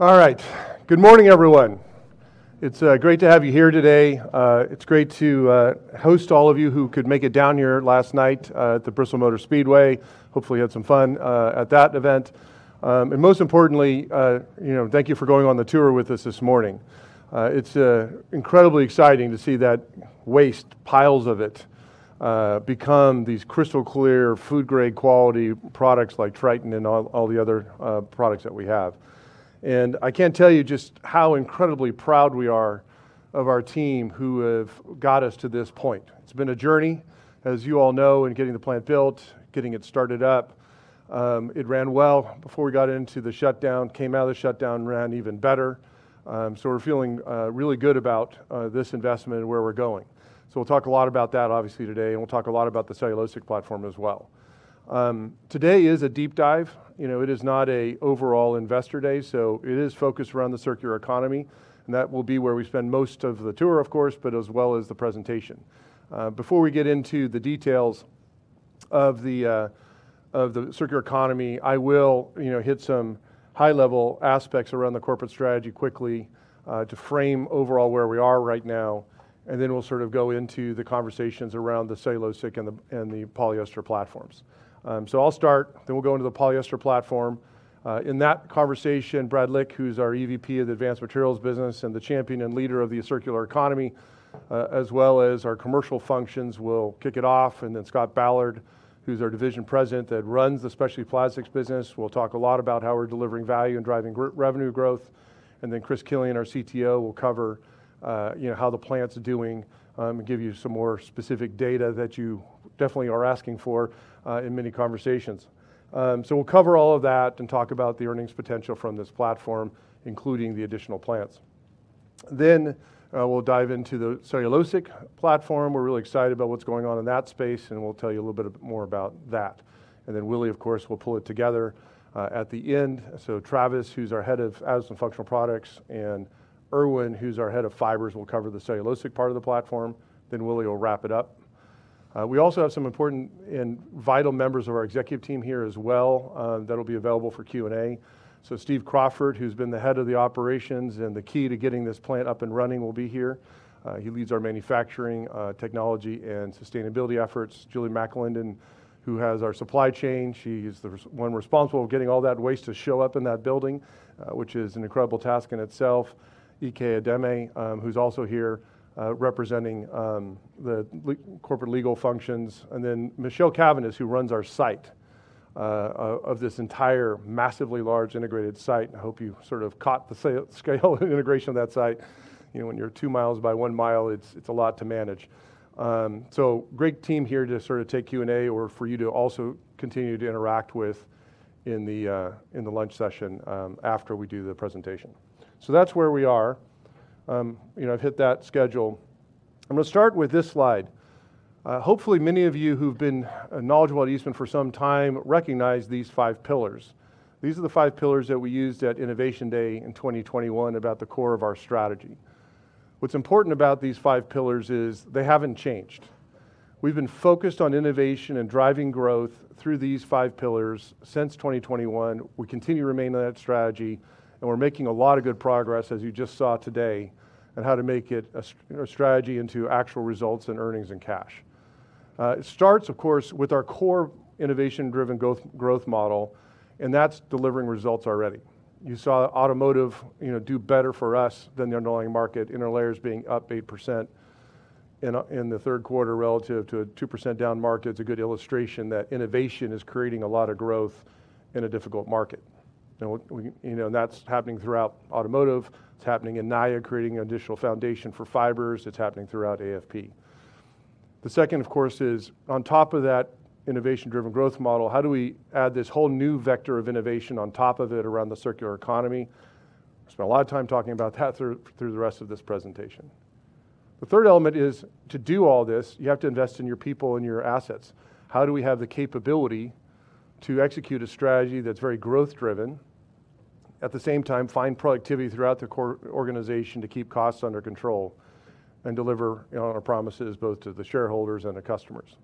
All right. Good morning, everyone. It's great to have you here today. It's great to host all of you who could make it down here last night at the Bristol Motor Speedway. Hopefully, you had some fun at that event, and most importantly, thank you for going on the tour with us this morning. It's incredibly exciting to see that waste, piles of it, become these crystal clear, food-grade quality products like Tritan and all the other products that we have. And I can't tell you just how incredibly proud we are of our team who have got us to this point. It's been a journey, as you all know, in getting the plant built, getting it started up. It ran well before we got into the shutdown, came out of the shutdown, ran even better, so we're feeling really good about this investment and where we're going. So we'll talk a lot about that, obviously, today. And we'll talk a lot about the cellulosic platform as well. Today is a deep dive. It is not an overall investor day, so it is focused around the circular economy. And that will be where we spend most of the tour, of course, but as well as the presentation. Before we get into the details of the circular economy, I will hit some high-level aspects around the corporate strategy quickly to frame overall where we are right now. And then we'll sort of go into the conversations around the cellulosic and the polyester platforms. So I'll start. Then we'll go into the polyester platform. In that conversation, Brad Lich, who's our EVP of the Advanced Materials business and the champion and leader of the circular economy, as well as our commercial functions, will kick it off. And then Scott Ballard, who's our Division President that runs the Specialty Plastics business, will talk a lot about how we're delivering value and driving revenue growth. And then Chris Killian, our CTO, will cover how the plant's doing and give you some more specific data that you definitely are asking for in many conversations. So we'll cover all of that and talk about the earnings potential from this platform, including the additional plants. Then we'll dive into the cellulosic platform. We're really excited about what's going on in that space. And we'll tell you a little bit more about that. And then Willie, of course, will pull it together at the end. So Travis, who's our head of Additives and Functional Products, and Erwin, who's our head of Fibers, will cover the cellulosic part of the platform. Then Willie will wrap it up. We also have some important and vital members of our executive team here as well that'll be available for Q&A. So Steve Crawford, who's been the head of the operations and the key to getting this plant up and running, will be here. He leads our manufacturing, technology, and sustainability efforts. Julie McAlindon, who has our supply chain. She is the one responsible for getting all that waste to show up in that building, which is an incredible task in itself. Ike Adeyemi, who's also here representing the corporate legal functions. And then Michelle Caveness, who runs our site of this entire massively large integrated site. I hope you sort of caught the scale of integration of that site. When you're two miles by one mile, it's a lot to manage. So great team here to sort of take Q&A or for you to also continue to interact with in the lunch session after we do the presentation. So that's where we are. I've hit that schedule. I'm going to start with this slide. Hopefully, many of you who've been knowledgeable at Eastman for some time recognize these five pillars. These are the five pillars that we used at Innovation Day in 2021 about the core of our strategy. What's important about these five pillars is they haven't changed. We've been focused on innovation and driving growth through these five pillars since 2021. We continue to remain on that strategy. And we're making a lot of good progress, as you just saw today, on how to make it a strategy into actual results and earnings and cash. It starts, of course, with our core innovation-driven growth model. That's delivering results already. You saw automotive do better for us than the underlying market, interlayers being up 8% in the third quarter relative to a 2% down market. It's a good illustration that innovation is creating a lot of growth in a difficult market. That's happening throughout automotive. It's happening in Naia, creating an additional foundation for fibers. It's happening throughout AFP. The second, of course, is on top of that innovation-driven growth model, how do we add this whole new vector of innovation on top of it around the circular economy? I spent a lot of time talking about that through the rest of this presentation. The third element is to do all this, you have to invest in your people and your assets. How do we have the capability to execute a strategy that's very growth-driven, at the same time find productivity throughout the core organization to keep costs under control and deliver on our promises both to the shareholders and the customers?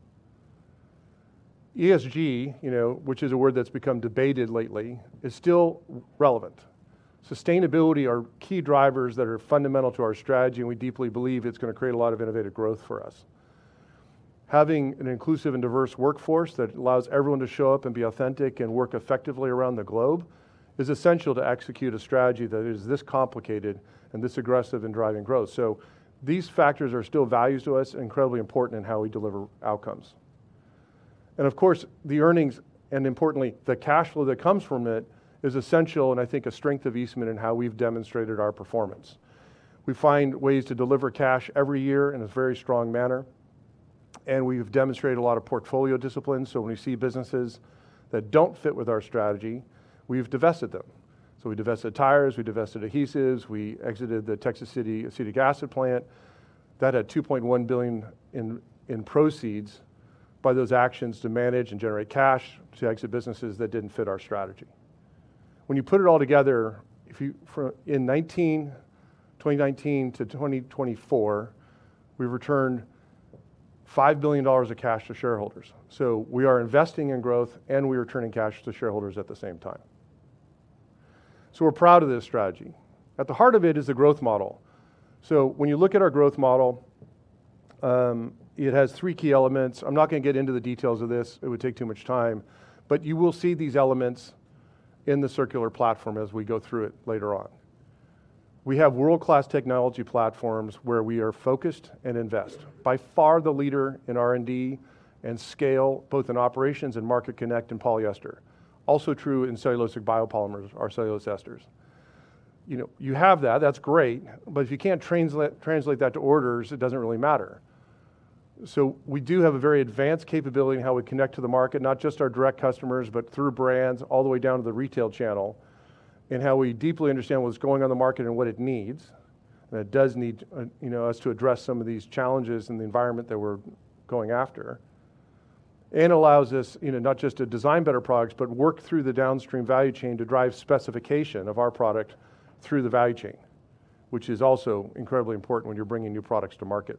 ESG, which is a word that's become debated lately, is still relevant. Sustainability are key drivers that are fundamental to our strategy. And we deeply believe it's going to create a lot of innovative growth for us. Having an inclusive and diverse workforce that allows everyone to show up and be authentic and work effectively around the globe is essential to execute a strategy that is this complicated and this aggressive in driving growth. So these factors are still valued to us and incredibly important in how we deliver outcomes. Of course, the earnings and, importantly, the cash flow that comes from it is essential and, I think, a strength of Eastman in how we've demonstrated our performance. We find ways to deliver cash every year in a very strong manner. We've demonstrated a lot of portfolio discipline. When we see businesses that don't fit with our strategy, we've divested them. We divested tires. We divested adhesives. We exited the Texas City acetic acid plant. That had $2.1 billion in proceeds by those actions to manage and generate cash to exit businesses that didn't fit our strategy. When you put it all together, in 2019 to 2024, we returned $5 billion of cash to shareholders. We are investing in growth and we are turning cash to shareholders at the same time. We're proud of this strategy. At the heart of it is the growth model. So when you look at our growth model, it has three key elements. I'm not going to get into the details of this. It would take too much time. But you will see these elements in the circular platform as we go through it later on. We have world-class technology platforms where we are focused and invest. By far the leader in R&D and scale, both in operations and Market Connect in polyester. Also true in cellulosic biopolymers, our cellulose esters. You have that. That's great. But if you can't translate that to orders, it doesn't really matter. So we do have a very advanced capability in how we connect to the market, not just our direct customers, but through brands all the way down to the retail channel, in how we deeply understand what's going on in the market and what it needs. And it does need us to address some of these challenges in the environment that we're going after. And it allows us not just to design better products, but work through the downstream value chain to drive specification of our product through the value chain, which is also incredibly important when you're bringing new products to market.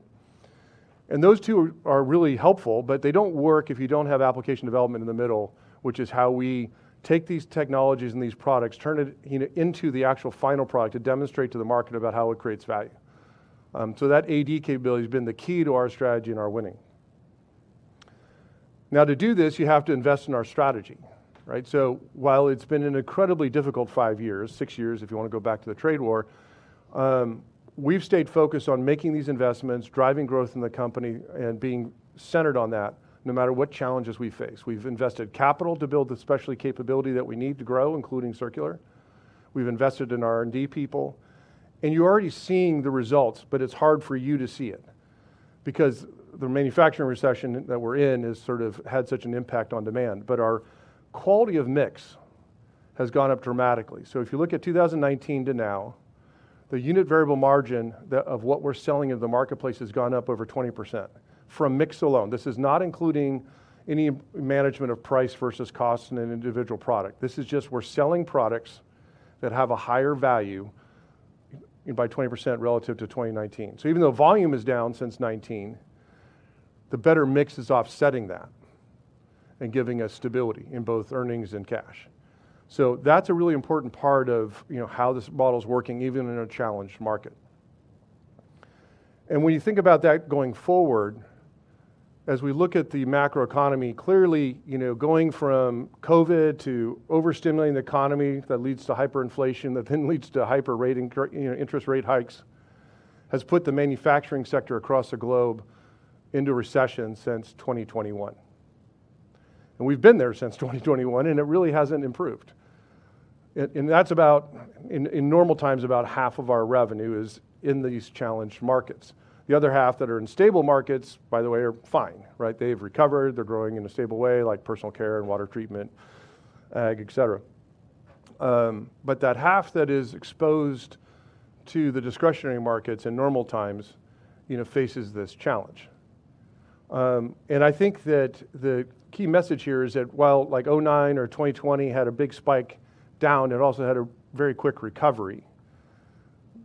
And those two are really helpful. But they don't work if you don't have application development in the middle, which is how we take these technologies and these products, turn it into the actual final product to demonstrate to the market about how it creates value. So that AD capability has been the key to our strategy and our winning. Now, to do this, you have to invest in our strategy. So while it's been an incredibly difficult five years, six years if you want to go back to the trade war, we've stayed focused on making these investments, driving growth in the company, and being centered on that no matter what challenges we face. We've invested capital to build the specialty capability that we need to grow, including circular. We've invested in our R&D people. And you're already seeing the results. But it's hard for you to see it because the manufacturing recession that we're in has sort of had such an impact on demand. But our quality of mix has gone up dramatically. So if you look at 2019 to now, the unit variable margin of what we're selling in the marketplace has gone up over 20% from mix alone. This is not including any management of price versus cost in an individual product. This is just we're selling products that have a higher value by 20% relative to 2019. So even though volume is down since 2019, the better mix is offsetting that and giving us stability in both earnings and cash. So that's a really important part of how this model's working, even in a challenged market. And when you think about that going forward, as we look at the macroeconomy, clearly going from COVID to overstimulating the economy that leads to hyperinflation that then leads to hyper interest rate hikes has put the manufacturing sector across the globe into recession since 2021. And we've been there since 2021. It really hasn't improved. In normal times, about half of our revenue is in these challenged markets. The other half that are in stable markets, by the way, are fine. They've recovered. They're growing in a stable way, like personal care and water treatment, ag, et cetera. But that half that is exposed to the discretionary markets in normal times faces this challenge. I think that the key message here is that while 2009 or 2020 had a big spike down, it also had a very quick recovery.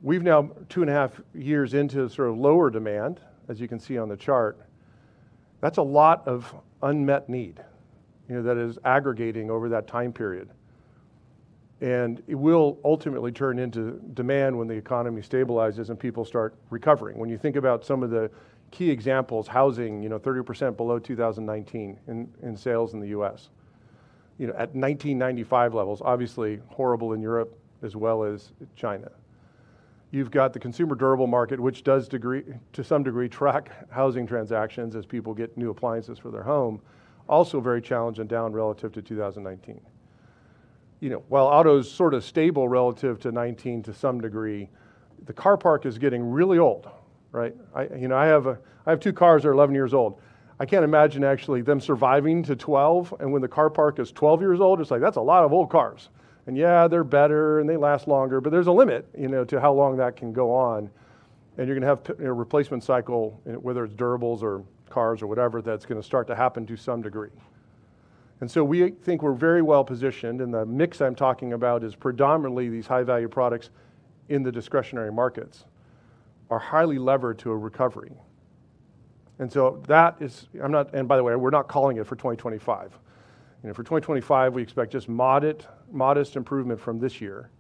We've now two and a half years into sort of lower demand, as you can see on the chart. That's a lot of unmet need that is aggregating over that time period. It will ultimately turn into demand when the economy stabilizes and people start recovering. When you think about some of the key examples, housing 30% below 2019 in sales in the US at 1995 levels, obviously horrible in Europe as well as China. You've got the consumer durable market, which does, to some degree, track housing transactions as people get new appliances for their home, also very challenged and down relative to 2019. While auto's sort of stable relative to 2019 to some degree, the car park is getting really old. I have two cars that are 11 years old. I can't imagine actually them surviving to 12. And when the car park is 12 years old, it's like, that's a lot of old cars. And yeah, they're better. And they last longer. But there's a limit to how long that can go on. And you're going to have a replacement cycle, whether it's durables or cars or whatever, that's going to start to happen to some degree. And so we think we're very well positioned. And the mix I'm talking about is predominantly these high-value products in the discretionary markets are highly levered to a recovery. And so that is, and by the way, we're not calling it for 2025. For 2025, we expect just modest improvement from this year.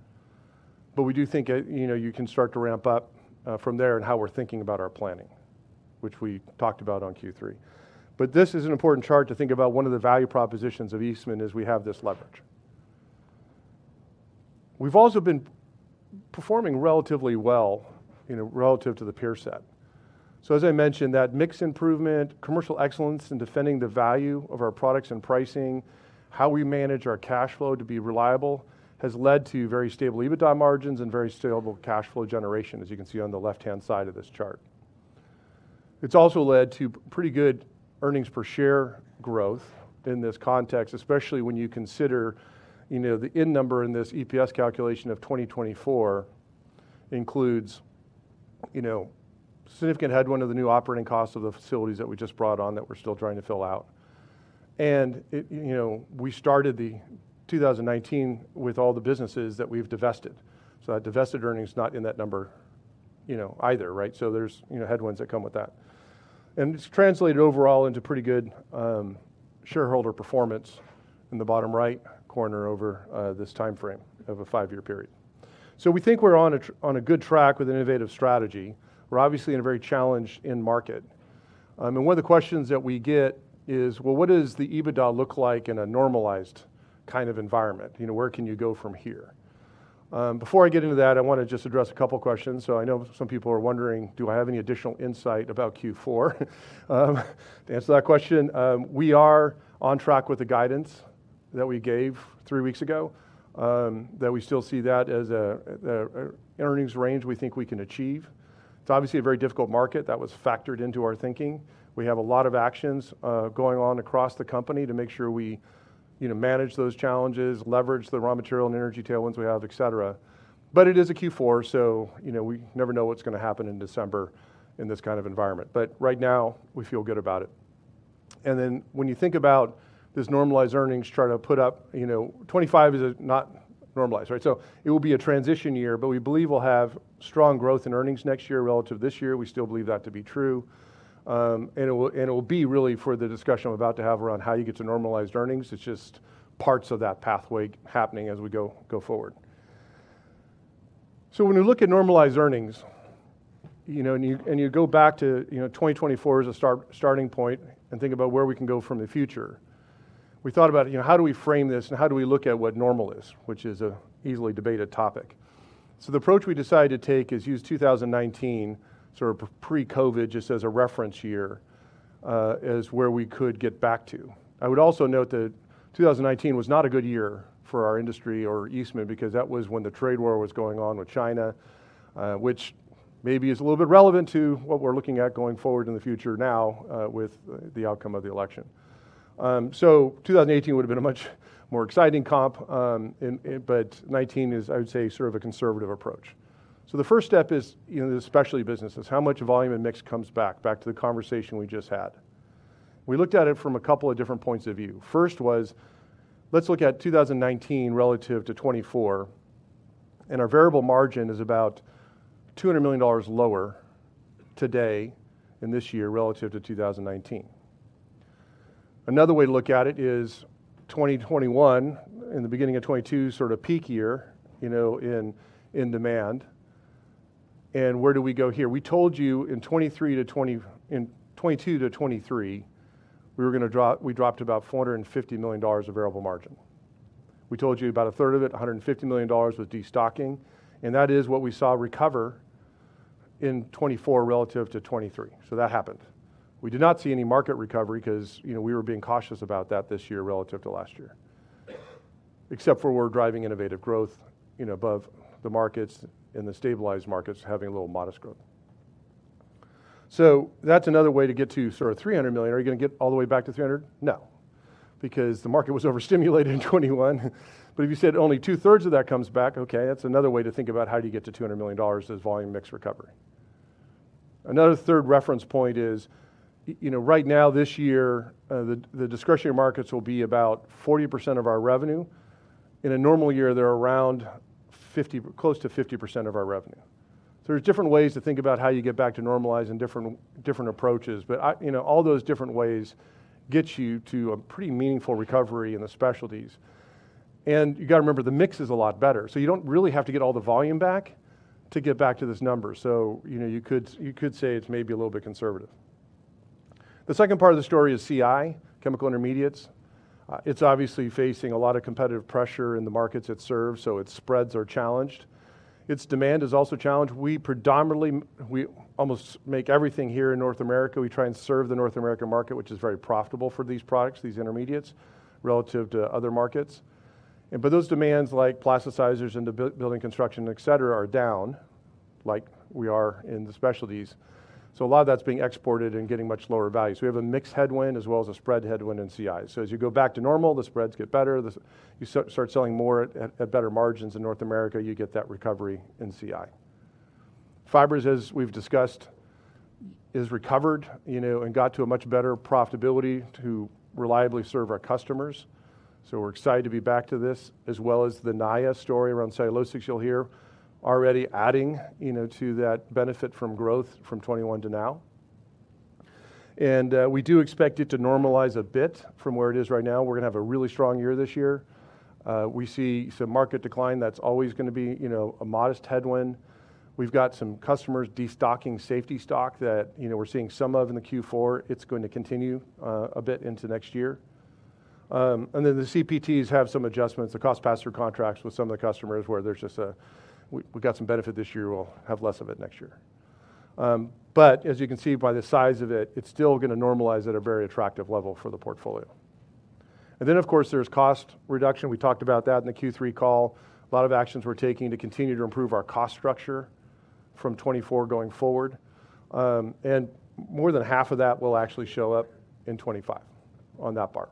But we do think you can start to ramp up from there and how we're thinking about our planning, which we talked about on Q3. But this is an important chart to think about one of the value propositions of Eastman as we have this leverage. We've also been performing relatively well relative to the peer set. So as I mentioned, that mix improvement, commercial excellence, and defending the value of our products and pricing, how we manage our cash flow to be reliable has led to very stable EBITDA margins and very stable cash flow generation, as you can see on the left-hand side of this chart. It's also led to pretty good earnings per share growth in this context, especially when you consider the end number in this EPS calculation of 2024 includes significant headwind of the new operating costs of the facilities that we just brought on that we're still trying to fill out, and we started 2019 with all the businesses that we've divested, so that divested earnings not in that number either, so there's headwinds that come with that, and it's translated overall into pretty good shareholder performance in the bottom right corner over this time frame of a five-year period. We think we're on a good track with an innovative strategy. We're obviously in a very challenging market. One of the questions that we get is, well, what does the EBITDA look like in a normalized kind of environment? Where can you go from here? Before I get into that, I want to just address a couple of questions. I know some people are wondering, do I have any additional insight about Q4? To answer that question, we are on track with the guidance that we gave three weeks ago, that we still see that as an earnings range we think we can achieve. It's obviously a very difficult market. That was factored into our thinking. We have a lot of actions going on across the company to make sure we manage those challenges, leverage the raw material and energy tailwinds we have, et cetera. But it is a Q4. So we never know what's going to happen in December in this kind of environment. But right now, we feel good about it. And then when you think about this normalized earnings, try to put up 2025 is not normalized. So it will be a transition year. But we believe we'll have strong growth in earnings next year relative to this year. We still believe that to be true. And it will be really for the discussion I'm about to have around how you get to normalized earnings. It's just parts of that pathway happening as we go forward. When you look at normalized earnings and you go back to 2024 as a starting point and think about where we can go from the future, we thought about how do we frame this and how do we look at what normal is, which is an easily debated topic. The approach we decided to take is use 2019, sort of pre-COVID, just as a reference year as where we could get back to. I would also note that 2019 was not a good year for our industry or Eastman because that was when the trade war was going on with China, which maybe is a little bit relevant to what we're looking at going forward in the future now with the outcome of the election. 2018 would have been a much more exciting comp. But 2019 is, I would say, sort of a conservative approach. The first step is the specialty businesses. How much volume and mix comes back to the conversation we just had? We looked at it from a couple of different points of view. First was, let's look at 2019 relative to 2024. Our variable margin is about $200 million lower today and this year relative to 2019. Another way to look at it is 2021, in the beginning of 2022, sort of peak year in demand. Where do we go here? We told you in 2022 to 2023, we dropped about $450 million of variable margin. We told you about a third of it, $150 million with destocking. That is what we saw recover in 2024 relative to 2023. That happened. We did not see any market recovery because we were being cautious about that this year relative to last year, except for we're driving innovative growth above the markets in the stabilized markets having a little modest growth. So that's another way to get to sort of $300 million. Are you going to get all the way back to $300? No. Because the market was overstimulated in 2021. But if you said only two-thirds of that comes back, okay, that's another way to think about how do you get to $200 million as volume mix recovery. Another third reference point is, right now, this year, the discretionary markets will be about 40% of our revenue. In a normal year, they're around close to 50% of our revenue. So there's different ways to think about how you get back to normalize in different approaches. But all those different ways get you to a pretty meaningful recovery in the specialties. And you've got to remember, the mix is a lot better. So you don't really have to get all the volume back to get back to this number. So you could say it's maybe a little bit conservative. The second part of the story is CI, Chemical Intermediates. It's obviously facing a lot of competitive pressure in the markets it serves. So its spreads are challenged. Its demand is also challenged. We almost make everything here in North America. We try and serve the North American market, which is very profitable for these products, these intermediates, relative to other markets. But those demands, like plasticizers and building construction, et cetera, are down, like we are in the specialties. So a lot of that's being exported and getting much lower value. So we have a mixed headwind as well as a spread headwind in CI. So as you go back to normal, the spreads get better. You start selling more at better margins in North America. You get that recovery in CI. fibers, as we've discussed, has recovered and got to a much better profitability to reliably serve our customers. So we're excited to be back to this, as well as the Naia story around cellulosics you'll hear already adding to that benefit from growth from 2021 to now. And we do expect it to normalize a bit from where it is right now. We're going to have a really strong year this year. We see some market decline. That's always going to be a modest headwind. We've got some customers destocking safety stock that we're seeing some of in the Q4. It's going to continue a bit into next year. And then the CPTs have some adjustments, the cost pass-through contracts with some of the customers where there's just a, we've got some benefit this year. We'll have less of it next year. But as you can see by the size of it, it's still going to normalize at a very attractive level for the portfolio. And then, of course, there's cost reduction. We talked about that in the Q3 call. A lot of actions we're taking to continue to improve our cost structure from 2024 going forward. And more than half of that will actually show up in 2025 on that bar.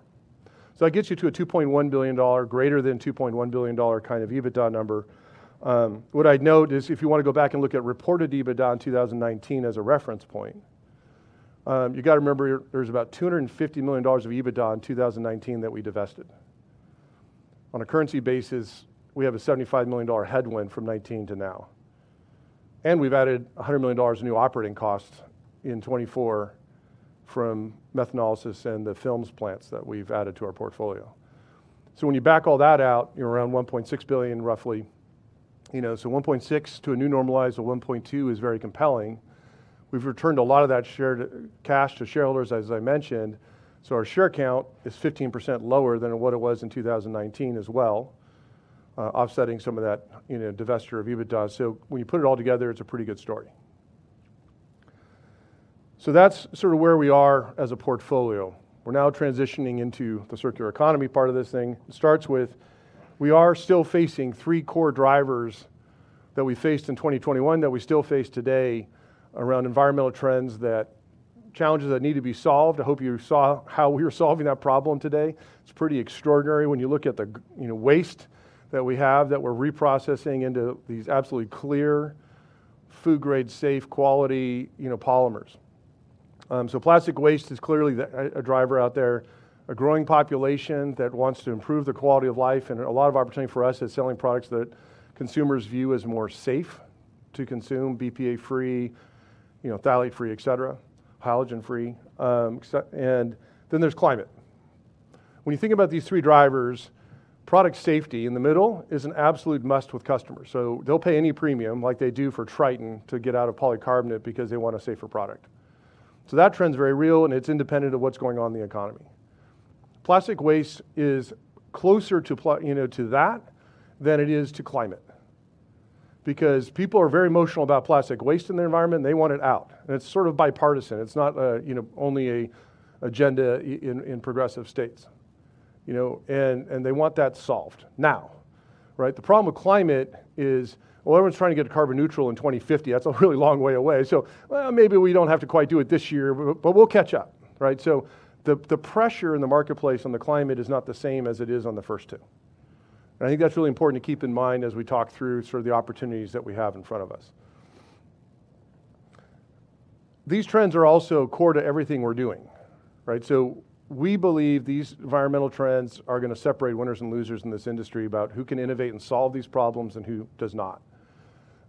So that gets you to a $2.1 billion, greater than $2.1 billion kind of EBITDA number. What I'd note is if you want to go back and look at reported EBITDA in 2019 as a reference point, you've got to remember there's about $250 million of EBITDA in 2019 that we divested. On a currency basis, we have a $75 million headwind from 2019 to now, and we've added $100 million of new operating costs in 2024 from methanolysis and the films plants that we've added to our portfolio, so when you back all that out, you're around $1.6 billion, roughly, so $1.6 billion to a new normalized of $1.2 billion is very compelling. We've returned a lot of that shared cash to shareholders, as I mentioned, so our share count is 15% lower than what it was in 2019 as well, offsetting some of that divestiture of EBITDA, so when you put it all together, it's a pretty good story. So that's sort of where we are as a portfolio. We're now transitioning into the circular economy part of this thing. It starts with we are still facing three core drivers that we faced in 2021 that we still face today around environmental trends that challenges that need to be solved. I hope you saw how we were solving that problem today. It's pretty extraordinary when you look at the waste that we have that we're reprocessing into these absolutely clear, food-grade-safe quality polymers. So plastic waste is clearly a driver out there, a growing population that wants to improve the quality of life. And a lot of opportunity for us is selling products that consumers view as more safe to consume, BPA-free, phthalate-free, et cetera, halogen-free. And then there's climate. When you think about these three drivers, product safety in the middle is an absolute must with customers. So they'll pay any premium like they do for Tritan to get out of polycarbonate because they want a safer product. So that trend's very real. And it's independent of what's going on in the economy. Plastic waste is closer to that than it is to climate because people are very emotional about plastic waste in their environment. They want it out. And it's sort of bipartisan. It's not only an agenda in progressive states. And they want that solved now. The problem with climate is, well, everyone's trying to get carbon neutral in 2050. That's a really long way away. So maybe we don't have to quite do it this year. But we'll catch up. So the pressure in the marketplace on the climate is not the same as it is on the first two. And I think that's really important to keep in mind as we talk through sort of the opportunities that we have in front of us. These trends are also core to everything we're doing. So we believe these environmental trends are going to separate winners and losers in this industry about who can innovate and solve these problems and who does not.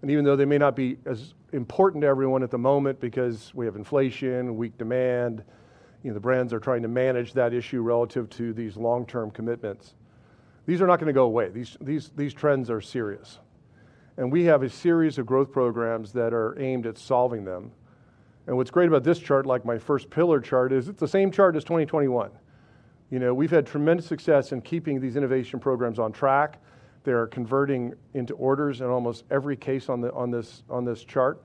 And even though they may not be as important to everyone at the moment because we have inflation, weak demand, the brands are trying to manage that issue relative to these long-term commitments, these are not going to go away. These trends are serious. And we have a series of growth programs that are aimed at solving them. And what's great about this chart, like my first pillar chart, is it's the same chart as 2021. We've had tremendous success in keeping these innovation programs on track. They are converting into orders in almost every case on this chart.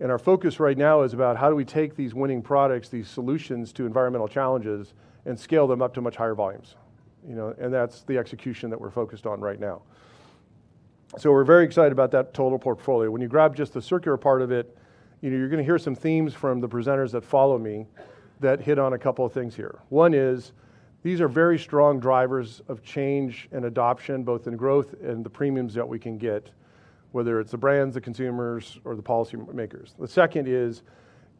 And our focus right now is about how do we take these winning products, these solutions to environmental challenges and scale them up to much higher volumes. And that's the execution that we're focused on right now. So we're very excited about that total portfolio. When you grab just the circular part of it, you're going to hear some themes from the presenters that follow me that hit on a couple of things here. One is these are very strong drivers of change and adoption, both in growth and the premiums that we can get, whether it's the brands, the consumers, or the policymakers. The second is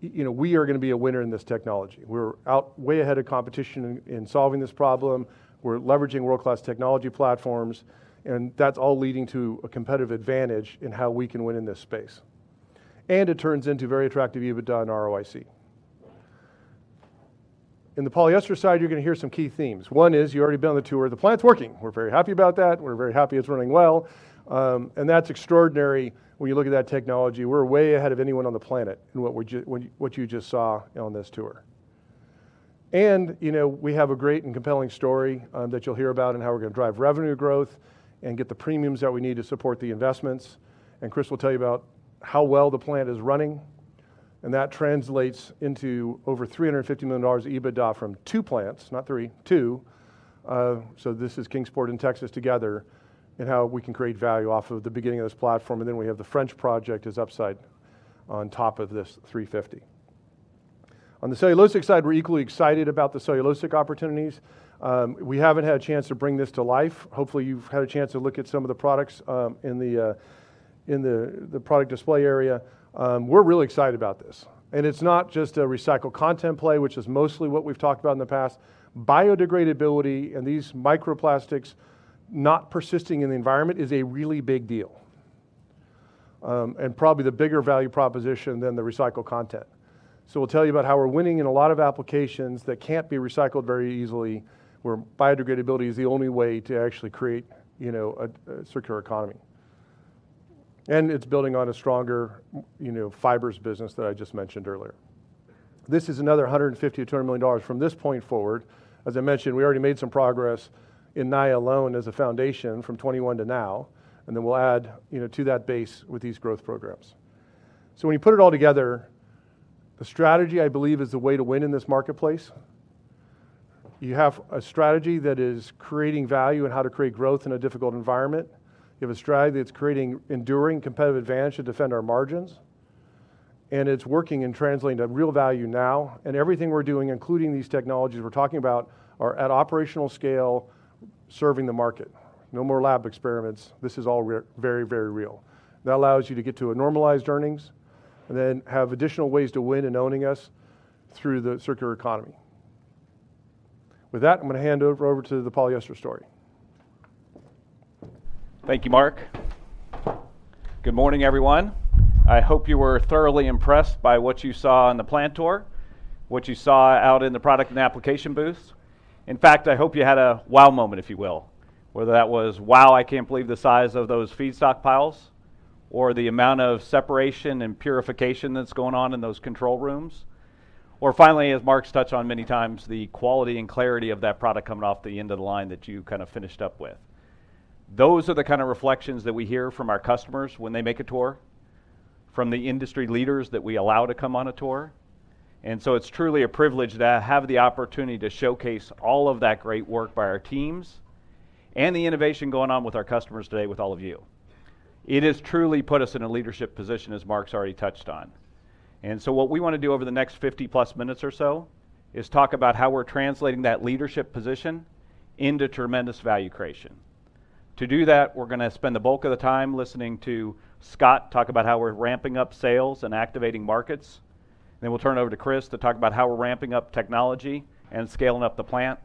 we are going to be a winner in this technology. We're out way ahead of competition in solving this problem. We're leveraging world-class technology platforms. And that's all leading to a competitive advantage in how we can win in this space. And it turns into very attractive EBITDA and ROIC. In the polyester side, you're going to hear some key themes. One is you've already been on the tour. The plant's working. We're very happy about that. We're very happy it's running well. And that's extraordinary when you look at that technology. We're way ahead of anyone on the planet in what you just saw on this tour. And we have a great and compelling story that you'll hear about and how we're going to drive revenue growth and get the premiums that we need to support the investments. And Chris will tell you about how well the plant is running. And that translates into over $350 million EBITDA from two plants, not three, two. So this is Kingsport and Texas together and how we can create value off of the beginning of this platform. And then we have the French project as upside on top of this 350. On the cellulosic side, we're equally excited about the cellulosic opportunities. We haven't had a chance to bring this to life. Hopefully, you've had a chance to look at some of the products in the product display area. We're really excited about this. And it's not just a recycled content play, which is mostly what we've talked about in the past. Biodegradability and these microplastics not persisting in the environment is a really big deal and probably the bigger value proposition than the recycled content. So we'll tell you about how we're winning in a lot of applications that can't be recycled very easily, where biodegradability is the only way to actually create a circular economy. And it's building on a stronger fibers business that I just mentioned earlier. This is another $150-$200 million from this point forward. As I mentioned, we already made some progress in Naia alone as a foundation from 2021 to now. And then we'll add to that base with these growth programs. So when you put it all together, the strategy, I believe, is the way to win in this marketplace. You have a strategy that is creating value and how to create growth in a difficult environment. You have a strategy that's creating enduring competitive advantage to defend our margins. And it's working and translating to real value now. And everything we're doing, including these technologies we're talking about, are at operational scale, serving the market. No more lab experiments. This is all very, very real. That allows you to get to normalized earnings and then have additional ways to win in owning us through the circular economy. With that, I'm going to hand it over to the polyester story. Thank you, Mark. Good morning, everyone. I hope you were thoroughly impressed by what you saw in the plant tour, what you saw out in the product and application booths. In fact, I hope you had a wow moment, if you will, whether that was, wow, I can't believe the size of those feedstock piles, or the amount of separation and purification that's going on in those control rooms, or finally, as Mark's touched on many times, the quality and clarity of that product coming off the end of the line that you kind of finished up with. Those are the kind of reflections that we hear from our customers when they make a tour, from the industry leaders that we allow to come on a tour. And so it's truly a privilege to have the opportunity to showcase all of that great work by our teams and the innovation going on with our customers today with all of you. It has truly put us in a leadership position, as Mark's already touched on. And so what we want to do over the next 50-plus minutes or so is talk about how we're translating that leadership position into tremendous value creation. To do that, we're going to spend the bulk of the time listening to Scott talk about how we're ramping up sales and activating markets. Then we'll turn it over to Chris to talk about how we're ramping up technology and scaling up the plant.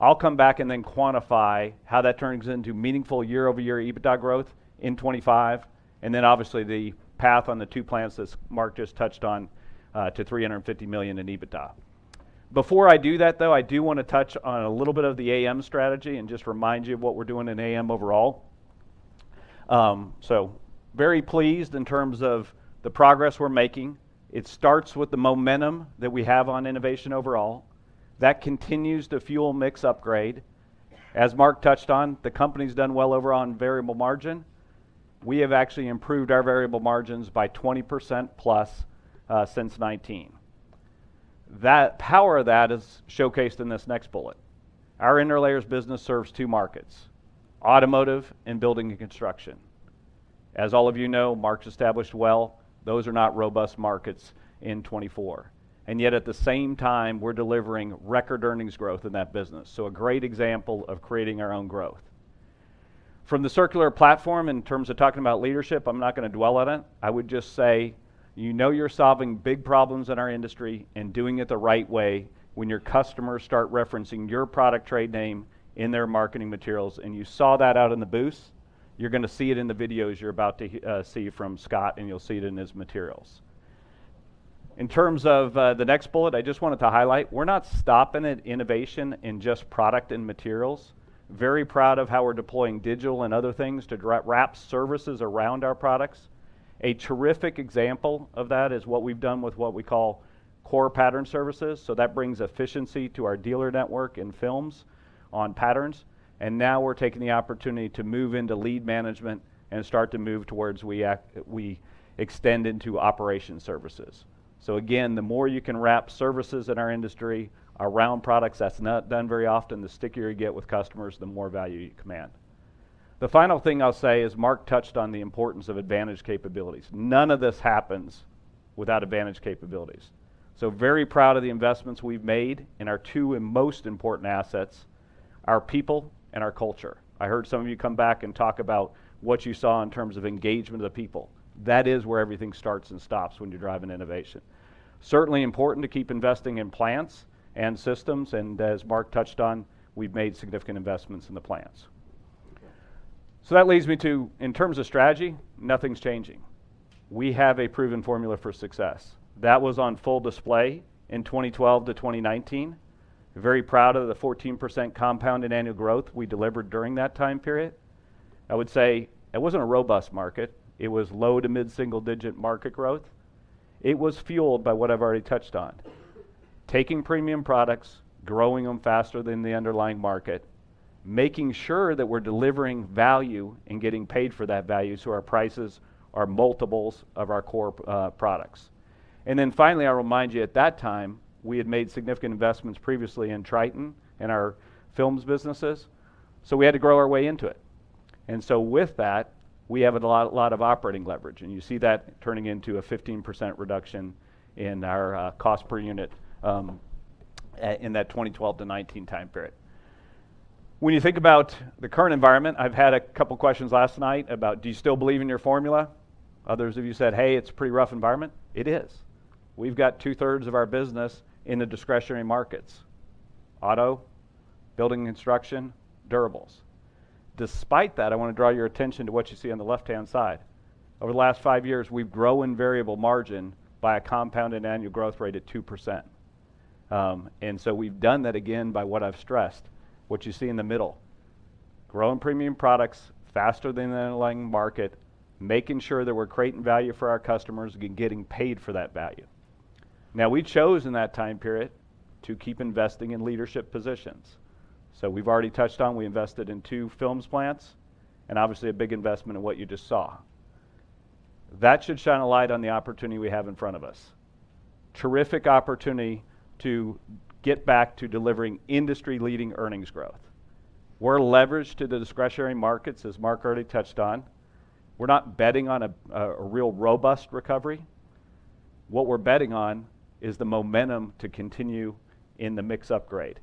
I'll come back and then quantify how that turns into meaningful year-over-year EBITDA growth in 2025, and then obviously the path on the two plants that Mark just touched on to $350 million in EBITDA. Before I do that, though, I do want to touch on a little bit of the AM strategy and just remind you of what we're doing in AM overall. So very pleased in terms of the progress we're making. It starts with the momentum that we have on innovation overall. That continues to fuel mix upgrade. As Mark touched on, the company's done well over on variable margin. We have actually improved our variable margins by 20% plus since 2019. The power of that is showcased in this next bullet. Our interlayers business serves two markets: automotive and building and construction. As all of you know, Mark's established well. Those are not robust markets in 2024. And yet at the same time, we're delivering record earnings growth in that business. So a great example of creating our own growth. From the circular platform, in terms of talking about leadership, I'm not going to dwell on it. I would just say, you know you're solving big problems in our industry and doing it the right way when your customers start referencing your product trade name in their marketing materials. And you saw that out in the booths. You're going to see it in the videos you're about to see from Scott, and you'll see it in his materials. In terms of the next bullet, I just wanted to highlight we're not stopping at innovation and just product and materials. Very proud of how we're deploying digital and other things to wrap services around our products. A terrific example of that is what we've done with what we call Core Pattern services. That brings efficiency to our dealer network and films on patterns. Now we're taking the opportunity to move into lead management and start to move towards we extend into operation services. Again, the more you can wrap services in our industry around products that's not done very often, the stickier you get with customers, the more value you command. The final thing I'll say is Mark touched on the importance of advantage capabilities. None of this happens without advantage capabilities. Very proud of the investments we've made in our two most important assets, our people and our culture. I heard some of you come back and talk about what you saw in terms of engagement of the people. That is where everything starts and stops when you're driving innovation. Certainly important to keep investing in plants and systems. And as Mark touched on, we've made significant investments in the plants. So that leads me to, in terms of strategy, nothing's changing. We have a proven formula for success. That was on full display in 2012 to 2019. Very proud of the 14% compounded annual growth we delivered during that time period. I would say it wasn't a robust market. It was low to mid-single-digit market growth. It was fueled by what I've already touched on: taking premium products, growing them faster than the underlying market, making sure that we're delivering value and getting paid for that value. So our prices are multiples of our core products. And then finally, I'll remind you at that time, we had made significant investments previously in Tritan and our films businesses. So we had to grow our way into it. And so with that, we have a lot of operating leverage. And you see that turning into a 15% reduction in our cost per unit in that 2012 to 2019 time period. When you think about the current environment, I've had a couple of questions last night about, do you still believe in your formula? Others of you said, hey, it's a pretty rough environment. It is. We've got two-thirds of our business in the discretionary markets: auto, building and construction, durables. Despite that, I want to draw your attention to what you see on the left-hand side. Over the last five years, we've grown variable margin by a compounded annual growth rate at 2%. And so we've done that again by what I've stressed, what you see in the middle: growing premium products faster than the underlying market, making sure that we're creating value for our customers and getting paid for that value. Now, we chose in that time period to keep investing in leadership positions. So we've already touched on we invested in two films plants and obviously a big investment in what you just saw. That should shine a light on the opportunity we have in front of us. Terrific opportunity to get back to delivering industry-leading earnings growth. We're leveraged to the discretionary markets, as Mark already touched on. We're not betting on a real robust recovery. What we're betting on is the momentum to continue in the mix upgrade.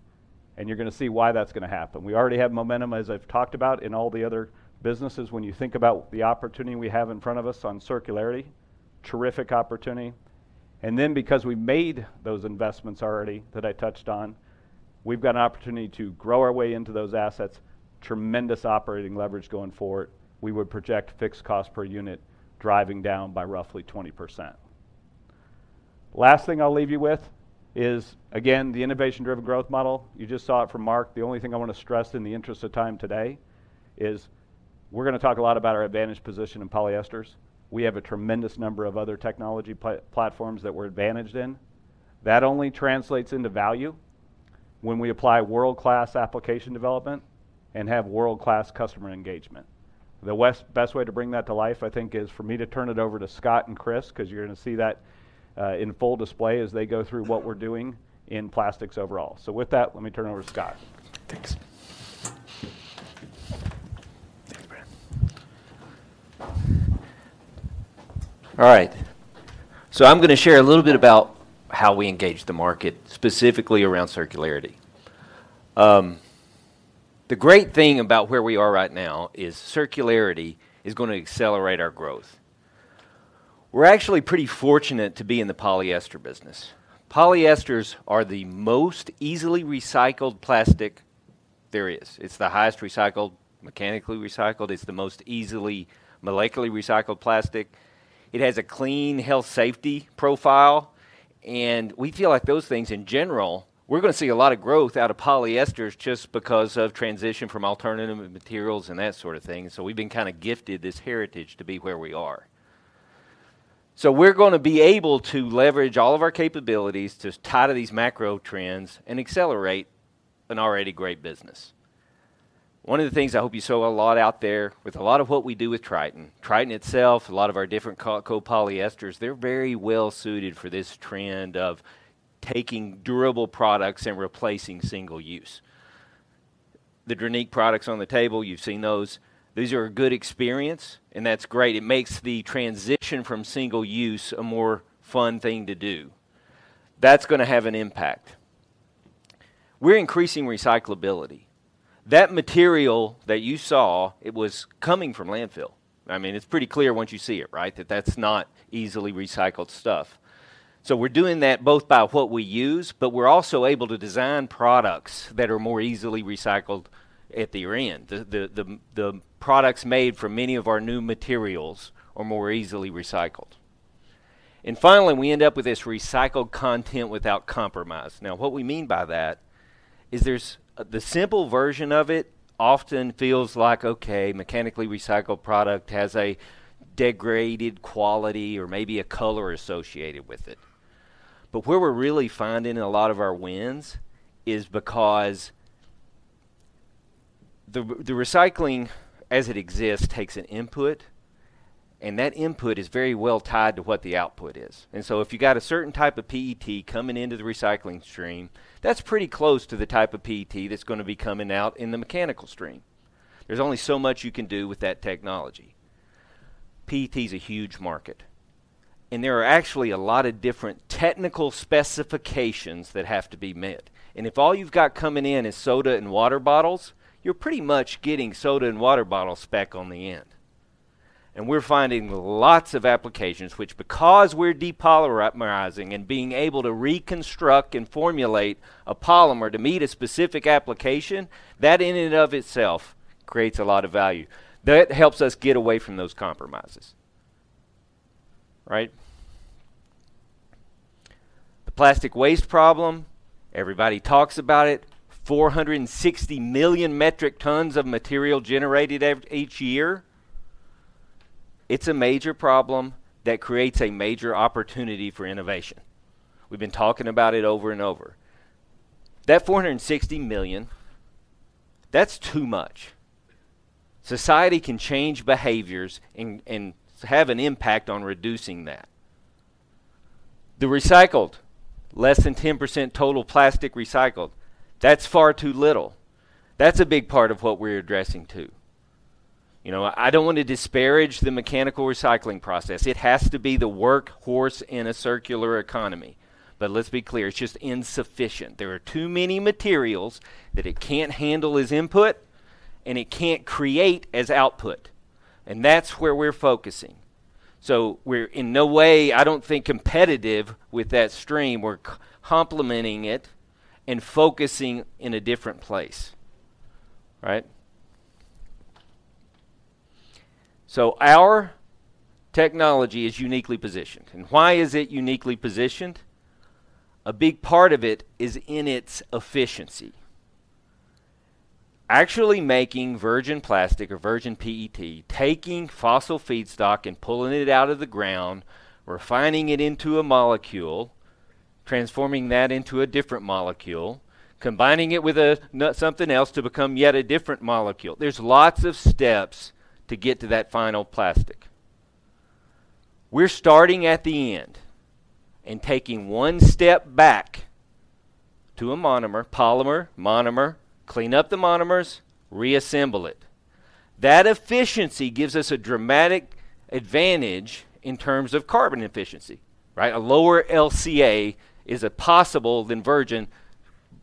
And you're going to see why that's going to happen. We already have momentum, as I've talked about in all the other businesses. When you think about the opportunity we have in front of us on circularity, terrific opportunity, and then because we made those investments already that I touched on, we've got an opportunity to grow our way into those assets, tremendous operating leverage going forward. We would project fixed cost per unit driving down by roughly 20%. Last thing I'll leave you with is, again, the innovation-driven growth model. You just saw it from Mark. The only thing I want to stress in the interest of time today is we're going to talk a lot about our advantage position in polyesters. We have a tremendous number of other technology platforms that we're advantaged in. That only translates into value when we apply world-class application development and have world-class customer engagement. The best way to bring that to life, I think, is for me to turn it over to Scott and Chris, because you're going to see that in full display as they go through what we're doing in plastics overall. So with that, let me turn it over to Scott. Thanks. All right. So I'm going to share a little bit about how we engage the market, specifically around circularity. The great thing about where we are right now is circularity is going to accelerate our growth. We're actually pretty fortunate to be in the polyester business. Polyesters are the most easily recycled plastic there is. It's the highest recycled, mechanically recycled. It's the most easily molecularly recycled plastic. It has a clean health safety profile. And we feel like those things, in general, we're going to see a lot of growth out of polyesters just because of transition from alternative materials and that sort of thing. So we've been kind of gifted this heritage to be where we are. So we're going to be able to leverage all of our capabilities to tie to these macro trends and accelerate an already great business. One of the things I hope you saw a lot out there with a lot of what we do with Tritan, Tritan itself, a lot of our different copolyesters, they're very well suited for this trend of taking durable products and replacing single-use. The Drinique products on the table, you've seen those. These are a good experience, and that's great. It makes the transition from single-use a more fun thing to do. That's going to have an impact. We're increasing recyclability. That material that you saw, it was coming from landfill. I mean, it's pretty clear once you see it, right, that that's not easily recycled stuff. So we're doing that both by what we use, but we're also able to design products that are more easily recycled at the end. The products made from many of our new materials are more easily recycled. And finally, we end up with this recycled content without compromise. Now, what we mean by that is there's the simple version of it often feels like, okay, mechanically recycled product has a degraded quality or maybe a color associated with it. But where we're really finding a lot of our wins is because the recycling, as it exists, takes an input, and that input is very well tied to what the output is. And so if you've got a certain type of PET coming into the recycling stream, that's pretty close to the type of PET that's going to be coming out in the mechanical stream. There's only so much you can do with that technology. PET is a huge market. And there are actually a lot of different technical specifications that have to be met. If all you've got coming in is soda and water bottles, you're pretty much getting soda and water bottle spec on the end. We're finding lots of applications, which, because we're depolymerizing and being able to reconstruct and formulate a polymer to meet a specific application, that in and of itself creates a lot of value. That helps us get away from those compromises. Right? The plastic waste problem, everybody talks about it. 460 million metric tons of material generated each year. It's a major problem that creates a major opportunity for innovation. We've been talking about it over and over. That 460 million, that's too much. Society can change behaviors and have an impact on reducing that. The recycled, less than 10% total plastic recycled, that's far too little. That's a big part of what we're addressing too. I don't want to disparage the mechanical recycling process. It has to be the workhorse in a circular economy. But let's be clear, it's just insufficient. There are too many materials that it can't handle as input, and it can't create as output. And that's where we're focusing. So we're in no way, I don't think, competitive with that stream. We're complementing it and focusing in a different place. Right? So our technology is uniquely positioned. And why is it uniquely positioned? A big part of it is in its efficiency. Actually making virgin plastic or virgin PET, taking fossil feedstock and pulling it out of the ground, refining it into a molecule, transforming that into a different molecule, combining it with something else to become yet a different molecule. There's lots of steps to get to that final plastic. We're starting at the end and taking one step back to a monomer, polymer, monomer, clean up the monomers, reassemble it. That efficiency gives us a dramatic advantage in terms of carbon efficiency. Right? A lower LCA is possible than virgin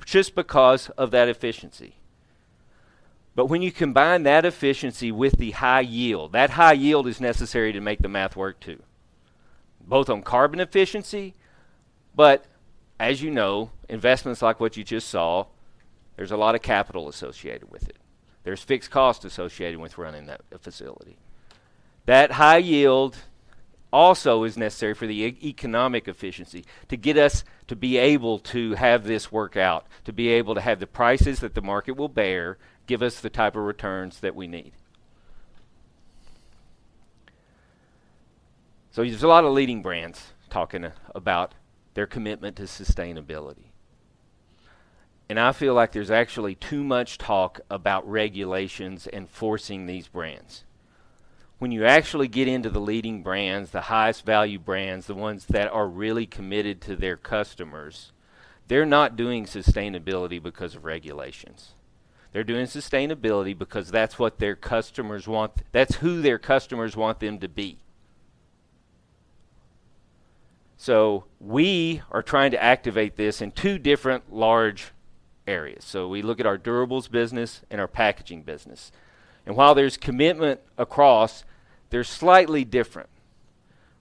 just because of that efficiency. But when you combine that efficiency with the high yield, that high yield is necessary to make the math work too, both on carbon efficiency. But as you know, investments like what you just saw, there's a lot of capital associated with it. There's fixed cost associated with running that facility. That high yield also is necessary for the economic efficiency to get us to be able to have this work out, to be able to have the prices that the market will bear, give us the type of returns that we need. So there's a lot of leading brands talking about their commitment to sustainability. And I feel like there's actually too much talk about regulations and forcing these brands. When you actually get into the leading brands, the highest value brands, the ones that are really committed to their customers, they're not doing sustainability because of regulations. They're doing sustainability because that's what their customers want. That's who their customers want them to be. So we are trying to activate this in two different large areas. So we look at our durables business and our packaging business. And while there's commitment across, they're slightly different.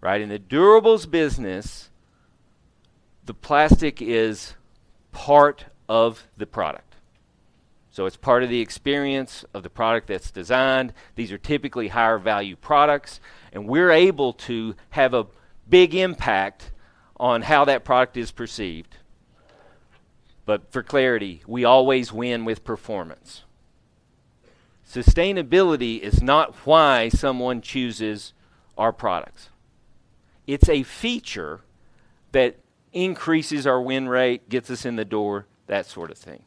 Right? In the durables business, the plastic is part of the product. So it's part of the experience of the product that's designed. These are typically higher value products. And we're able to have a big impact on how that product is perceived. But for clarity, we always win with performance. Sustainability is not why someone chooses our products. It's a feature that increases our win rate, gets us in the door, that sort of thing.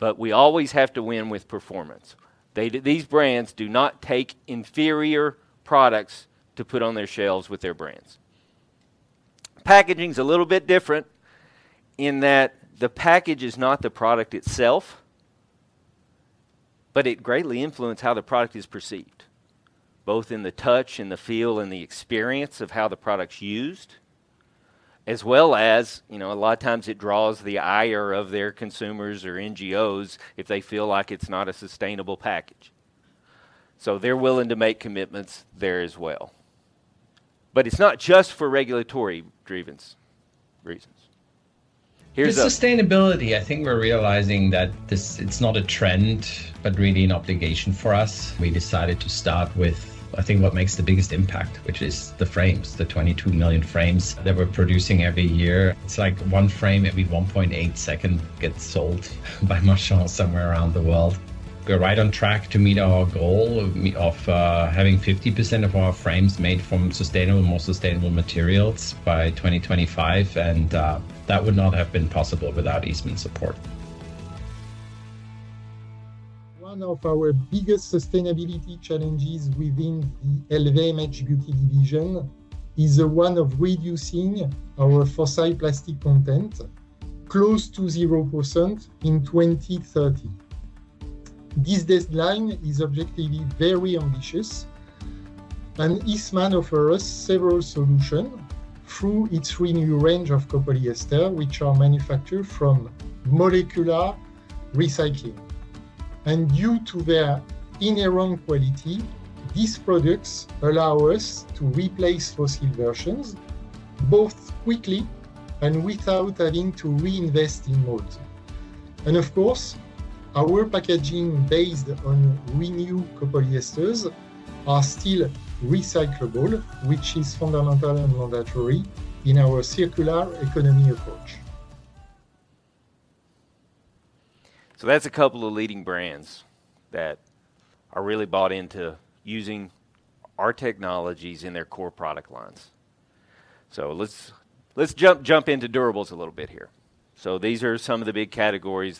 But we always have to win with performance. These brands do not take inferior products to put on their shelves with their brands. Packaging is a little bit different in that the package is not the product itself, but it greatly influences how the product is perceived, both in the touch and the feel and the experience of how the product's used, as well as a lot of times it draws the ire of their consumers or NGOs if they feel like it's not a sustainable package. So they're willing to make commitments there as well. But it's not just for regulatory reasons. With sustainability, I think we're realizing that it's not a trend, but really an obligation for us. We decided to start with, I think, what makes the biggest impact, which is the frames, the 22 million frames that we're producing every year. It's like one frame every 1.8 seconds gets sold by Marchon somewhere around the world. We're right on track to meet our goal of having 50% of our frames made from sustainable, more sustainable materials by 2025, and that would not have been possible without Eastman support. One of our biggest sustainability challenges within the LVMH Beauty division is the one of reducing our fossil plastic content close to 0% in 2030. This deadline is objectively very ambitious, and Eastman offers several solutions through its Renew range of copolyester, which are manufactured from molecular recycling, and due to their inherent quality, these products allow us to replace fossil versions both quickly and without having to reinvest in molds. And of course, our packaging based on Renew copolyesters are still recyclable, which is fundamental and mandatory in our circular economy approach. So that's a couple of leading brands that are really bought into using our technologies in their core product lines. So let's jump into durables a little bit here. So these are some of the big categories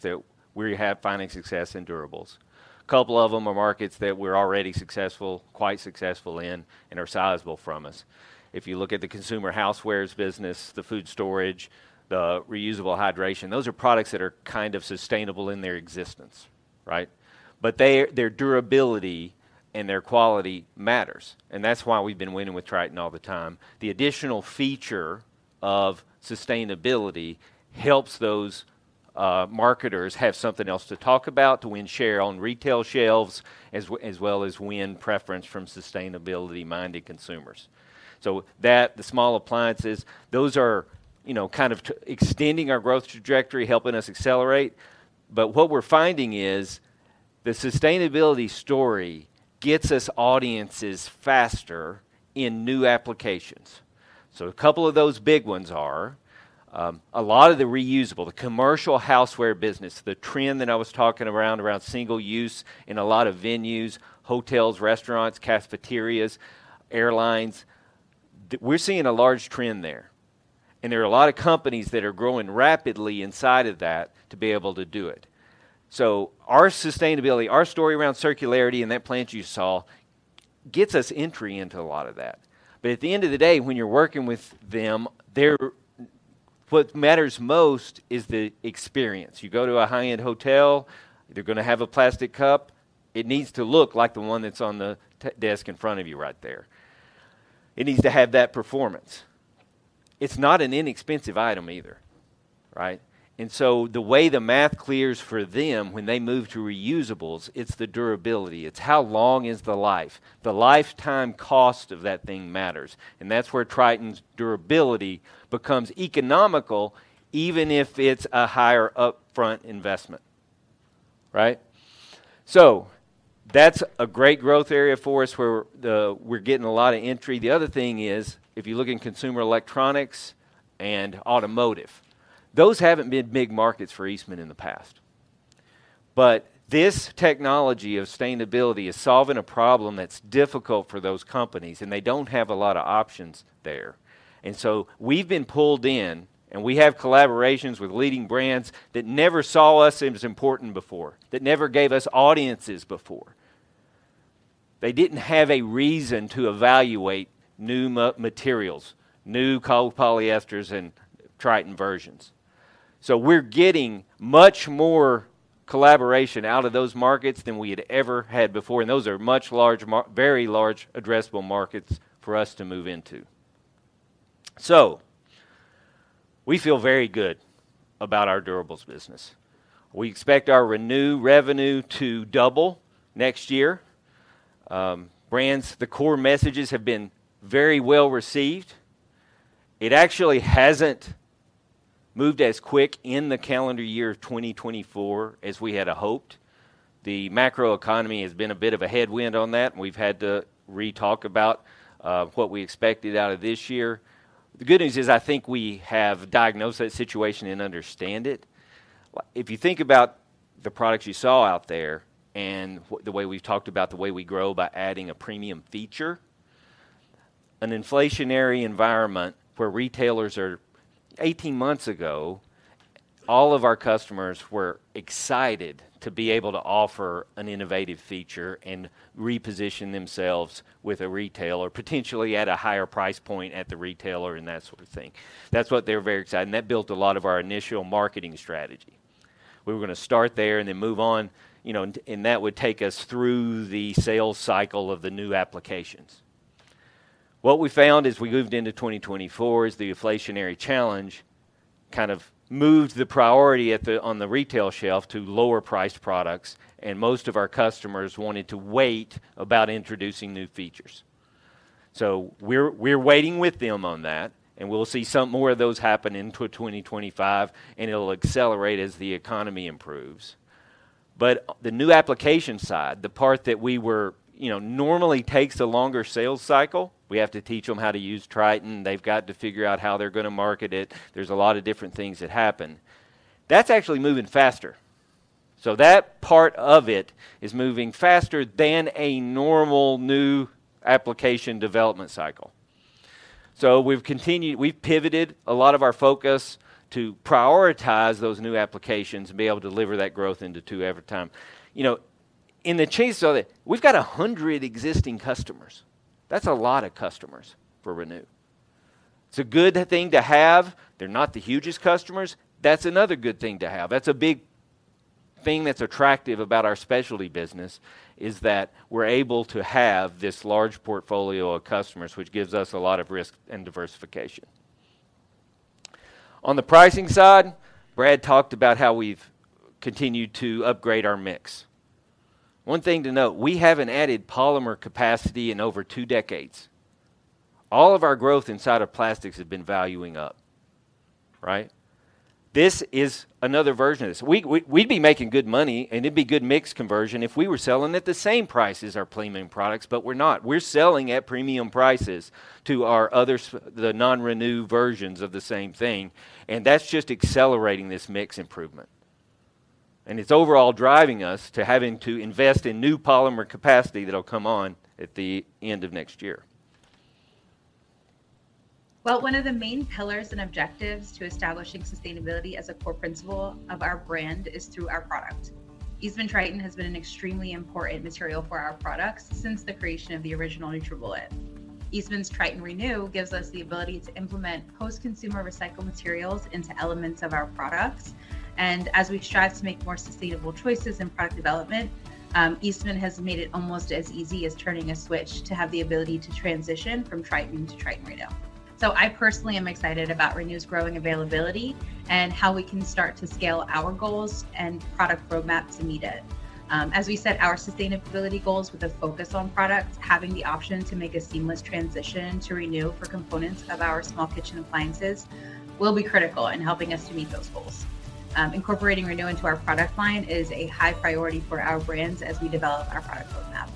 that we have finding success in durables. A couple of them are markets that we're already successful, quite successful in, and are sizable from us. If you look at the consumer housewares business, the food storage, the reusable hydration, those are products that are kind of sustainable in their existence. Right? But their durability and their quality matters. And that's why we've been winning with Tritan all the time. The additional feature of sustainability helps those marketers have something else to talk about, to win share on retail shelves, as well as win preference from sustainability-minded consumers. So the small appliances, those are kind of extending our growth trajectory, helping us accelerate. But what we're finding is the sustainability story gets us audiences faster in new applications. So a couple of those big ones are a lot of the reusable, the commercial houseware business, the trend that I was talking around single use in a lot of venues, hotels, restaurants, cafeterias, airlines. We're seeing a large trend there. And there are a lot of companies that are growing rapidly inside of that to be able to do it. So our sustainability, our story around circularity and that plant you saw gets us entry into a lot of that. But at the end of the day, when you're working with them, what matters most is the experience. You go to a high-end hotel, they're going to have a plastic cup. It needs to look like the one that's on the desk in front of you right there. It needs to have that performance. It's not an inexpensive item either. Right, and so the way the math clears for them when they move to reusables, it's the durability. It's how long is the life. The lifetime cost of that thing matters. And that's where Tritan's durability becomes economical, even if it's a higher upfront investment. Right, so that's a great growth area for us where we're getting a lot of entry. The other thing is, if you look in consumer electronics and automotive, those haven't been big markets for Eastman in the past, but this technology of sustainability is solving a problem that's difficult for those companies, and they don't have a lot of options there. And so we've been pulled in, and we have collaborations with leading brands that never saw us as important before, that never gave us audiences before. They didn't have a reason to evaluate new materials, new co-polyesters and Tritan versions. So we're getting much more collaboration out of those markets than we had ever had before. And those are much large, very large addressable markets for us to move into. So we feel very good about our durables business. We expect our Renew revenue to double next year. Brands, the core messages have been very well received. It actually hasn't moved as quick in the calendar year of 2024 as we had hoped. The macro economy has been a bit of a headwind on that, and we've had to retalk about what we expected out of this year. The good news is I think we have diagnosed that situation and understand it. If you think about the products you saw out there and the way we've talked about the way we grow by adding a premium feature, an inflationary environment where retailers are 18 months ago, all of our customers were excited to be able to offer an innovative feature and reposition themselves with a retailer, potentially at a higher price point at the retailer and that sort of thing. That's what they're very excited. And that built a lot of our initial marketing strategy. We were going to start there and then move on. And that would take us through the sales cycle of the new applications. What we found as we moved into 2024 is the inflationary challenge kind of moved the priority on the retail shelf to lower-priced products. And most of our customers wanted to wait about introducing new features. So we're waiting with them on that. We'll see some more of those happen into 2025. It'll accelerate as the economy improves. The new application side, the part that we were normally takes a longer sales cycle, we have to teach them how to use Tritan. They've got to figure out how they're going to market it. There's a lot of different things that happen. That's actually moving faster. That part of it is moving faster than a normal new application development cycle. We've pivoted a lot of our focus to prioritize those new applications and be able to deliver that growth into two every time. In the chase of it, we've got 100 existing customers. That's a lot of customers for Renew. It's a good thing to have. They're not the hugest customers. That's another good thing to have. That's a big thing that's attractive about our specialty business is that we're able to have this large portfolio of customers, which gives us a lot of risk and diversification. On the pricing side, Brad talked about how we've continued to upgrade our mix. One thing to note, we haven't added polymer capacity in over two decades. All of our growth inside of plastics has been valuing up. Right? This is another version of this. We'd be making good money, and it'd be good mix conversion if we were selling at the same price as our premium products, but we're not. We're selling at premium prices to the non-Renew versions of the same thing. And that's just accelerating this mix improvement. And it's overall driving us to having to invest in new polymer capacity that will come on at the end of next year. Well, one of the main pillars and objectives to establishing sustainability as a core principle of our brand is through our product. Eastman Tritan has been an extremely important material for our products since the creation of the original NutriBullet. Eastman's Tritan Renew gives us the ability to implement post-consumer recycled materials into elements of our products. And as we strive to make more sustainable choices in product development, Eastman has made it almost as easy as turning a switch to have the ability to transition from Tritan to Tritan Renew. So I personally am excited about Renew's growing availability and how we can start to scale our goals and product roadmap to meet it. As we said, our sustainability goals with a focus on products, having the option to make a seamless transition to Renew for components of our small kitchen appliances will be critical in helping us to meet those goals. Incorporating Renew into our product line is a high priority for our brands as we develop our product roadmap.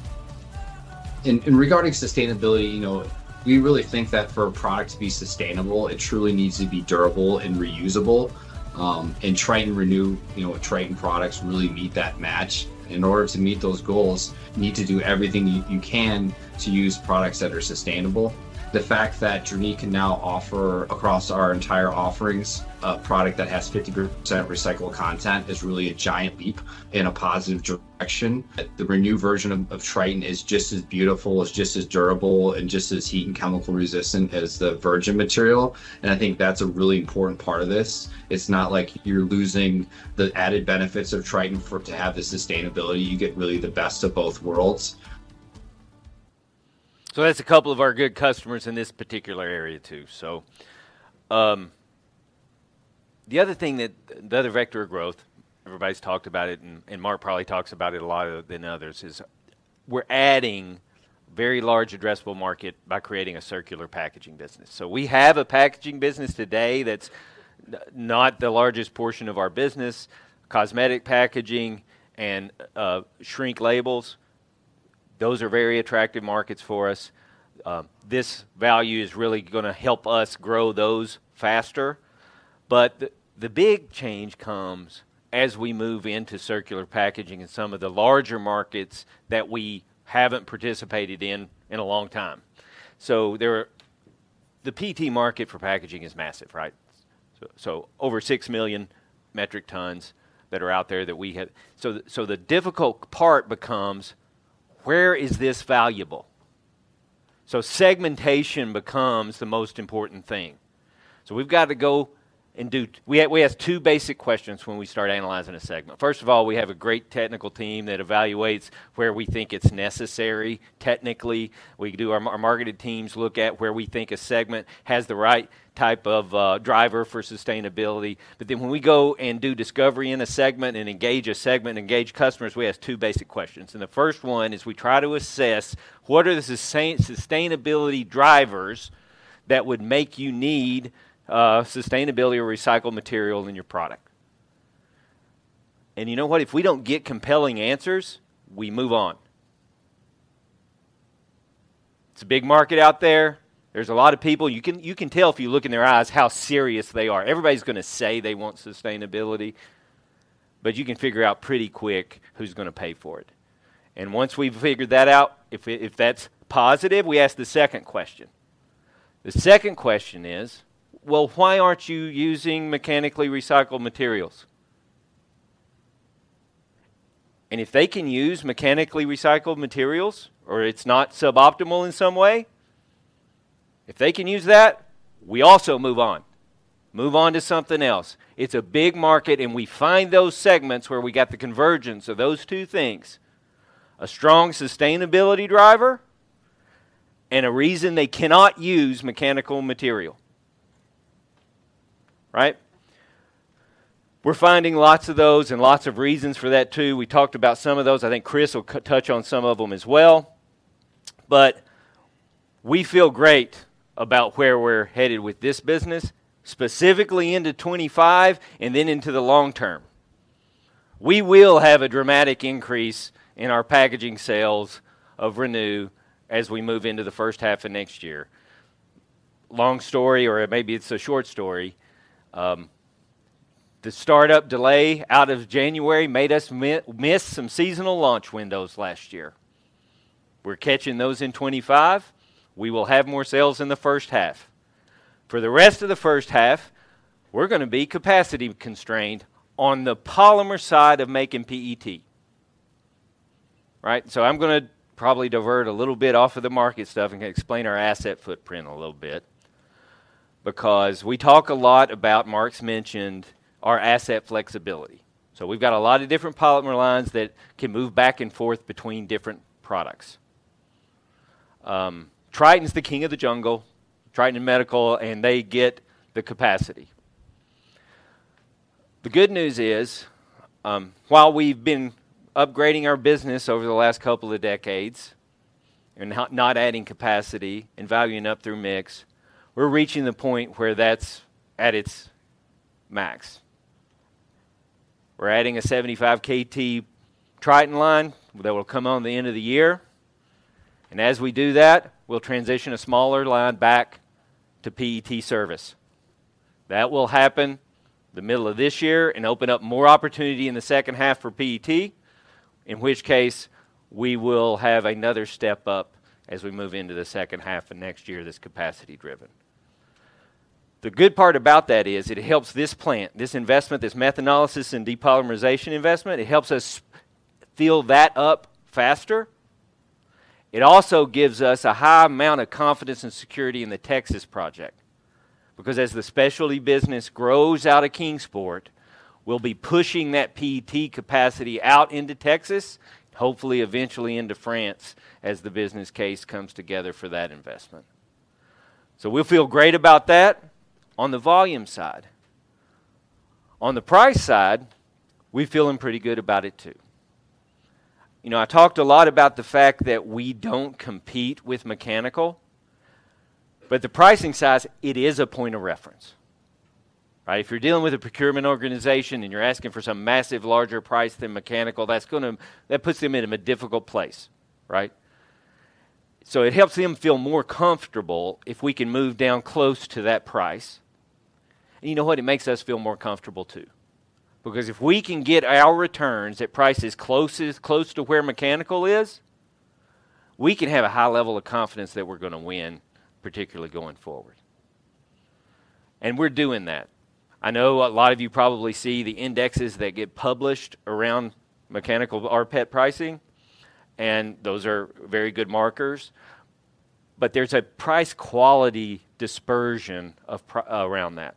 Regarding sustainability, we really think that for a product to be sustainable, it truly needs to be durable and reusable. Tritan Renew, Tritan products really meet that match. In order to meet those goals, you need to do everything you can to use products that are sustainable. The fact that Guzzini can now offer across our entire offerings a product that has 50% recycled content is really a giant leap in a positive direction. The Renew version of Tritan is just as beautiful, is just as durable, and just as heat and chemical resistant as the virgin material. I think that's a really important part of this. It's not like you're losing the added benefits of Tritan to have the sustainability. You get really the best of both worlds. That's a couple of our good customers in this particular area too. So the other thing that the other vector of growth, everybody's talked about it, and Mark probably talks about it a lot than others, is we're adding a very large addressable market by creating a circular packaging business. So we have a packaging business today that's not the largest portion of our business, cosmetic packaging and shrink labels. Those are very attractive markets for us. This value is really going to help us grow those faster. But the big change comes as we move into circular packaging in some of the larger markets that we haven't participated in in a long time. So the PET market for packaging is massive. Right? So over six million metric tons that are out there that we have. So the difficult part becomes, where is this valuable? So segmentation becomes the most important thing. We've got to go and do. We ask two basic questions when we start analyzing a segment. First of all, we have a great technical team that evaluates where we think it's necessary technically. Our marketing teams look at where we think a segment has the right type of driver for sustainability. But then when we go and do discovery in a segment and engage a segment and engage customers, we ask two basic questions. And the first one is we try to assess what are the sustainability drivers that would make you need sustainability or recycled material in your product. And you know what? If we don't get compelling answers, we move on. It's a big market out there. There's a lot of people. You can tell if you look in their eyes how serious they are. Everybody's going to say they want sustainability. But you can figure out pretty quick who's going to pay for it, and once we've figured that out, if that's positive, we ask the second question. The second question is, well, why aren't you using mechanically recycled materials, and if they can use mechanically recycled materials or it's not suboptimal in some way, if they can use that, we also move on. Move on to something else. It's a big market, and we find those segments where we got the convergence of those two things, a strong sustainability driver and a reason they cannot use mechanical material. Right? We're finding lots of those and lots of reasons for that too. We talked about some of those. I think Chris will touch on some of them as well. But we feel great about where we're headed with this business, specifically into 2025 and then into the long term. We will have a dramatic increase in our packaging sales of Renew as we move into the first half of next year. Long story, or maybe it's a short story. The startup delay out of January made us miss some seasonal launch windows last year. We're catching those in 2025. We will have more sales in the first half. For the rest of the first half, we're going to be capacity constrained on the polymer side of making PET. Right? So I'm going to probably divert a little bit off of the market stuff and explain our asset footprint a little bit because we talk a lot about Mark's mentioned our asset flexibility. So we've got a lot of different polymer lines that can move back and forth between different products. Tritan's the king of the jungle, Tritan Medical, and they get the capacity. The good news is while we've been upgrading our business over the last couple of decades and not adding capacity and valuing up through mix, we're reaching the point where that's at its max. We're adding a 75 KT Tritan line that will come on the end of the year. And as we do that, we'll transition a smaller line back to PET service. That will happen the middle of this year and open up more opportunity in the second half for PET, in which case we will have another step up as we move into the second half of next year that's capacity driven. The good part about that is it helps this plant, this investment, this methanolysis and depolymerization investment. It helps us fill that up faster. It also gives us a high amount of confidence and security in the Texas project because as the specialty business grows out of Kingsport, we'll be pushing that PET capacity out into Texas, hopefully eventually into France as the business case comes together for that investment. So we'll feel great about that. On the volume side, on the price side, we're feeling pretty good about it too. I talked a lot about the fact that we don't compete with mechanical, but the pricing size, it is a point of reference. Right? If you're dealing with a procurement organization and you're asking for some massive larger price than mechanical, that's going to put them in a difficult place. Right? So it helps them feel more comfortable if we can move down close to that price. And you know what? It makes us feel more comfortable too. Because if we can get our returns at prices close to where mechanical is, we can have a high level of confidence that we're going to win, particularly going forward. And we're doing that. I know a lot of you probably see the indexes that get published around mechanical rPET pricing, and those are very good markers. But there's a price quality dispersion around that.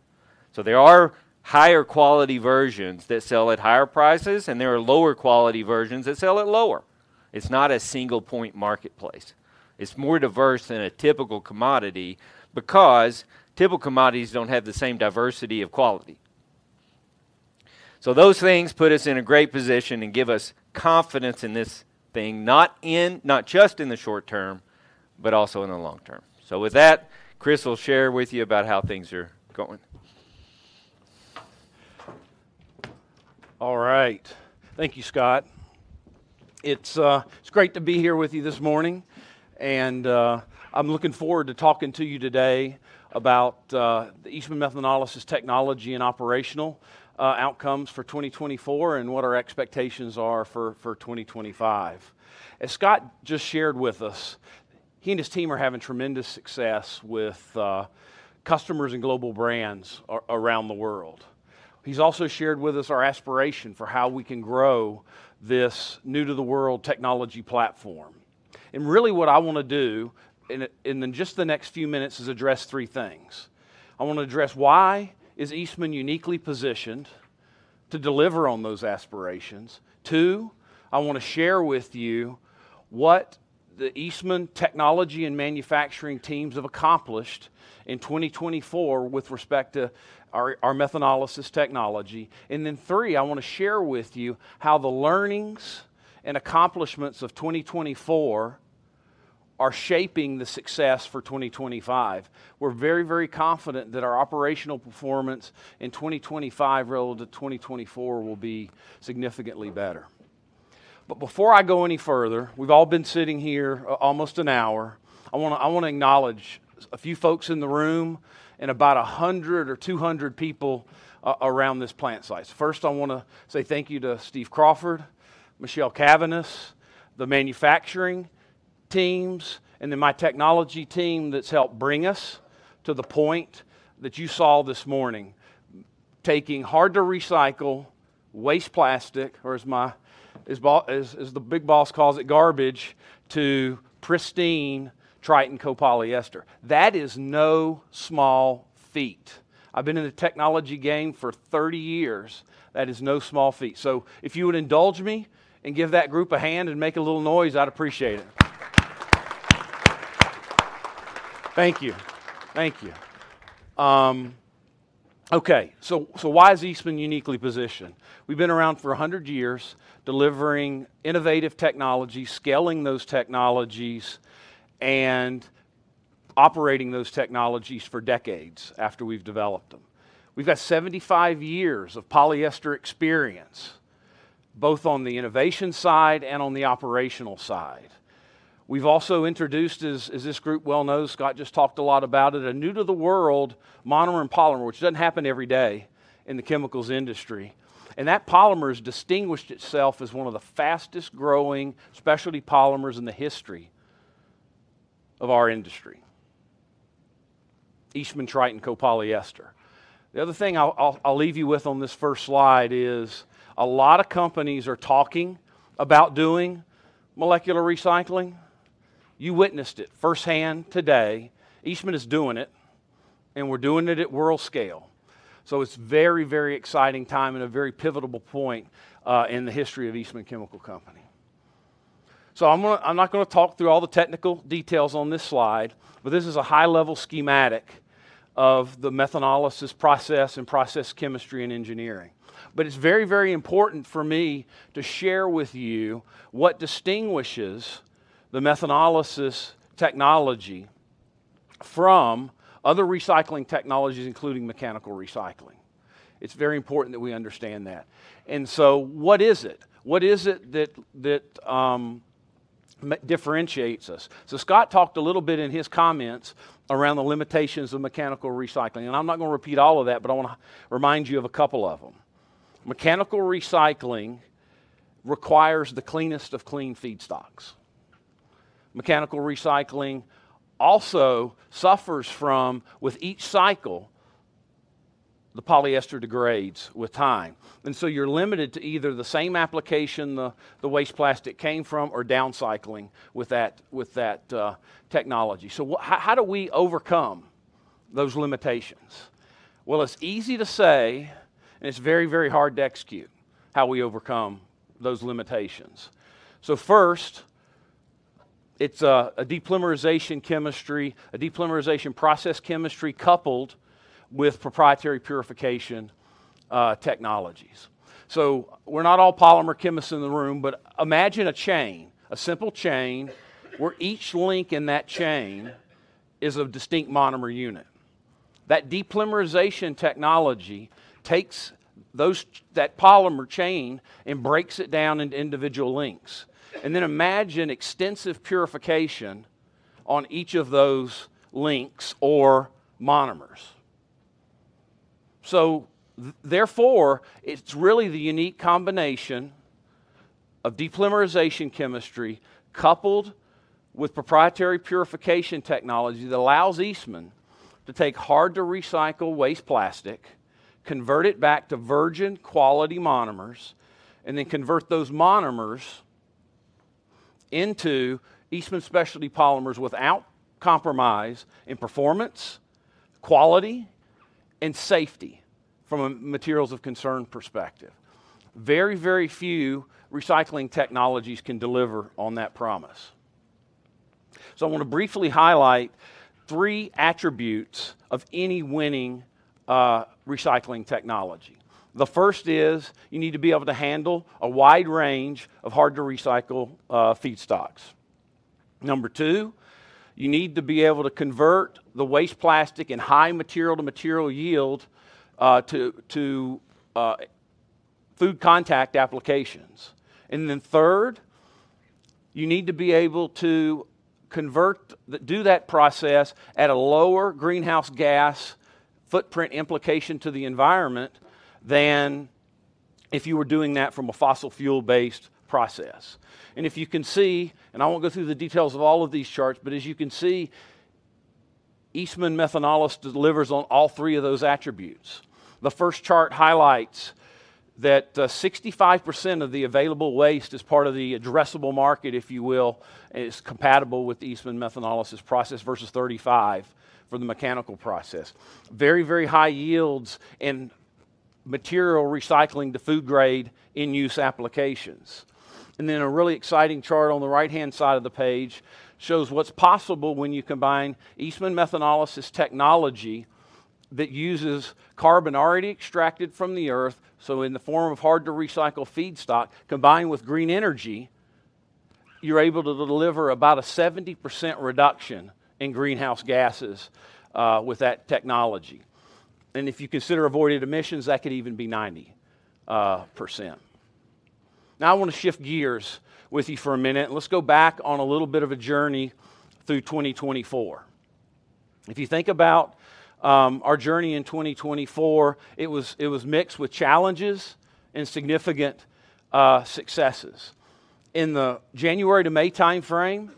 So there are higher quality versions that sell at higher prices, and there are lower quality versions that sell at lower. It's not a single-point marketplace. It's more diverse than a typical commodity because typical commodities don't have the same diversity of quality. So those things put us in a great position and give us confidence in this thing, not just in the short term, but also in the long term. So with that, Chris will share with you about how things are going. All right. Thank you, Scott. It's great to be here with you this morning. I'm looking forward to talking to you today about the Eastman Methanolysis technology and operational outcomes for 2024 and what our expectations are for 2025. As Scott just shared with us, he and his team are having tremendous success with customers and global brands around the world. He's also shared with us our aspiration for how we can grow this new-to-the-world technology platform. Really what I want to do in just the next few minutes is address three things. I want to address why is Eastman uniquely positioned to deliver on those aspirations. Two, I want to share with you what the Eastman technology and manufacturing teams have accomplished in 2024 with respect to our methanolysis technology. Then three, I want to share with you how the learnings and accomplishments of 2024 are shaping the success for 2025. We're very, very confident that our operational performance in 2025 relative to 2024 will be significantly better. But before I go any further, we've all been sitting here almost an hour. I want to acknowledge a few folks in the room and about 100 or 200 people around this plant site. So first, I want to say thank you to Steve Crawford, Michelle Caveness, the manufacturing teams, and then my technology team that's helped bring us to the point that you saw this morning, taking hard-to-recycle waste plastic, or as the big boss calls it, garbage, to pristine Tritan copolyester. That is no small feat. I've been in the technology game for 30 years. That is no small feat. So if you would indulge me and give that group a hand and make a little noise, I'd appreciate it. Thank you. Thank you. Okay. So why is Eastman uniquely positioned? We've been around for 100 years delivering innovative technologies, scaling those technologies, and operating those technologies for decades after we've developed them. We've got 75 years of polyester experience, both on the innovation side and on the operational side. We've also introduced, as this group well knows, Scott just talked a lot about it, a new-to-the-world monomer and polymer, which doesn't happen every day in the chemicals industry. And that polymer has distinguished itself as one of the fastest-growing specialty polymers in the history of our industry, Eastman Tritan Copolyester. The other thing I'll leave you with on this first slide is a lot of companies are talking about doing molecular recycling. You witnessed it firsthand today. Eastman is doing it, and we're doing it at world scale. So it's a very, very exciting time and a very pivotal point in the history of Eastman Chemical Company. So I'm not going to talk through all the technical details on this slide, but this is a high-level schematic of the methanolysis process and process chemistry and engineering. But it's very, very important for me to share with you what distinguishes the methanolysis technology from other recycling technologies, including mechanical recycling. It's very important that we understand that. And so what is it? What is it that differentiates us? So Scott talked a little bit in his comments around the limitations of mechanical recycling. And I'm not going to repeat all of that, but I want to remind you of a couple of them. Mechanical recycling requires the cleanest of clean feedstocks. Mechanical recycling also suffers from, with each cycle, the polyester degrades with time, and so you're limited to either the same application the waste plastic came from or downcycling with that technology. So how do we overcome those limitations? Well, it's easy to say, and it's very, very hard to execute how we overcome those limitations. So first, it's a depolymerization chemistry, a depolymerization process chemistry coupled with proprietary purification technologies. So we're not all polymer chemists in the room, but imagine a chain, a simple chain where each link in that chain is a distinct monomer unit. That depolymerization technology takes that polymer chain and breaks it down into individual links, and then imagine extensive purification on each of those links or monomers. So therefore, it's really the unique combination of depolymerization chemistry coupled with proprietary purification technology that allows Eastman to take hard-to-recycle waste plastic, convert it back to virgin quality monomers, and then convert those monomers into Eastman specialty polymers without compromise in performance, quality, and safety from a materials-of-concern perspective. Very, very few recycling technologies can deliver on that promise. So I want to briefly highlight three attributes of any winning recycling technology. The first is you need to be able to handle a wide range of hard-to-recycle feedstocks. Number two, you need to be able to convert the waste plastic and high material-to-material yield to food contact applications. And then third, you need to be able to do that process at a lower greenhouse gas footprint implication to the environment than if you were doing that from a fossil fuel-based process. If you can see, and I won't go through the details of all of these charts, but as you can see, Eastman Methanolysis delivers on all three of those attributes. The first chart highlights that 65% of the available waste is part of the addressable market, if you will, and it's compatible with the Eastman Methanolysis process versus 35% for the mechanical process. Very, very high yields in material recycling to food-grade in-use applications. And then a really exciting chart on the right-hand side of the page shows what's possible when you combine Eastman Methanolysis technology that uses carbon already extracted from the earth. So in the form of hard-to-recycle feedstock, combined with green energy, you're able to deliver about a 70% reduction in greenhouse gases with that technology. And if you consider avoided emissions, that could even be 90%. Now I want to shift gears with you for a minute. Let's go back on a little bit of a journey through 2024. If you think about our journey in 2024, it was mixed with challenges and significant successes. In the January to May timeframe,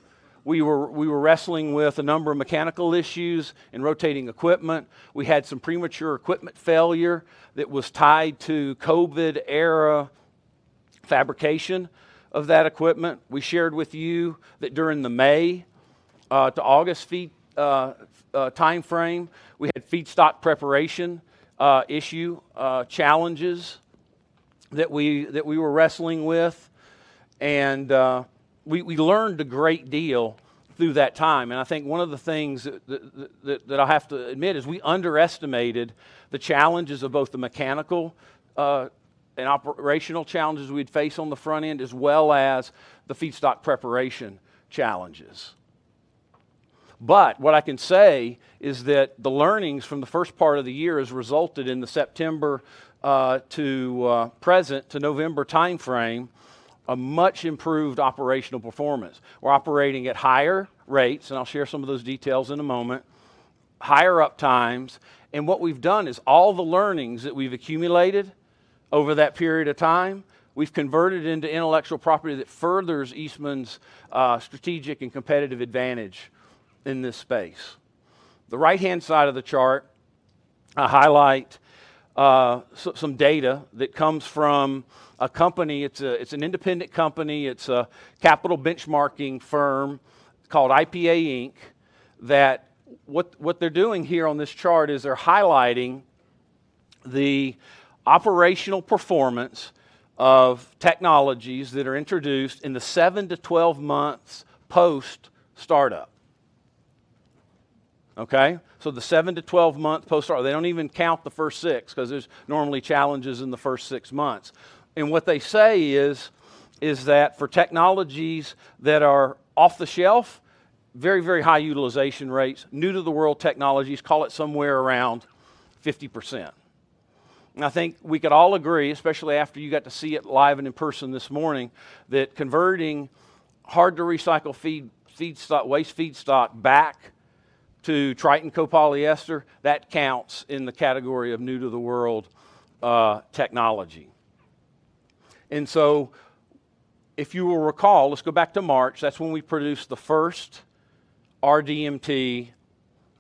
we were wrestling with a number of mechanical issues and rotating equipment. We had some premature equipment failure that was tied to COVID-era fabrication of that equipment. We shared with you that during the May to August feed timeframe, we had feedstock preparation issue challenges that we were wrestling with, and we learned a great deal through that time, and I think one of the things that I have to admit is we underestimated the challenges of both the mechanical and operational challenges we'd face on the front end, as well as the feedstock preparation challenges. But what I can say is that the learnings from the first part of the year has resulted in the September to present to November timeframe, a much improved operational performance. We're operating at higher rates, and I'll share some of those details in a moment, higher up times, and what we've done is all the learnings that we've accumulated over that period of time, we've converted into intellectual property that furthers Eastman's strategic and competitive advantage in this space. The right-hand side of the chart, I highlight some data that comes from a company. It's an independent company. It's a capital benchmarking firm called IPA Inc. That's what they're doing here on this chart is they're highlighting the operational performance of technologies that are introduced in the seven to 12 months post-startup. Okay? The 7-12 months post-startup, they don't even count the first six because there's normally challenges in the first six months. What they say is that for technologies that are off the shelf, very, very high utilization rates, new-to-the-world technologies call it somewhere around 50%. I think we could all agree, especially after you got to see it live and in person this morning, that converting hard-to-recycle waste feedstock back to Tritan copolyester, that counts in the category of new-to-the-world technology. If you will recall, let's go back to March. That's when we produced the first RDMT.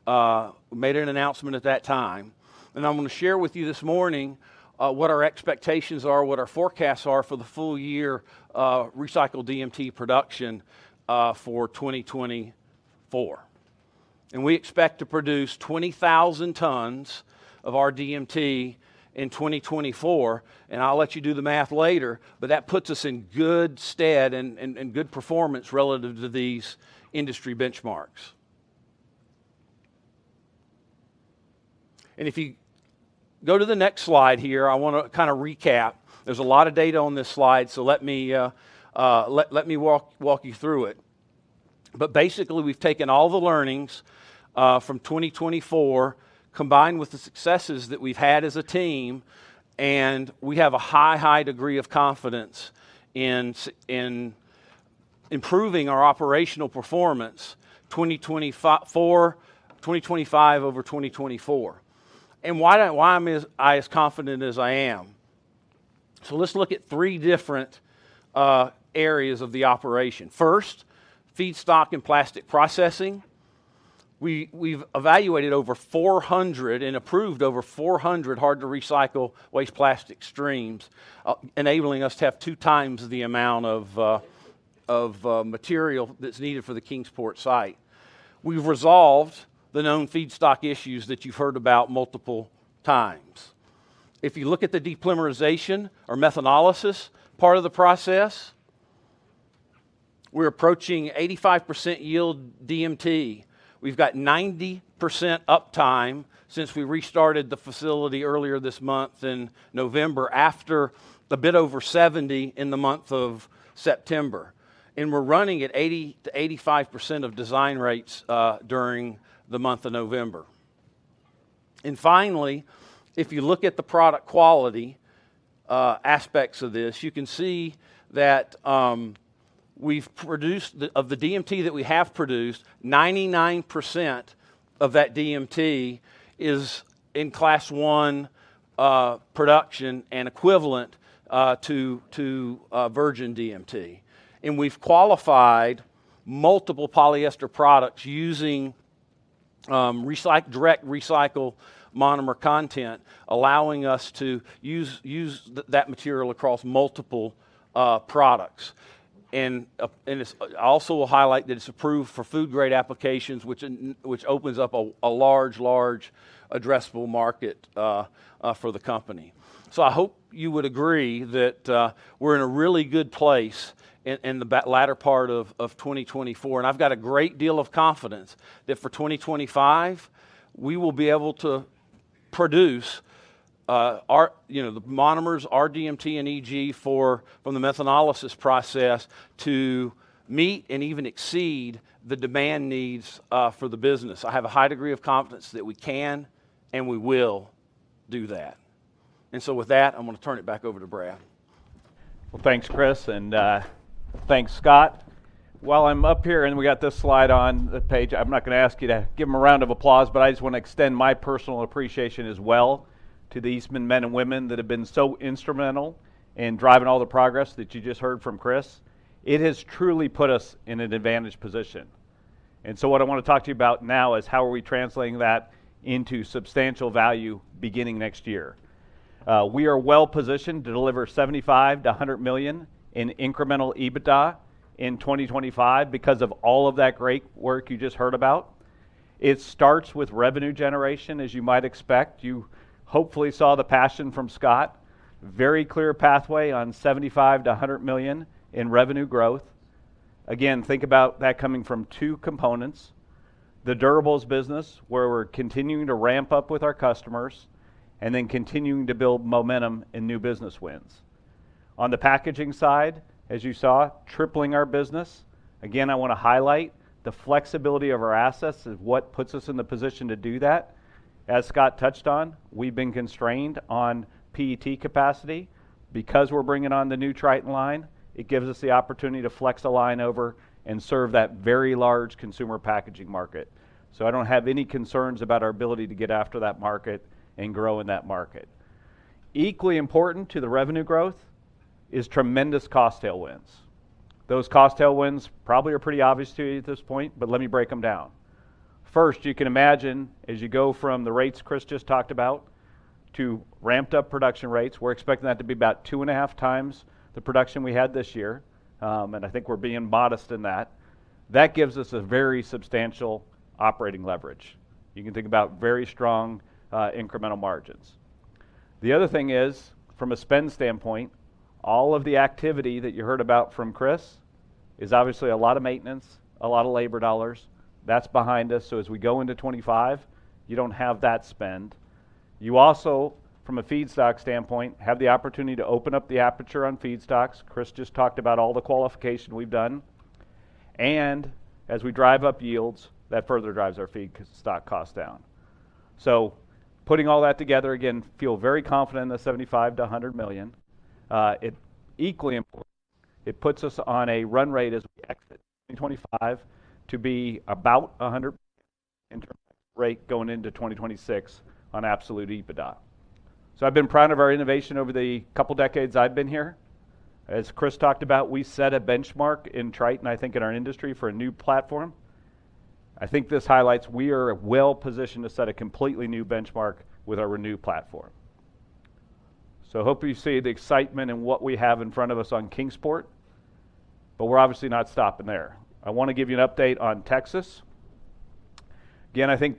We made an announcement at that time. I'm going to share with you this morning what our expectations are, what our forecasts are for the full year recycled DMT production for 2024. We expect to produce 20,000 tons of RDMT in 2024. I'll let you do the math later, but that puts us in good stead and good performance relative to these industry benchmarks. If you go to the next slide here, I want to kind of recap. There's a lot of data on this slide, so let me walk you through it. Basically, we've taken all the learnings from 2024, combined with the successes that we've had as a team, and we have a high, high degree of confidence in improving our operational performance 2025 over 2024. Why am I as confident as I am? Let's look at three different areas of the operation. First, feedstock and plastic processing. We've evaluated over 400 and approved over 400 hard-to-recycle waste plastic streams, enabling us to have two times the amount of material that's needed for the Kingsport site. We've resolved the known feedstock issues that you've heard about multiple times. If you look at the depolymerization or methanolysis part of the process, we're approaching 85% yield DMT. We've got 90% uptime since we restarted the facility earlier this month in November after a bit over 70 in the month of September. We're running at 80%-85% of design rates during the month of November. Finally, if you look at the product quality aspects of this, you can see that we've produced of the DMT that we have produced, 99% of that DMT is in class one production and equivalent to virgin DMT. We've qualified multiple polyester products using direct recycle monomer content, allowing us to use that material across multiple products. I also will highlight that it's approved for food-grade applications, which opens up a large, large addressable market for the company. So I hope you would agree that we're in a really good place in the latter part of 2024. And I've got a great deal of confidence that for 2025, we will be able to produce the monomers, rDMT and EG from the methanolysis process to meet and even exceed the demand needs for the business. I have a high degree of confidence that we can and we will do that. And so with that, I'm going to turn it back over to Brad. Well, thanks, Chris, and thanks, Scott. While I'm up here and we got this slide on the page, I'm not going to ask you to give them a round of applause, but I just want to extend my personal appreciation as well to the Eastman men and women that have been so instrumental in driving all the progress that you just heard from Chris. It has truly put us in an advantageous position. So what I want to talk to you about now is how we are translating that into substantial value beginning next year. We are well positioned to deliver $75-$100 million in incremental EBITDA in 2025 because of all of that great work you just heard about. It starts with revenue generation, as you might expect. You hopefully saw the passion from Scott. Very clear pathway on $75-$100 million in revenue growth. Again, think about that coming from two components: the durables business, where we're continuing to ramp up with our customers, and then continuing to build momentum in new business wins. On the packaging side, as you saw, tripling our business. Again, I want to highlight the flexibility of our assets and what puts us in the position to do that. As Scott touched on, we've been constrained on PET capacity. Because we're bringing on the new Tritan line, it gives us the opportunity to flex a line over and serve that very large consumer packaging market. So I don't have any concerns about our ability to get after that market and grow in that market. Equally important to the revenue growth is tremendous cost tailwinds. Those cost tailwinds probably are pretty obvious to you at this point, but let me break them down. First, you can imagine, as you go from the rates Chris just talked about to ramped-up production rates, we're expecting that to be about two and a half times the production we had this year. And I think we're being modest in that. That gives us a very substantial operating leverage. You can think about very strong incremental margins. The other thing is, from a spend standpoint, all of the activity that you heard about from Chris is obviously a lot of maintenance, a lot of labor dollars. That's behind us. So as we go into '25, you don't have that spend. You also, from a feedstock standpoint, have the opportunity to open up the aperture on feedstocks. Chris just talked about all the qualification we've done. And as we drive up yields, that further drives our feedstock cost down. So putting all that together, again, feel very confident in the $75-$100 million. Equally important, it puts us on a run rate as we exit 2025 to be about $100 million in terms of rate going into 2026 on absolute EBITDA. So I've been proud of our innovation over the couple of decades I've been here. As Chris talked about, we set a benchmark in Tritan, I think, in our industry for a new platform. I think this highlights we are well positioned to set a completely new benchmark with our Renew platform. So, hope you see the excitement and what we have in front of us on Kingsport. But we're obviously not stopping there. I want to give you an update on Texas. Again, I think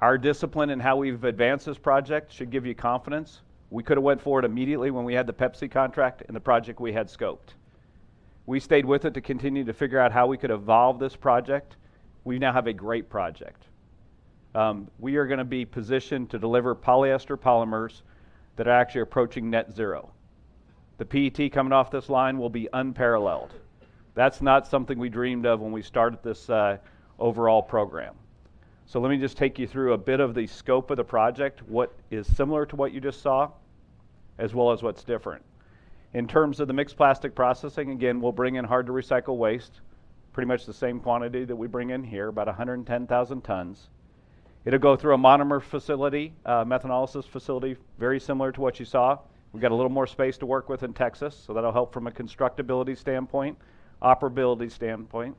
our discipline and how we've advanced this project should give you confidence. We could have went forward immediately when we had the Pepsi contract and the project we had scoped. We stayed with it to continue to figure out how we could evolve this project. We now have a great project. We are going to be positioned to deliver polyester polymers that are actually approaching net zero. The PET coming off this line will be unparalleled. That's not something we dreamed of when we started this overall program. So let me just take you through a bit of the scope of the project, what is similar to what you just saw, as well as what's different. In terms of the mixed plastic processing, again, we'll bring in hard-to-recycle waste, pretty much the same quantity that we bring in here, about 110,000 tons. It'll go through a monomer facility, methanolysis facility, very similar to what you saw. We've got a little more space to work with in Texas, so that'll help from a constructability standpoint, operability standpoint.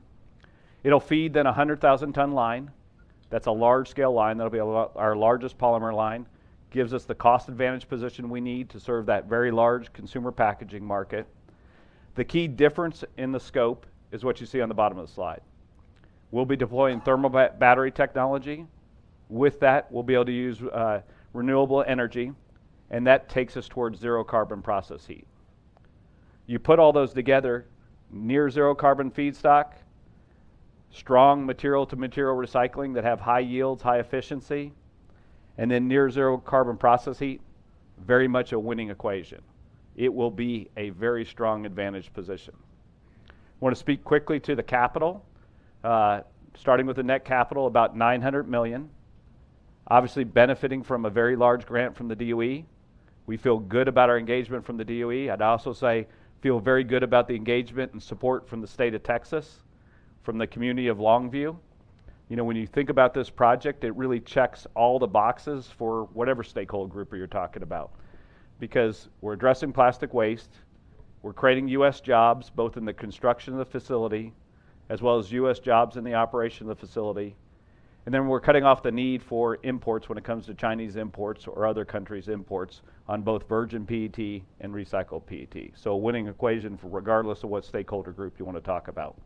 It'll feed then a 100,000-ton line. That's a large-scale line. That'll be our largest polymer line. Gives us the cost advantage position we need to serve that very large consumer packaging market. The key difference in the scope is what you see on the bottom of the slide. We'll be deploying thermal battery technology. With that, we'll be able to use renewable energy, and that takes us towards zero-carbon process heat. You put all those together, near-zero-carbon feedstock, strong material-to-material recycling that have high yields, high efficiency, and then near-zero-carbon process heat, very much a winning equation. It will be a very strong advantage position. I want to speak quickly to the capital, starting with the net capital, about $900 million. Obviously, benefiting from a very large grant from the DOE. We feel good about our engagement from the DOE. I'd also say feel very good about the engagement and support from the state of Texas, from the community of Longview. When you think about this project, it really checks all the boxes for whatever stakeholder group you're talking about. Because we're addressing plastic waste, we're creating U.S. Jobs both in the construction of the facility, as well as U.S. jobs in the operation of the facility. And then we're cutting off the need for imports when it comes to Chinese imports or other countries' imports on both virgin PET and recycled PET. So a winning equation for regardless of what stakeholder group you want to talk about.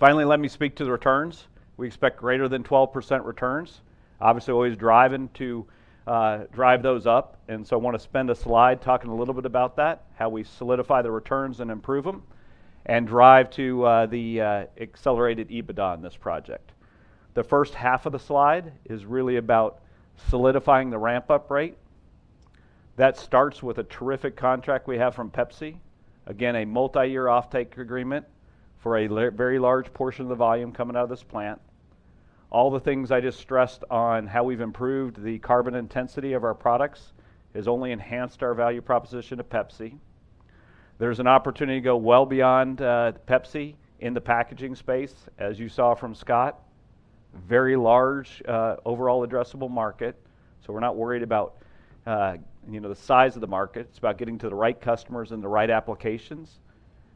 Finally, let me speak to the returns. We expect greater than 12% returns. Obviously, always driving to drive those up. And so I want to spend a slide talking a little bit about that, how we solidify the returns and improve them, and drive to the accelerated EBITDA in this project. The first half of the slide is really about solidifying the ramp-up rate. That starts with a terrific contract we have from Pepsi. Again, a multi-year off-take agreement for a very large portion of the volume coming out of this plant. All the things I just stressed on how we've improved the carbon intensity of our products has only enhanced our value proposition to Pepsi. There's an opportunity to go well beyond Pepsi in the packaging space, as you saw from Scott. Very large overall addressable market. So we're not worried about the size of the market. It's about getting to the right customers and the right applications.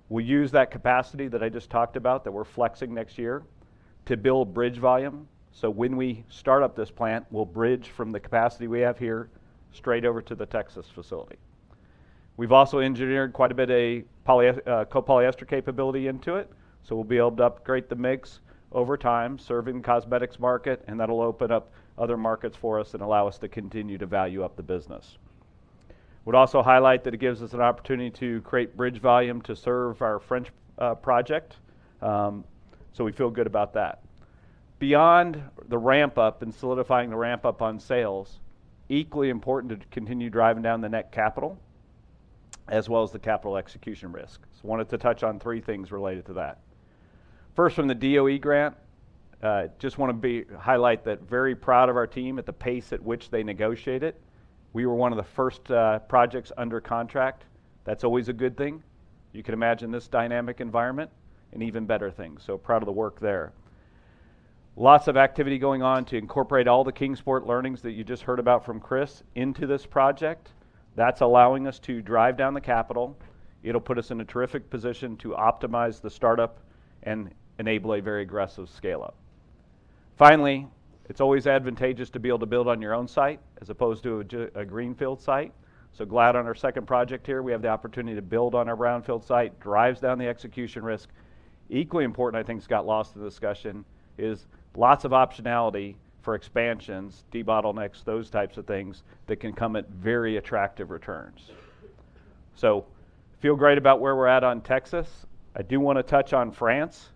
We use that capacity that I just talked about that we're flexing next year to build bridge volume. So when we start up this plant, we'll bridge from the capacity we have here straight over to the Texas facility. We've also engineered quite a bit of copolyester capability into it. So we'll be able to upgrade the mix over time, serving the cosmetics market, and that'll open up other markets for us and allow us to continue to value up the business. Would also highlight that it gives us an opportunity to create bridge volume to serve our French project. So we feel good about that. Beyond the ramp-up and solidifying the ramp-up on sales, equally important to continue driving down the net capital as well as the capital execution risk. So I wanted to touch on three things related to that. First, from the DOE grant, just want to highlight that very proud of our team at the pace at which they negotiate it. We were one of the first projects under contract. That's always a good thing. You can imagine this dynamic environment and even better things. So proud of the work there. Lots of activity going on to incorporate all the Kingsport learnings that you just heard about from Chris into this project. That's allowing us to drive down the capital. It'll put us in a terrific position to optimize the startup and enable a very aggressive scale-up. Finally, it's always advantageous to be able to build on your own site as opposed to a greenfield site. So glad on our second project here, we have the opportunity to build on our brownfield site, drives down the execution risk. Equally important, I think Scott led the discussion, is lots of optionality for expansions, debottlenecks, those types of things that can come at very attractive returns. So feel great about where we're at on Texas. I do want to touch on France.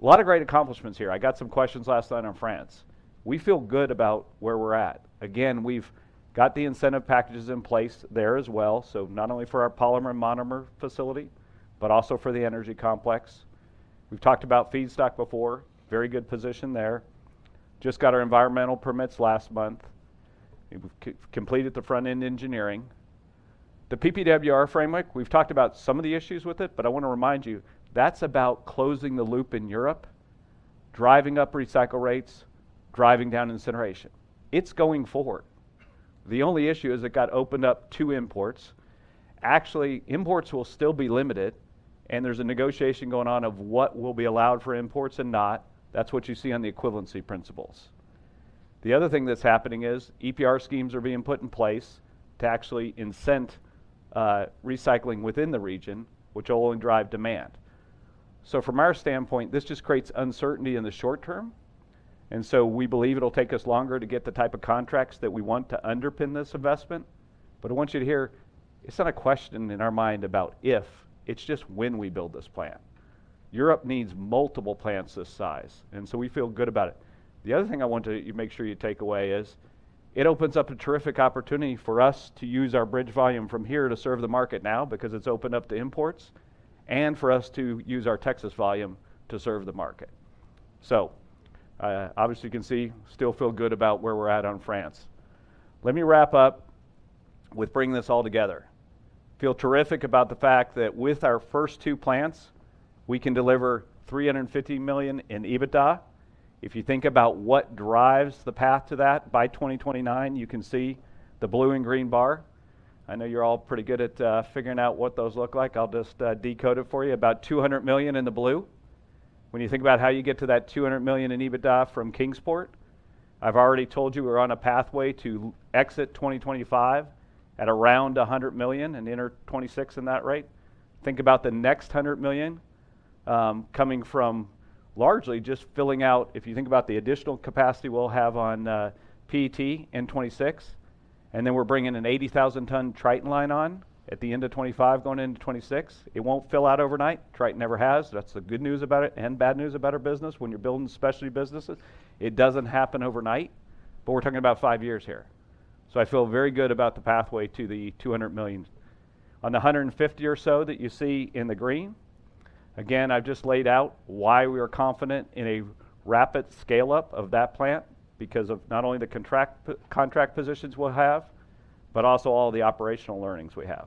A lot of great accomplishments here. I got some questions last night on France. We feel good about where we're at. Again, we've got the incentive packages in place there as well, so not only for our polymer and monomer facility, but also for the energy complex. We've talked about feedstock before. Very good position there. Just got our environmental permits last month. We've completed the front-end engineering. The PPWR framework, we've talked about some of the issues with it, but I want to remind you, that's about closing the loop in Europe, driving up recycle rates, driving down incineration. It's going forward. The only issue is it got opened up to imports. Actually, imports will still be limited, and there's a negotiation going on of what will be allowed for imports and not. That's what you see on the equivalency principles. The other thing that's happening is EPR schemes are being put in place to actually incent recycling within the region, which will only drive demand. So from our standpoint, this just creates uncertainty in the short term. And so we believe it'll take us longer to get the type of contracts that we want to underpin this investment. But I want you to hear, it's not a question in our mind about if, it's just when we build this plant. Europe needs multiple plants this size, and so we feel good about it. The other thing I want you to make sure you take away is it opens up a terrific opportunity for us to use our bridge volume from here to serve the market now because it's opened up to imports and for us to use our Texas volume to serve the market. So obviously, you can see we still feel good about where we're at on France. Let me wrap up with bringing this all together. feel terrific about the fact that with our first two plants, we can deliver $350 million in EBITDA. If you think about what drives the path to that by 2029, you can see the blue and green bar. I know you're all pretty good at figuring out what those look like. I'll just decode it for you. About $200 million in the blue. When you think about how you get to that $200 million in EBITDA from Kingsport, I've already told you we're on a pathway to exit 2025 at around $100 million and enter 2026 at that rate. Think about the next $100 million coming from largely just filling out, if you think about the additional capacity we'll have on PET in 2026. And then we're bringing an 80,000-ton Tritan line on at the end of 2025, going into 2026. It won't fill out overnight. Tritan never has. That's the good news about it and bad news about our business. When you're building specialty businesses, it doesn't happen overnight, but we're talking about five years here. So I feel very good about the pathway to the $200 million. On the 150 or so that you see in the green, again, I've just laid out why we are confident in a rapid scale-up of that plant because of not only the contract positions we'll have, but also all the operational learnings we have.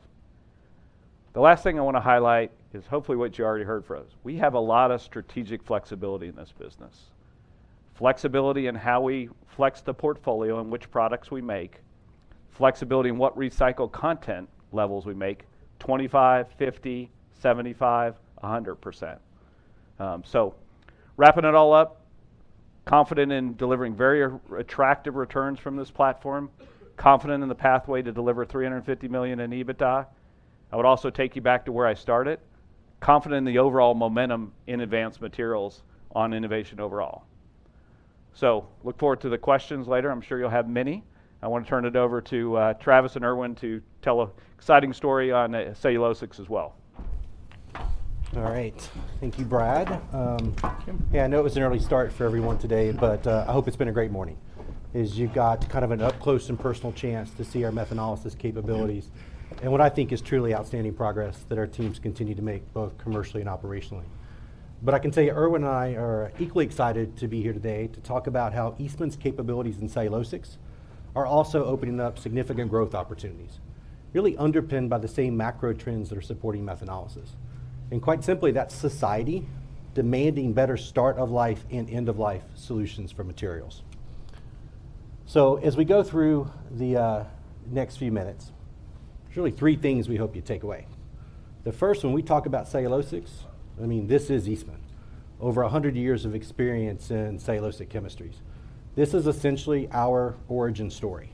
The last thing I want to highlight is hopefully what you already heard from us. We have a lot of strategic flexibility in this business. Flexibility in how we flex the portfolio and which products we make. Flexibility in what recycled content levels we make, 25%, 50%, 75%, 100%. So wrapping it all up, confident in delivering very attractive returns from this platform, confident in the pathway to deliver $350 million in EBITDA. I would also take you back to where I started. Confident in the overall momentum in Advanced Materials on innovation overall. So look forward to the questions later. I'm sure you'll have many. I want to turn it over to Travis and Erwin to tell an exciting story on cellulosics as well. All right. Thank you, Brad. Yeah, I know it was an early start for everyone today, but I hope it's been a great morning. You've got kind of an up-close and personal chance to see our methanolysis capabilities and what I think is truly outstanding progress that our teams continue to make both commercially and operationally. But I can tell you, Erwin and I are equally excited to be here today to talk about how Eastman's capabilities in cellulosics are also opening up significant growth opportunities, really underpinned by the same macro trends that are supporting methanolysis. And quite simply, that's society demanding better start-of-life and end-of-life solutions for materials. So as we go through the next few minutes, there's really three things we hope you take away. The first, when we talk about cellulosics, I mean, this is Eastman. Over 100 years of experience in cellulosic chemistries. This is essentially our origin story,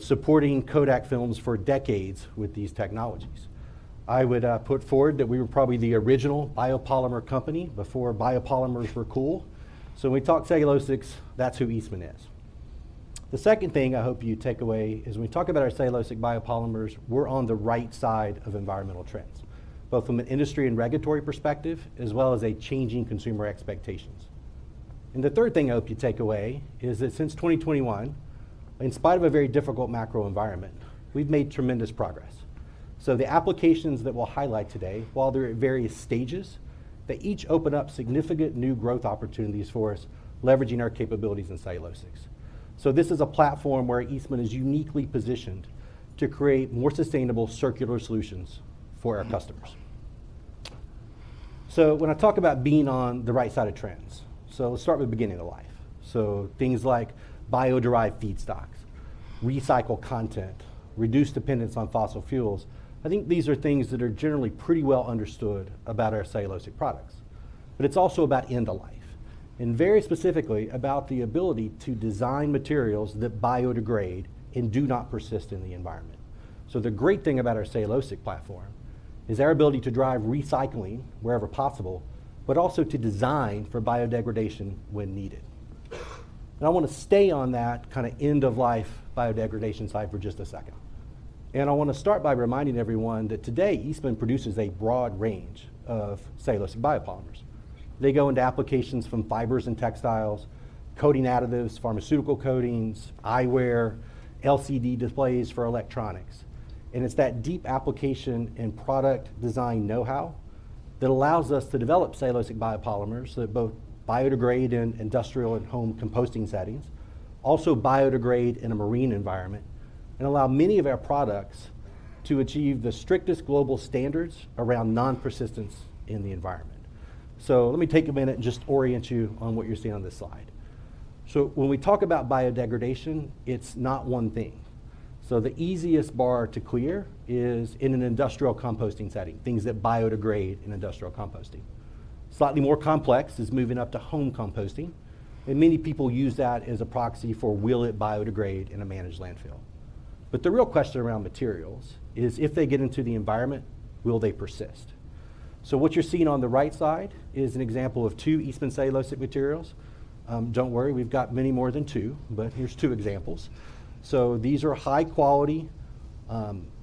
supporting Kodak films for decades with these technologies. I would put forward that we were probably the original biopolymer company before biopolymers were cool. So when we talk cellulosics, that's who Eastman is. The second thing I hope you take away is when we talk about our cellulosic biopolymers, we're on the right side of environmental trends, both from an industry and regulatory perspective, as well as a changing consumer expectations. And the third thing I hope you take away is that since 2021, in spite of a very difficult macro environment, we've made tremendous progress. So the applications that we'll highlight today, while they're at various stages, that each open up significant new growth opportunities for us, leveraging our capabilities in cellulosics. So this is a platform where Eastman is uniquely positioned to create more sustainable circular solutions for our customers. So when I talk about being on the right side of trends, so let's start with beginning of life. So things like bio-derived feedstocks, recycled content, reduced dependence on fossil fuels. I think these are things that are generally pretty well understood about our cellulosic products. But it's also about end-of-life, and very specifically about the ability to design materials that biodegrade and do not persist in the environment. So the great thing about our cellulosic platform is our ability to drive recycling wherever possible, but also to design for biodegradation when needed. And I want to stay on that kind of end-of-life biodegradation side for just a second. And I want to start by reminding everyone that today, Eastman produces a broad range of cellulosic biopolymers. They go into applications from fibers and textiles, coating additives, pharmaceutical coatings, eyewear, LCD displays for electronics. And it's that deep application and product design know-how that allows us to develop cellulosic biopolymers that both biodegrade in industrial and home composting settings, also biodegrade in a marine environment, and allow many of our products to achieve the strictest global standards around non-persistence in the environment. So let me take a minute and just orient you on what you're seeing on this slide. So when we talk about biodegradation, it's not one thing. So the easiest bar to clear is in an industrial composting setting, things that biodegrade in industrial composting. Slightly more complex is moving up to home composting. And many people use that as a proxy for will it biodegrade in a managed landfill. But the real question around materials is if they get into the environment, will they persist? So what you're seeing on the right side is an example of two Eastman cellulosic materials. Don't worry, we've got many more than two, but here's two examples. These are high-quality,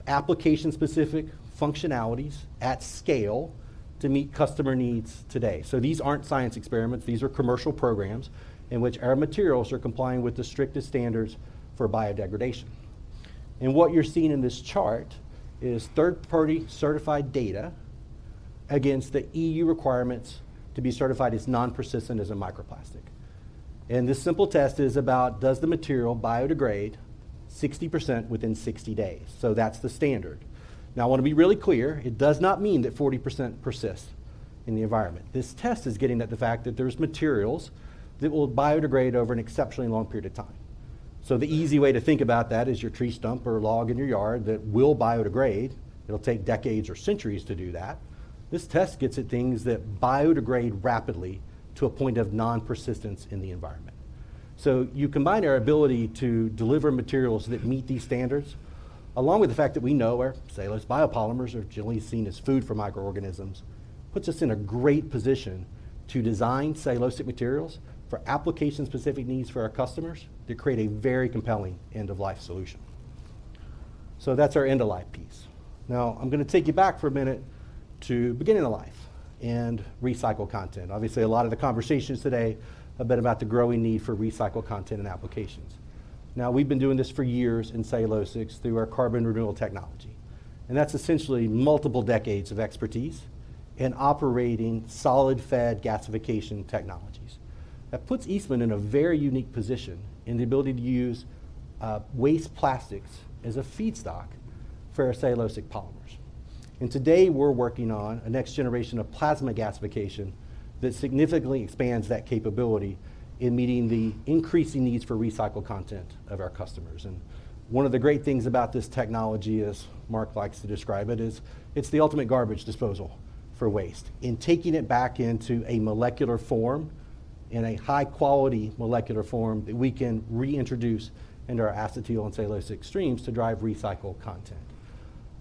application-specific functionalities at scale to meet customer needs today. These aren't science experiments. These are commercial programs in which our materials are complying with the strictest standards for biodegradation. What you're seeing in this chart is third-party certified data against the EU requirements to be certified as non-persistent as a microplastic. This simple test is about does the material biodegrade 60% within 60 days. That's the standard. Now, I want to be really clear. It does not mean that 40% persists in the environment. This test is getting at the fact that there are materials that will biodegrade over an exceptionally long period of time. The easy way to think about that is your tree stump or log in your yard that will biodegrade. It'll take decades or centuries to do that. This test gets at things that biodegrade rapidly to a point of non-persistence in the environment. So you combine our ability to deliver materials that meet these standards, along with the fact that we know our cellulose biopolymers are generally seen as food for microorganisms, puts us in a great position to design cellulosic materials for application-specific needs for our customers to create a very compelling end-of-life solution. So that's our end-of-life piece. Now, I'm going to take you back for a minute to beginning of life and recycled content. Obviously, a lot of the conversations today have been about the growing need for recycled content and applications. Now, we've been doing this for years in cellulosics through our Carbon Renewal Technology. And that's essentially multiple decades of expertise and operating solid-fed gasification technologies. That puts Eastman in a very unique position in the ability to use waste plastics as a feedstock for our cellulosic polymers. And today, we're working on a next generation of plasma gasification that significantly expands that capability in meeting the increasing needs for recycled content of our customers. And one of the great things about this technology, as Mark likes to describe it, is it's the ultimate garbage disposal for waste and taking it back into a molecular form, in a high-quality molecular form that we can reintroduce into our acetyl and cellulosic streams to drive recycled content.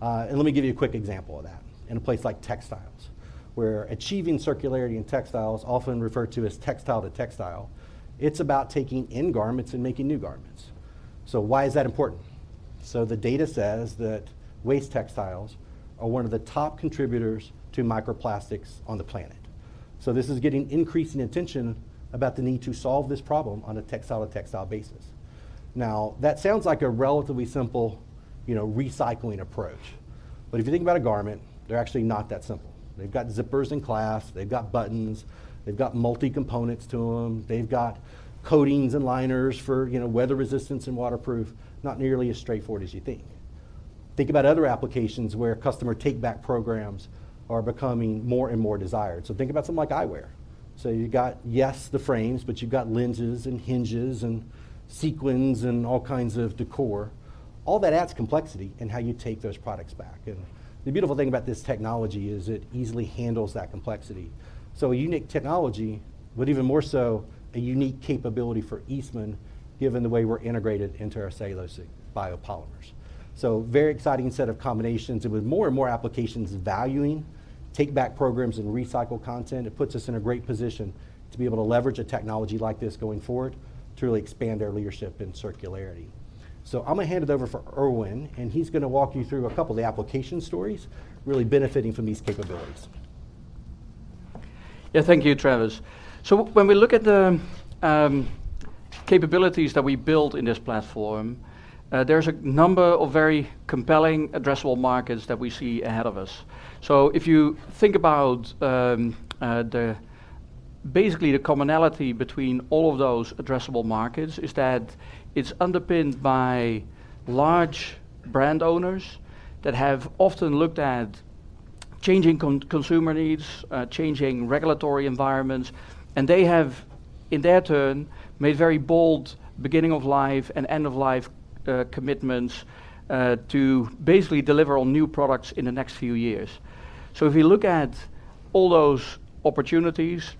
And let me give you a quick example of that in a place like textiles, where achieving circularity in textiles, often referred to as textile to textile, it's about taking in garments and making new garments. So why is that important? So the data says that waste textiles are one of the top contributors to microplastics on the planet. So this is getting increasing attention about the need to solve this problem on a textile to textile basis. Now, that sounds like a relatively simple recycling approach. But if you think about a garment, they're actually not that simple. They've got zippers and clasps. They've got buttons. They've got multi-components to them. They've got coatings and liners for weather resistance and waterproof. Not nearly as straightforward as you think. Think about other applications where customer take-back programs are becoming more and more desired. So think about something like eyewear. So you've got, yes, the frames, but you've got lenses and hinges and sequins and all kinds of decor. All that adds complexity in how you take those products back. And the beautiful thing about this technology is it easily handles that complexity. So a unique technology, but even more so, a unique capability for Eastman given the way we're integrated into our cellulosic biopolymers. So very exciting set of combinations. And with more and more applications valuing take-back programs and recycle content, it puts us in a great position to be able to leverage a technology like this going forward to really expand our leadership in circularity. So I'm going to hand it over for Erwin, and he's going to walk you through a couple of the application stories really benefiting from these capabilities. Yeah, thank you, Travis. So when we look at the capabilities that we build in this platform, there's a number of very compelling addressable markets that we see ahead of us. So if you think about basically the commonality between all of those addressable markets, it's that it's underpinned by large brand owners that have often looked at changing consumer needs, changing regulatory environments, and they have, in their turn, made very bold beginning-of-life and end-of-life commitments to basically deliver on new products in the next few years. So if you look at all those opportunities,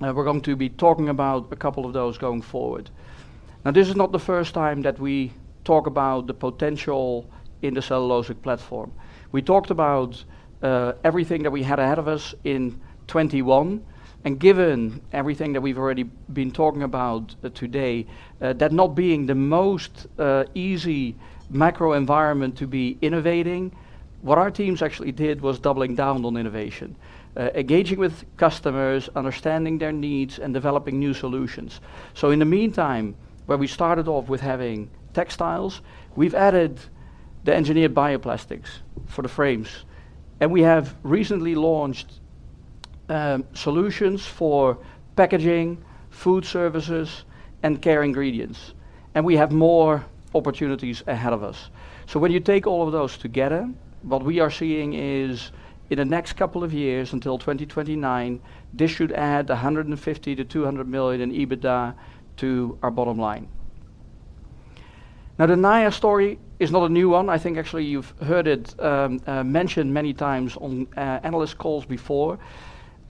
we're going to be talking about a couple of those going forward. Now, this is not the first time that we talk about the potential in the cellulosic platform. We talked about everything that we had ahead of us in 2021. Given everything that we've already been talking about today, that not being the most easy macro environment to be innovating, what our teams actually did was doubling down on innovation, engaging with customers, understanding their needs, and developing new solutions. In the meantime, where we started off with having textiles, we've added the engineered bioplastics for the frames. We have recently launched solutions for packaging, food services, and care ingredients. We have more opportunities ahead of us. When you take all of those together, what we are seeing is in the next couple of years until 2029, this should add $150-200 million in EBITDA to our bottom line. The Naia story is not a new one. I think actually you've heard it mentioned many times on analyst calls before.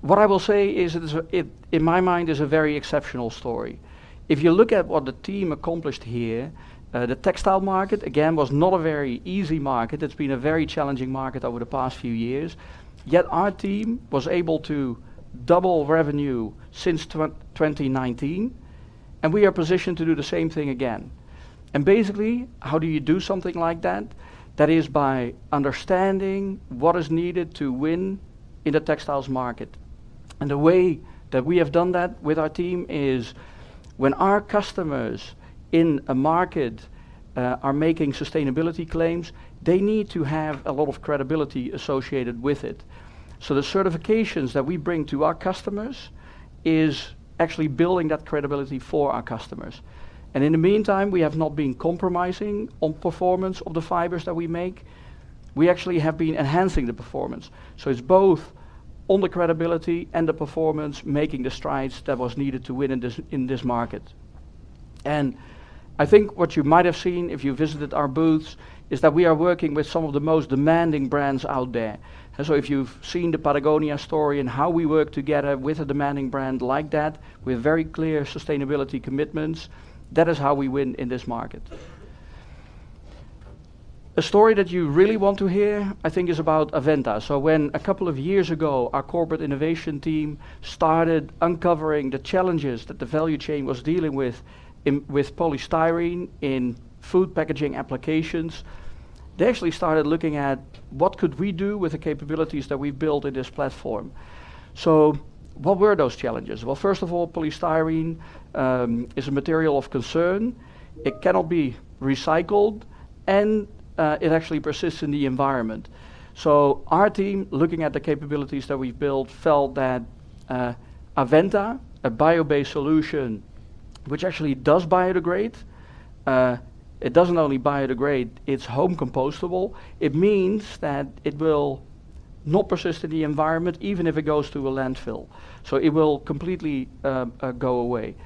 What I will say is, in my mind, it is a very exceptional story. If you look at what the team accomplished here, the textile market, again, was not a very easy market. It's been a very challenging market over the past few years. Yet our team was able to double revenue since 2019, and we are positioned to do the same thing again. And basically, how do you do something like that? That is by understanding what is needed to win in the textiles market. And the way that we have done that with our team is when our customers in a market are making sustainability claims, they need to have a lot of credibility associated with it. So the certifications that we bring to our customers is actually building that credibility for our customers. In the meantime, we have not been compromising on performance of the fibers that we make. We actually have been enhancing the performance. So it's both on the credibility and the performance making the strides that were needed to win in this market. I think what you might have seen if you visited our booths is that we are working with some of the most demanding brands out there. If you've seen the Patagonia story and how we work together with a demanding brand like that with very clear sustainability commitments, that is how we win in this market. A story that you really want to hear, I think, is about Aventa. When a couple of years ago, our corporate innovation team started uncovering the challenges that the value chain was dealing with polystyrene in food packaging applications, they actually started looking at what could we do with the capabilities that we've built in this platform. What were those challenges? First of all, polystyrene is a material of concern. It cannot be recycled, and it actually persists in the environment. Our team, looking at the capabilities that we've built, felt that Aventa, a bio-based solution which actually does biodegrade. It doesn't only biodegrade, it's home compostable. It means that it will not persist in the environment even if it goes to a landfill. It will completely go away.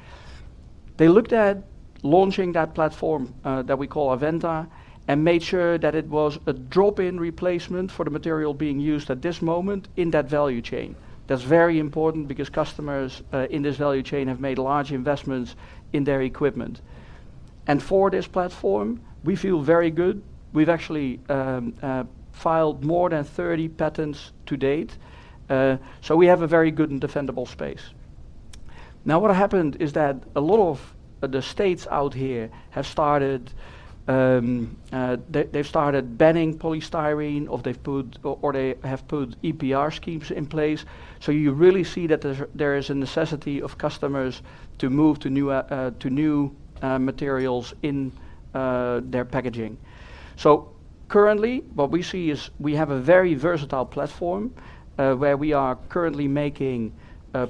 They looked at launching that platform that we call Aventa and made sure that it was a drop-in replacement for the material being used at this moment in that value chain. That's very important because customers in this value chain have made large investments in their equipment, and for this platform, we feel very good. We've actually filed more than 30 patents to date, so we have a very good and defendable space. Now, what happened is that a lot of the states out here have started banning polystyrene, or they have put EPR schemes in place, so you really see that there is a necessity of customers to move to new materials in their packaging, so currently, what we see is we have a very versatile platform where we are currently making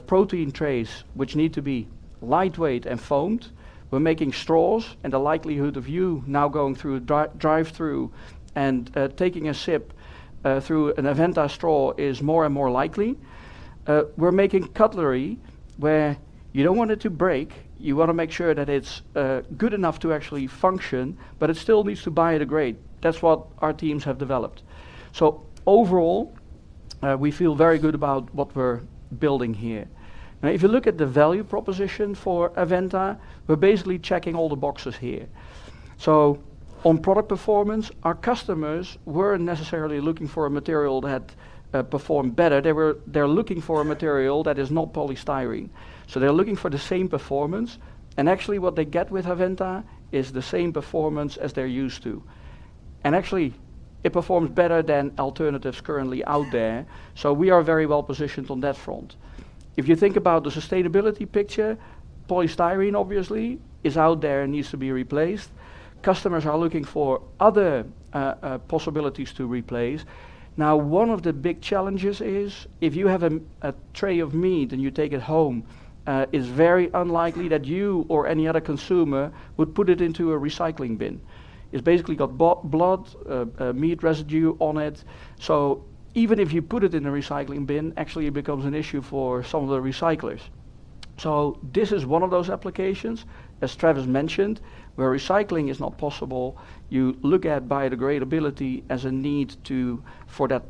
protein trays, which need to be lightweight and foamed. We're making straws, and the likelihood of you now going through a drive-thru and taking a sip through an Aventa straw is more and more likely. We're making cutlery where you don't want it to break. You want to make sure that it's good enough to actually function, but it still needs to biodegrade. That's what our teams have developed. So overall, we feel very good about what we're building here. Now, if you look at the value proposition for Aventa, we're basically checking all the boxes here. So on product performance, our customers weren't necessarily looking for a material that performed better. They're looking for a material that is not polystyrene. So they're looking for the same performance. And actually, what they get with Aventa is the same performance as they're used to. And actually, it performs better than alternatives currently out there. So we are very well positioned on that front. If you think about the sustainability picture, polystyrene obviously is out there and needs to be replaced. Customers are looking for other possibilities to replace. Now, one of the big challenges is if you have a tray of meat and you take it home, it's very unlikely that you or any other consumer would put it into a recycling bin. It's basically got blood, meat residue on it. So even if you put it in a recycling bin, actually, it becomes an issue for some of the recyclers. So this is one of those applications, as Travis mentioned, where recycling is not possible. You look at biodegradability as a need for that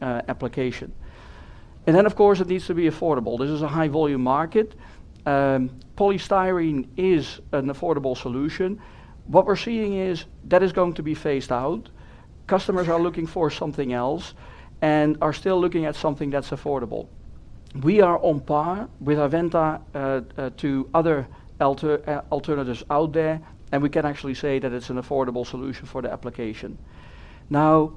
application. And then, of course, it needs to be affordable. This is a high-volume market. Polystyrene is an affordable solution. What we're seeing is that it is going to be phased out. Customers are looking for something else and are still looking at something that's affordable. We are on par with Aventa to other alternatives out there, and we can actually say that it's an affordable solution for the application. Now,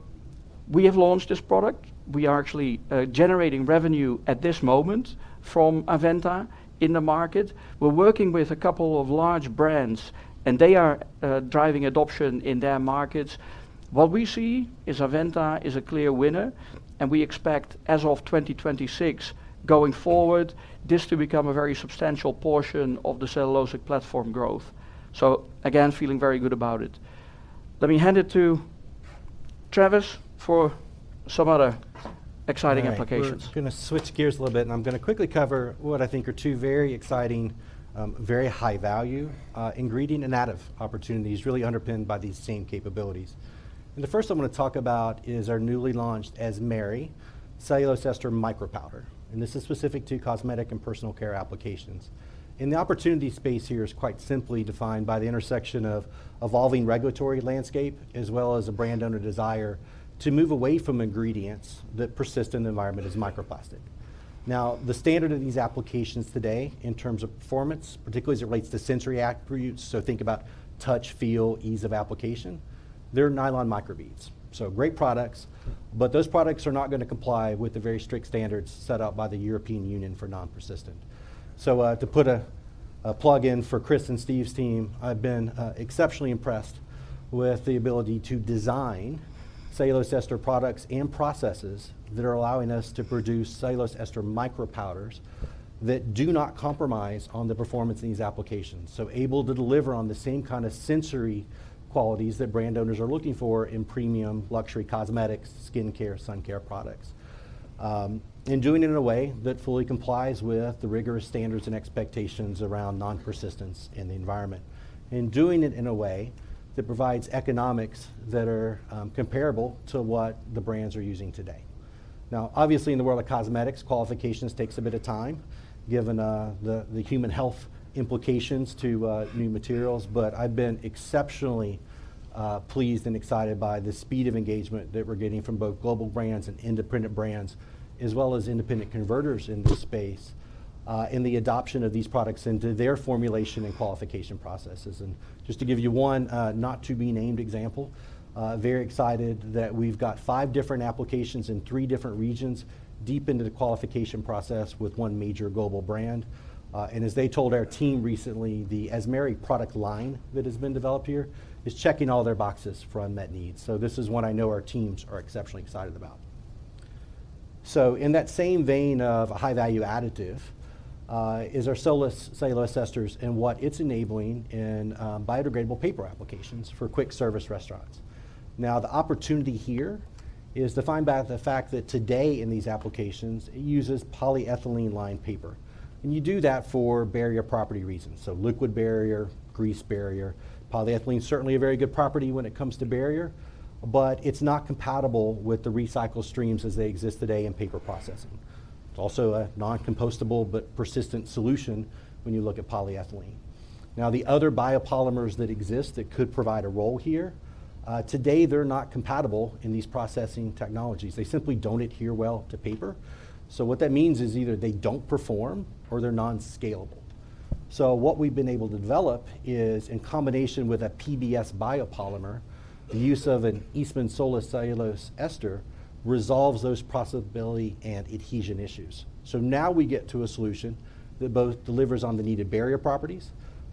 we have launched this product. We are actually generating revenue at this moment from Aventa in the market. We're working with a couple of large brands, and they are driving adoption in their markets. What we see is Aventa is a clear winner, and we expect, as of 2026 going forward, this to become a very substantial portion of the cellulosic platform growth. So again, feeling very good about it. Let me hand it to Travis for some other exciting applications. I'm going to switch gears a little bit, and I'm going to quickly cover what I think are two very exciting, very high-value ingredient and additive opportunities really underpinned by these same capabilities. The first I want to talk about is our newly launched Eastman cellulosic ester micro powder. This is specific to cosmetic and personal care applications. The opportunity space here is quite simply defined by the intersection of evolving regulatory landscape as well as a brand owner desire to move away from ingredients that persist in the environment as microplastic. Now, the standard of these applications today in terms of performance, particularly as it relates to sensory attributes, so think about touch, feel, ease of application, they're nylon microbeads. So great products, but those products are not going to comply with the very strict standards set out by the European Union for non-persistent. So to put a plug in for Chris and Steve's team, I've been exceptionally impressed with the ability to design cellulose ester products and processes that are allowing us to produce cellulose ester micro powders that do not compromise on the performance in these applications, so able to deliver on the same kind of sensory qualities that brand owners are looking for in premium luxury cosmetics, skincare, sun care products, and doing it in a way that fully complies with the rigorous standards and expectations around non-persistence in the environment, and doing it in a way that provides economics that are comparable to what the brands are using today. Now, obviously, in the world of cosmetics, qualifications take a bit of time given the human health implications to new materials, but I've been exceptionally pleased and excited by the speed of engagement that we're getting from both global brands and independent brands as well as independent converters in this space in the adoption of these products into their formulation and qualification processes. And just to give you one not-to-be-named example, very excited that we've got five different applications in three different regions deep into the qualification process with one major global brand. And as they told our team recently, the Esmeri product line that has been developed here is checking all their boxes for unmet needs. So this is one I know our teams are exceptionally excited about. So in that same vein of a high-value additive is our cellulose esters and what it's enabling in biodegradable paper applications for quick service restaurants. Now, the opportunity here is defined by the fact that today in these applications, it uses polyethylene-lined paper. And you do that for barrier property reasons, so liquid barrier, grease barrier. Polyethylene is certainly a very good property when it comes to barrier, but it's not compatible with the recycled streams as they exist today in paper processing. It's also a non-compostable but persistent solution when you look at polyethylene. Now, the other biopolymers that exist that could provide a role here, today they're not compatible in these processing technologies. They simply don't adhere well to paper. So what that means is either they don't perform or they're non-scalable. So what we've been able to develop is, in combination with a PBS biopolymer, the use of an Eastman Solus cellulose ester resolves those possibilities and adhesion issues. So now we get to a solution that both delivers on the needed barrier properties,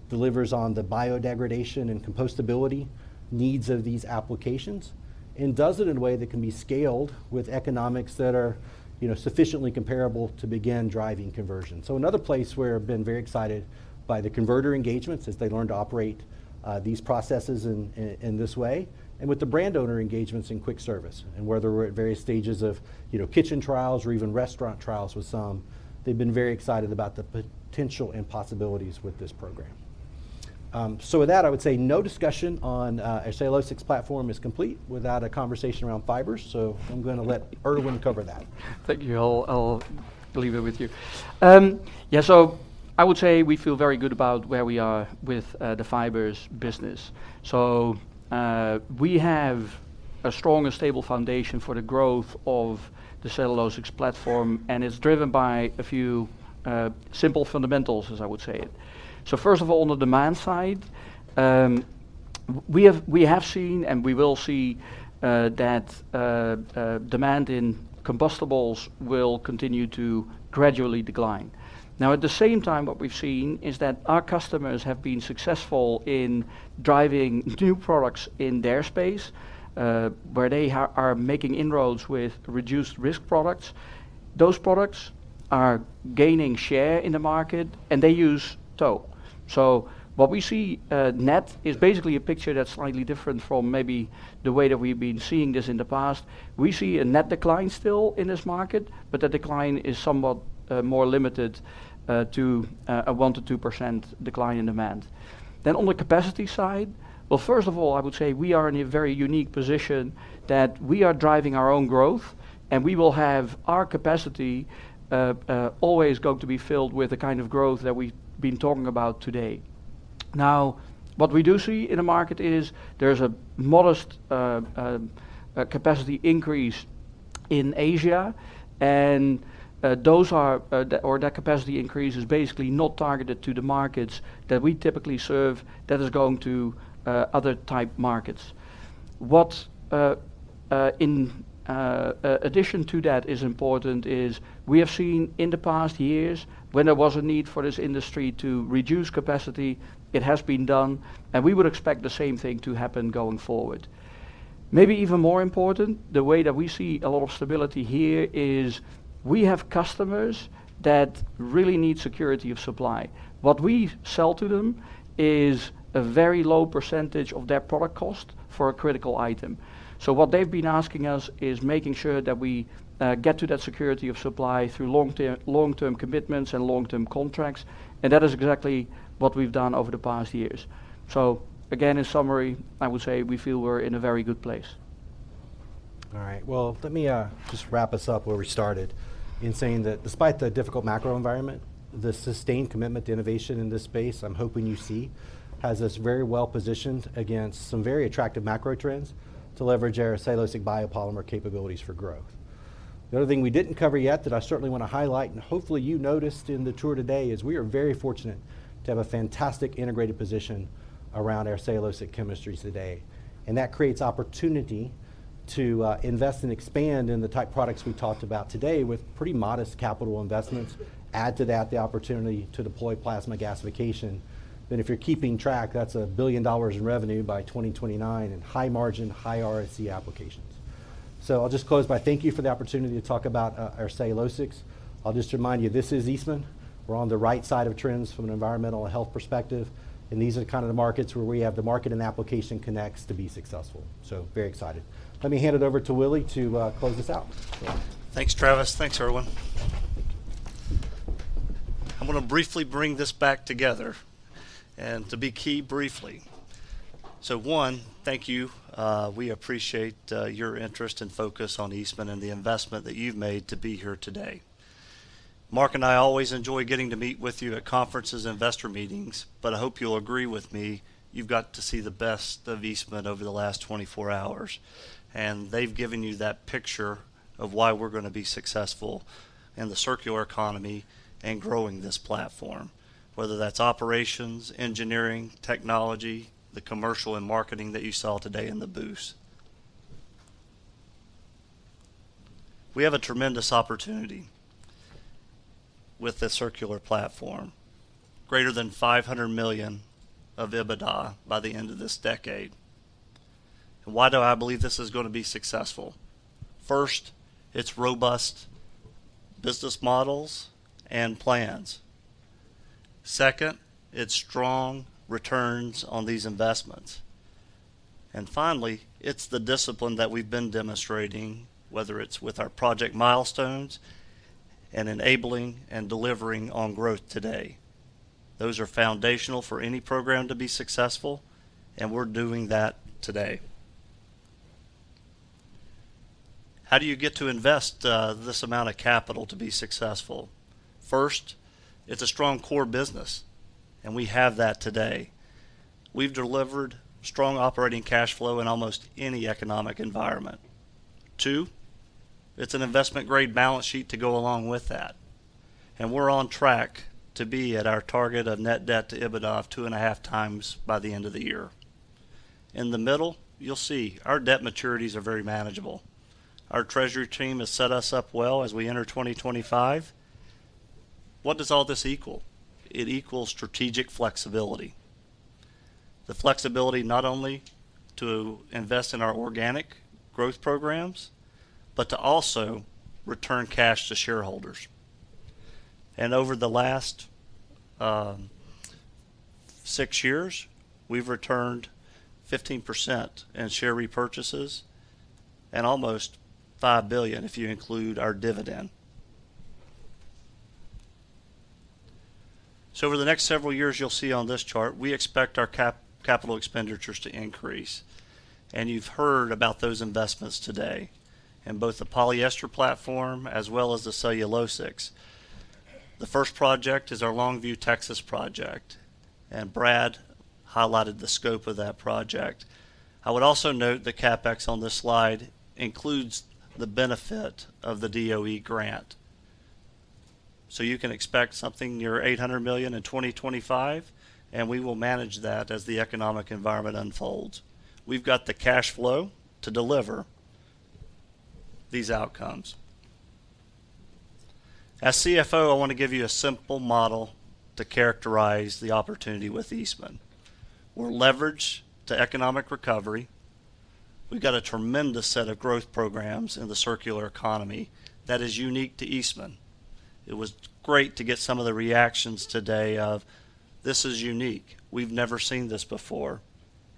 delivers on the biodegradation and compostability needs of these applications, and does it in a way that can be scaled with economics that are sufficiently comparable to begin driving conversion. So another place where I've been very excited by the converter engagements is they learned to operate these processes in this way and with the brand owner engagements in quick service and where they were at various stages of kitchen trials or even restaurant trials with some, they've been very excited about the potential and possibilities with this program. So with that, I would say no discussion on our cellulosics platform is complete without a conversation around fibers. So I'm going to let Erwin cover that. Thank you. I'll leave it with you. Yeah, so I would say we feel very good about where we are with the fibers business. We have a strong and stable foundation for the growth of the cellulosics platform, and it's driven by a few simple fundamentals, as I would say it. First of all, on the demand side, we have seen and we will see that demand in compostables will continue to gradually decline. Now, at the same time, what we've seen is that our customers have been successful in driving new products in their space where they are making inroads with reduced risk products. Those products are gaining share in the market, and they use. So what we see net is basically a picture that's slightly different from maybe the way that we've been seeing this in the past. We see a net decline still in this market, but that decline is somewhat more limited to a 1%-2% decline in demand. Then on the capacity side, well, first of all, I would say we are in a very unique position that we are driving our own growth, and we will have our capacity always going to be filled with the kind of growth that we've been talking about today. Now, what we do see in the market is there's a modest capacity increase in Asia, and that capacity increase is basically not targeted to the markets that we typically serve that is going to other type markets. What in addition to that is important is we have seen in the past years when there was a need for this industry to reduce capacity, it has been done, and we would expect the same thing to happen going forward. Maybe even more important, the way that we see a lot of stability here is we have customers that really need security of supply. What we sell to them is a very low percentage of their product cost for a critical item. So what they've been asking us is making sure that we get to that security of supply through long-term commitments and long-term contracts, and that is exactly what we've done over the past years. So again, in summary, I would say we feel we're in a very good place. All right. Well, let me just wrap us up where we started in saying that despite the difficult macro environment, the sustained commitment to innovation in this space, I'm hoping you see, has us very well positioned against some very attractive macro trends to leverage our cellulosic biopolymer capabilities for growth. The other thing we didn't cover yet that I certainly want to highlight, and hopefully you noticed in the tour today, is we are very fortunate to have a fantastic integrated position around our cellulosic chemistries today. And that creates opportunity to invest and expand in the type products we talked about today with pretty modest capital investments, add to that the opportunity to deploy plasma gasification. And if you're keeping track, that's $1 billion in revenue by 2029 and high margin, high ROIC applications. So, I'll just close by, thank you for the opportunity to talk about our cellulosics. I'll just remind you, this is Eastman. We're on the right side of trends from an environmental health perspective, and these are kind of the markets where we have the market and application connects to be successful. So, very excited. Let me hand it over to Willie to close this out. Thanks, Travis. Thanks, Erwin. I'm going to briefly bring this back together. So one, thank you. We appreciate your interest and focus on Eastman and the investment that you've made to be here today. Mark and I always enjoy getting to meet with you at conferences, investor meetings, but I hope you'll agree with me, you've got to see the best of Eastman over the last 24 hours, and they've given you that picture of why we're going to be successful in the circular economy and growing this platform, whether that's operations, engineering, technology, the commercial and marketing that you saw today in the booths. We have a tremendous opportunity with the circular platform, greater than $500 million of EBITDA by the end of this decade. Why do I believe this is going to be successful? First, it's robust business models and plans. Second, it's strong returns on these investments. And finally, it's the discipline that we've been demonstrating, whether it's with our project milestones and enabling and delivering on growth today. Those are foundational for any program to be successful, and we're doing that today. How do you get to invest this amount of capital to be successful? First, it's a strong core business, and we have that today. We've delivered strong operating cash flow in almost any economic environment. Two, it's an investment-grade balance sheet to go along with that. And we're on track to be at our target of net debt to EBITDA of two and a half times by the end of the year. In the middle, you'll see our debt maturities are very manageable. Our treasury team has set us up well as we enter 2025. What does all this equal? It equals strategic flexibility. The flexibility not only to invest in our organic growth programs, but to also return cash to shareholders. And over the last six years, we've returned 15% in share repurchases and almost $5 billion if you include our dividend. So over the next several years, you'll see on this chart, we expect our capital expenditures to increase. And you've heard about those investments today in both the polyester platform as well as the cellulosics. The first project is our Longview, Texas project, and Brad highlighted the scope of that project. I would also note the CapEx on this slide includes the benefit of the DOE grant. So you can expect something near $800 million in 2025, and we will manage that as the economic environment unfolds. We've got the cash flow to deliver these outcomes. As CFO, I want to give you a simple model to characterize the opportunity with Eastman. We're leveraged to economic recovery. We've got a tremendous set of growth programs in the circular economy that is unique to Eastman. It was great to get some of the reactions today of, "This is unique. We've never seen this before,"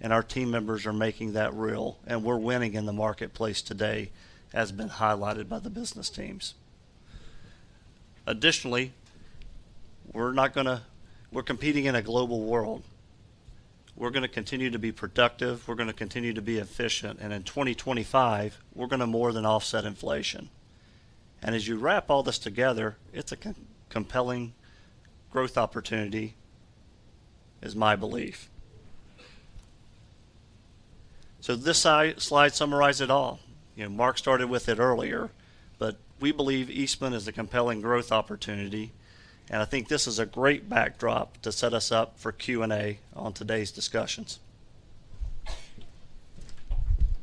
and our team members are making that real, and we're winning in the marketplace today, as has been highlighted by the business teams. Additionally, we're competing in a global world. We're going to continue to be productive. We're going to continue to be efficient, and in 2025, we're going to more than offset inflation, and as you wrap all this together, it's a compelling growth opportunity, is my belief, so this slide summarizes it all. Mark started with it earlier, but we believe Eastman is a compelling growth opportunity. I think this is a great backdrop to set us up for Q&A on today's discussions.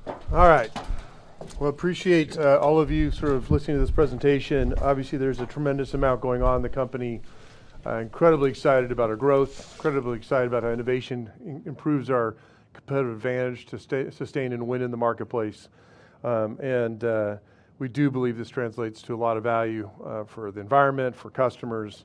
All right. Well, I appreciate all of you sort of listening to this presentation. Obviously, there's a tremendous amount going on in the company. I'm incredibly excited about our growth, incredibly excited about how innovation improves our competitive advantage to sustain and win in the marketplace. And we do believe this translates to a lot of value for the environment, for customers,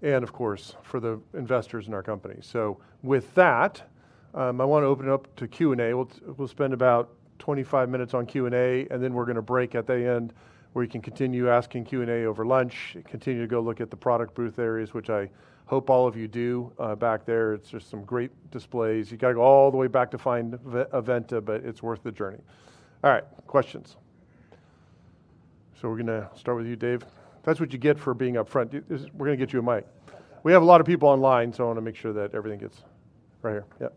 and of course, for the investors in our company. So with that, I want to open it up to Q&A. We'll spend about 25 minutes on Q&A, and then we're going to break at the end where you can continue asking Q&A over lunch, continue to go look at the product booth areas, which I hope all of you do back there. It's just some great displays. You got to go all the way back to find Aventa, but it's worth the journey. All right. Questions. So we're going to start with you, Dave. That's what you get for being up front. We're going to get you a mic. We have a lot of people online, so I want to make sure that everything gets right here.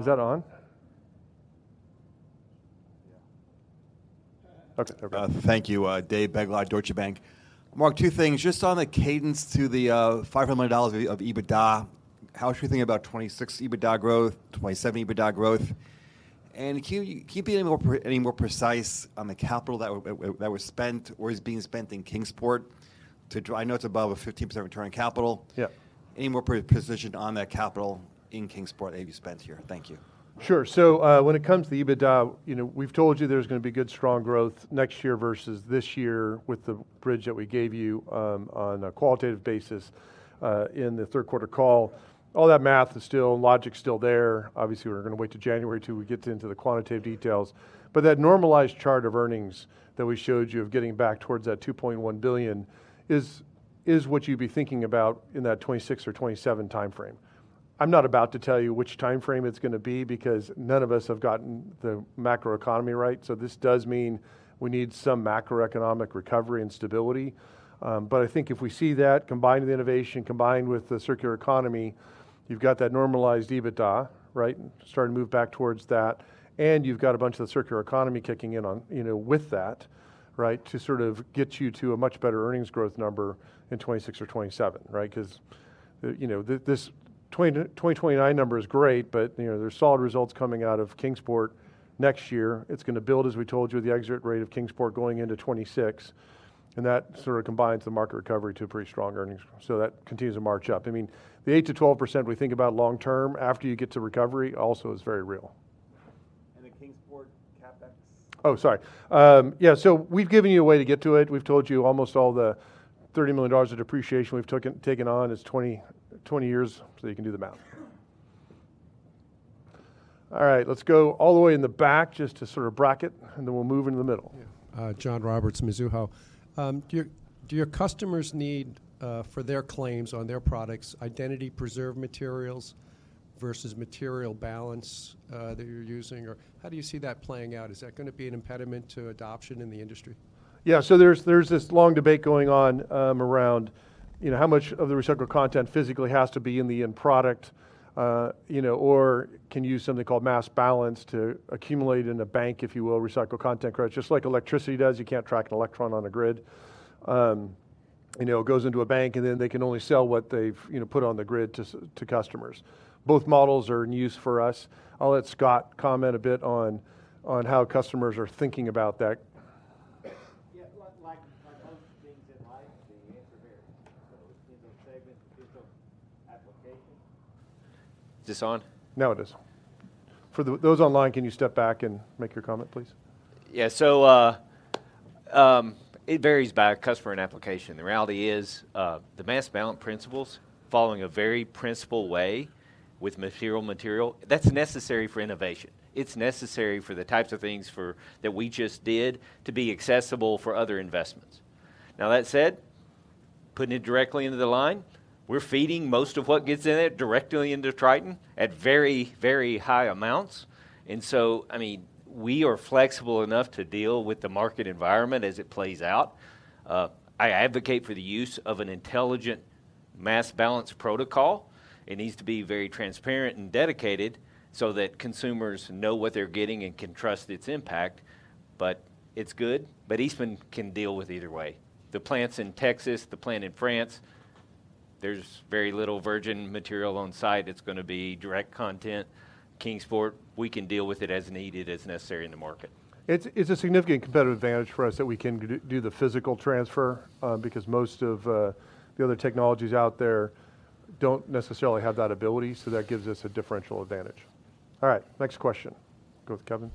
Yeah. Thank you. Dave Begleiter, Deutsche Bank. Is that on? Yeah. Okay. Thank you. Dave Begleiter, Deutsche Bank. Mark, two things. Just on the cadence to the $500 million of EBITDA, how should we think about 2026 EBITDA growth, 2027 EBITDA growth? And can you be any more precise on the capital that was spent or is being spent in Kingsport? I know it's above a 15% return on capital. Any more precision on that capital in Kingsport that you've spent here? Thank you. Sure. So when it comes to EBITDA, we've told you there's going to be good, strong growth next year versus this year with the bridge that we gave you on a qualitative basis in the third quarter call. All that math is still, logic's still there. Obviously, we're going to wait to January until we get into the quantitative details. But that normalized chart of earnings that we showed you of getting back towards that $2.1 billion is what you'd be thinking about in that 2026 or 2027 timeframe. I'm not about to tell you which timeframe it's going to be because none of us have gotten the macro economy right. So this does mean we need some macroeconomic recovery and stability. But I think if we see that combined with innovation, combined with the circular economy, you've got that normalized EBITDA, right, starting to move back towards that. And you've got a bunch of the circular economy kicking in with that, right, to sort of get you to a much better earnings growth number in 2026 or 2027, right? Because this 2029 number is great, but there's solid results coming out of Kingsport next year. It's going to build, as we told you, the exit rate of Kingsport going into 2026. And that sort of combines the market recovery to a pretty strong earnings. So that continues to march up. I mean, the 8%-12% we think about long-term after you get to recovery also is very real. The Kingsport CapEx? Oh, sorry. Yeah, so we've given you a way to get to it. We've told you almost all the $30 million of depreciation we've taken on is 20 years, so you can do the math. All right. Let's go all the way in the back just to sort of bracket, and then we'll move into the middle. John Roberts, Mizuho. Do your customers need, for their claims on their products, identity preserved materials versus mass balance that you're using? Or how do you see that playing out? Is that going to be an impediment to adoption in the industry? Yeah, so there's this long debate going on around how much of the recycled content physically has to be in the end product, or can you use something called mass balance to accumulate in a bank, if you will, recycled content credits? Just like electricity does, you can't track an electron on a grid. It goes into a bank, and then they can only sell what they've put on the grid to customers. Both models are in use for us. I'll let Scott comment a bit on how customers are thinking about that. Yeah. Like most things in life, the answer varies. So it depends on segment, it depends on application. Is this on? Now it is. For those online, can you step back and make your comment, please? Yeah. So it varies by customer and application. The reality is the mass balance principles following a very principled way with material, that's necessary for innovation. It's necessary for the types of things that we just did to be accessible for other investments. Now, that said, putting it directly into the line, we're feeding most of what gets in it directly into Tritan at very, very high amounts. And so, I mean, we are flexible enough to deal with the market environment as it plays out. I advocate for the use of an intelligent mass balance protocol. It needs to be very transparent and dedicated so that consumers know what they're getting and can trust its impact. But it's good, but Eastman can deal with either way. The plants in Texas, the plant in France, there's very little virgin material on site. It's going to be direct content. Kingsport, we can deal with it as needed, as necessary in the market. It's a significant competitive advantage for us that we can do the physical transfer because most of the other technologies out there don't necessarily have that ability. So that gives us a differential advantage. All right. Next question. Go with Kevin.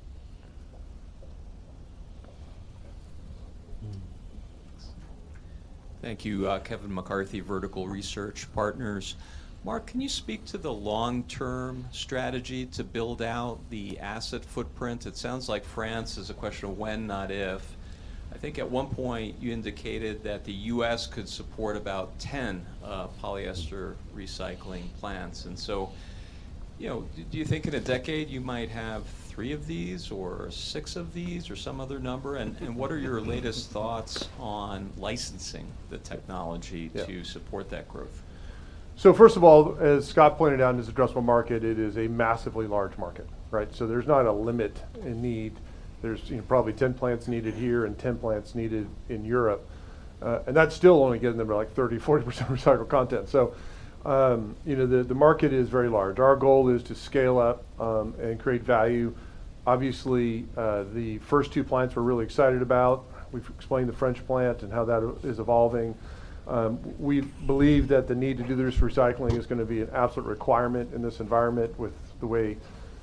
Thank you, Kevin McCarthy, Vertical Research Partners. Mark, can you speak to the long-term strategy to build out the asset footprint? It sounds like France is a question of when, not if. I think at one point you indicated that the U.S. could support about 10 polyester recycling plants. And so do you think in a decade you might have three of these or six of these or some other number? And what are your latest thoughts on licensing the technology to support that growth? So first of all, as Scott pointed out in his addressable market, it is a massively large market, right? So there's not a limit in need. There's probably 10 plants needed here and 10 plants needed in Europe. And that's still only getting them to like 30%-40% recycled content. So the market is very large. Our goal is to scale up and create value. Obviously, the first two plants we're really excited about. We've explained the French plant and how that is evolving. We believe that the need to do this recycling is going to be an absolute requirement in this environment with the way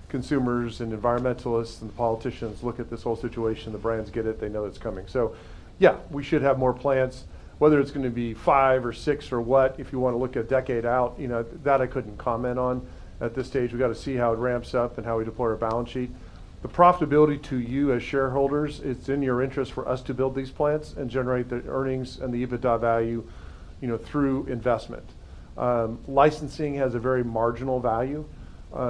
consumers and environmentalists and politicians look at this whole situation. The brands get it. They know it's coming. So yeah, we should have more plants, whether it's going to be five or six or what, if you want to look a decade out. That I couldn't comment on at this stage. We got to see how it ramps up and how we deploy our balance sheet. The profitability to you as shareholders, it's in your interest for us to build these plants and generate the earnings and the EBITDA value through investment. Licensing has a very marginal value,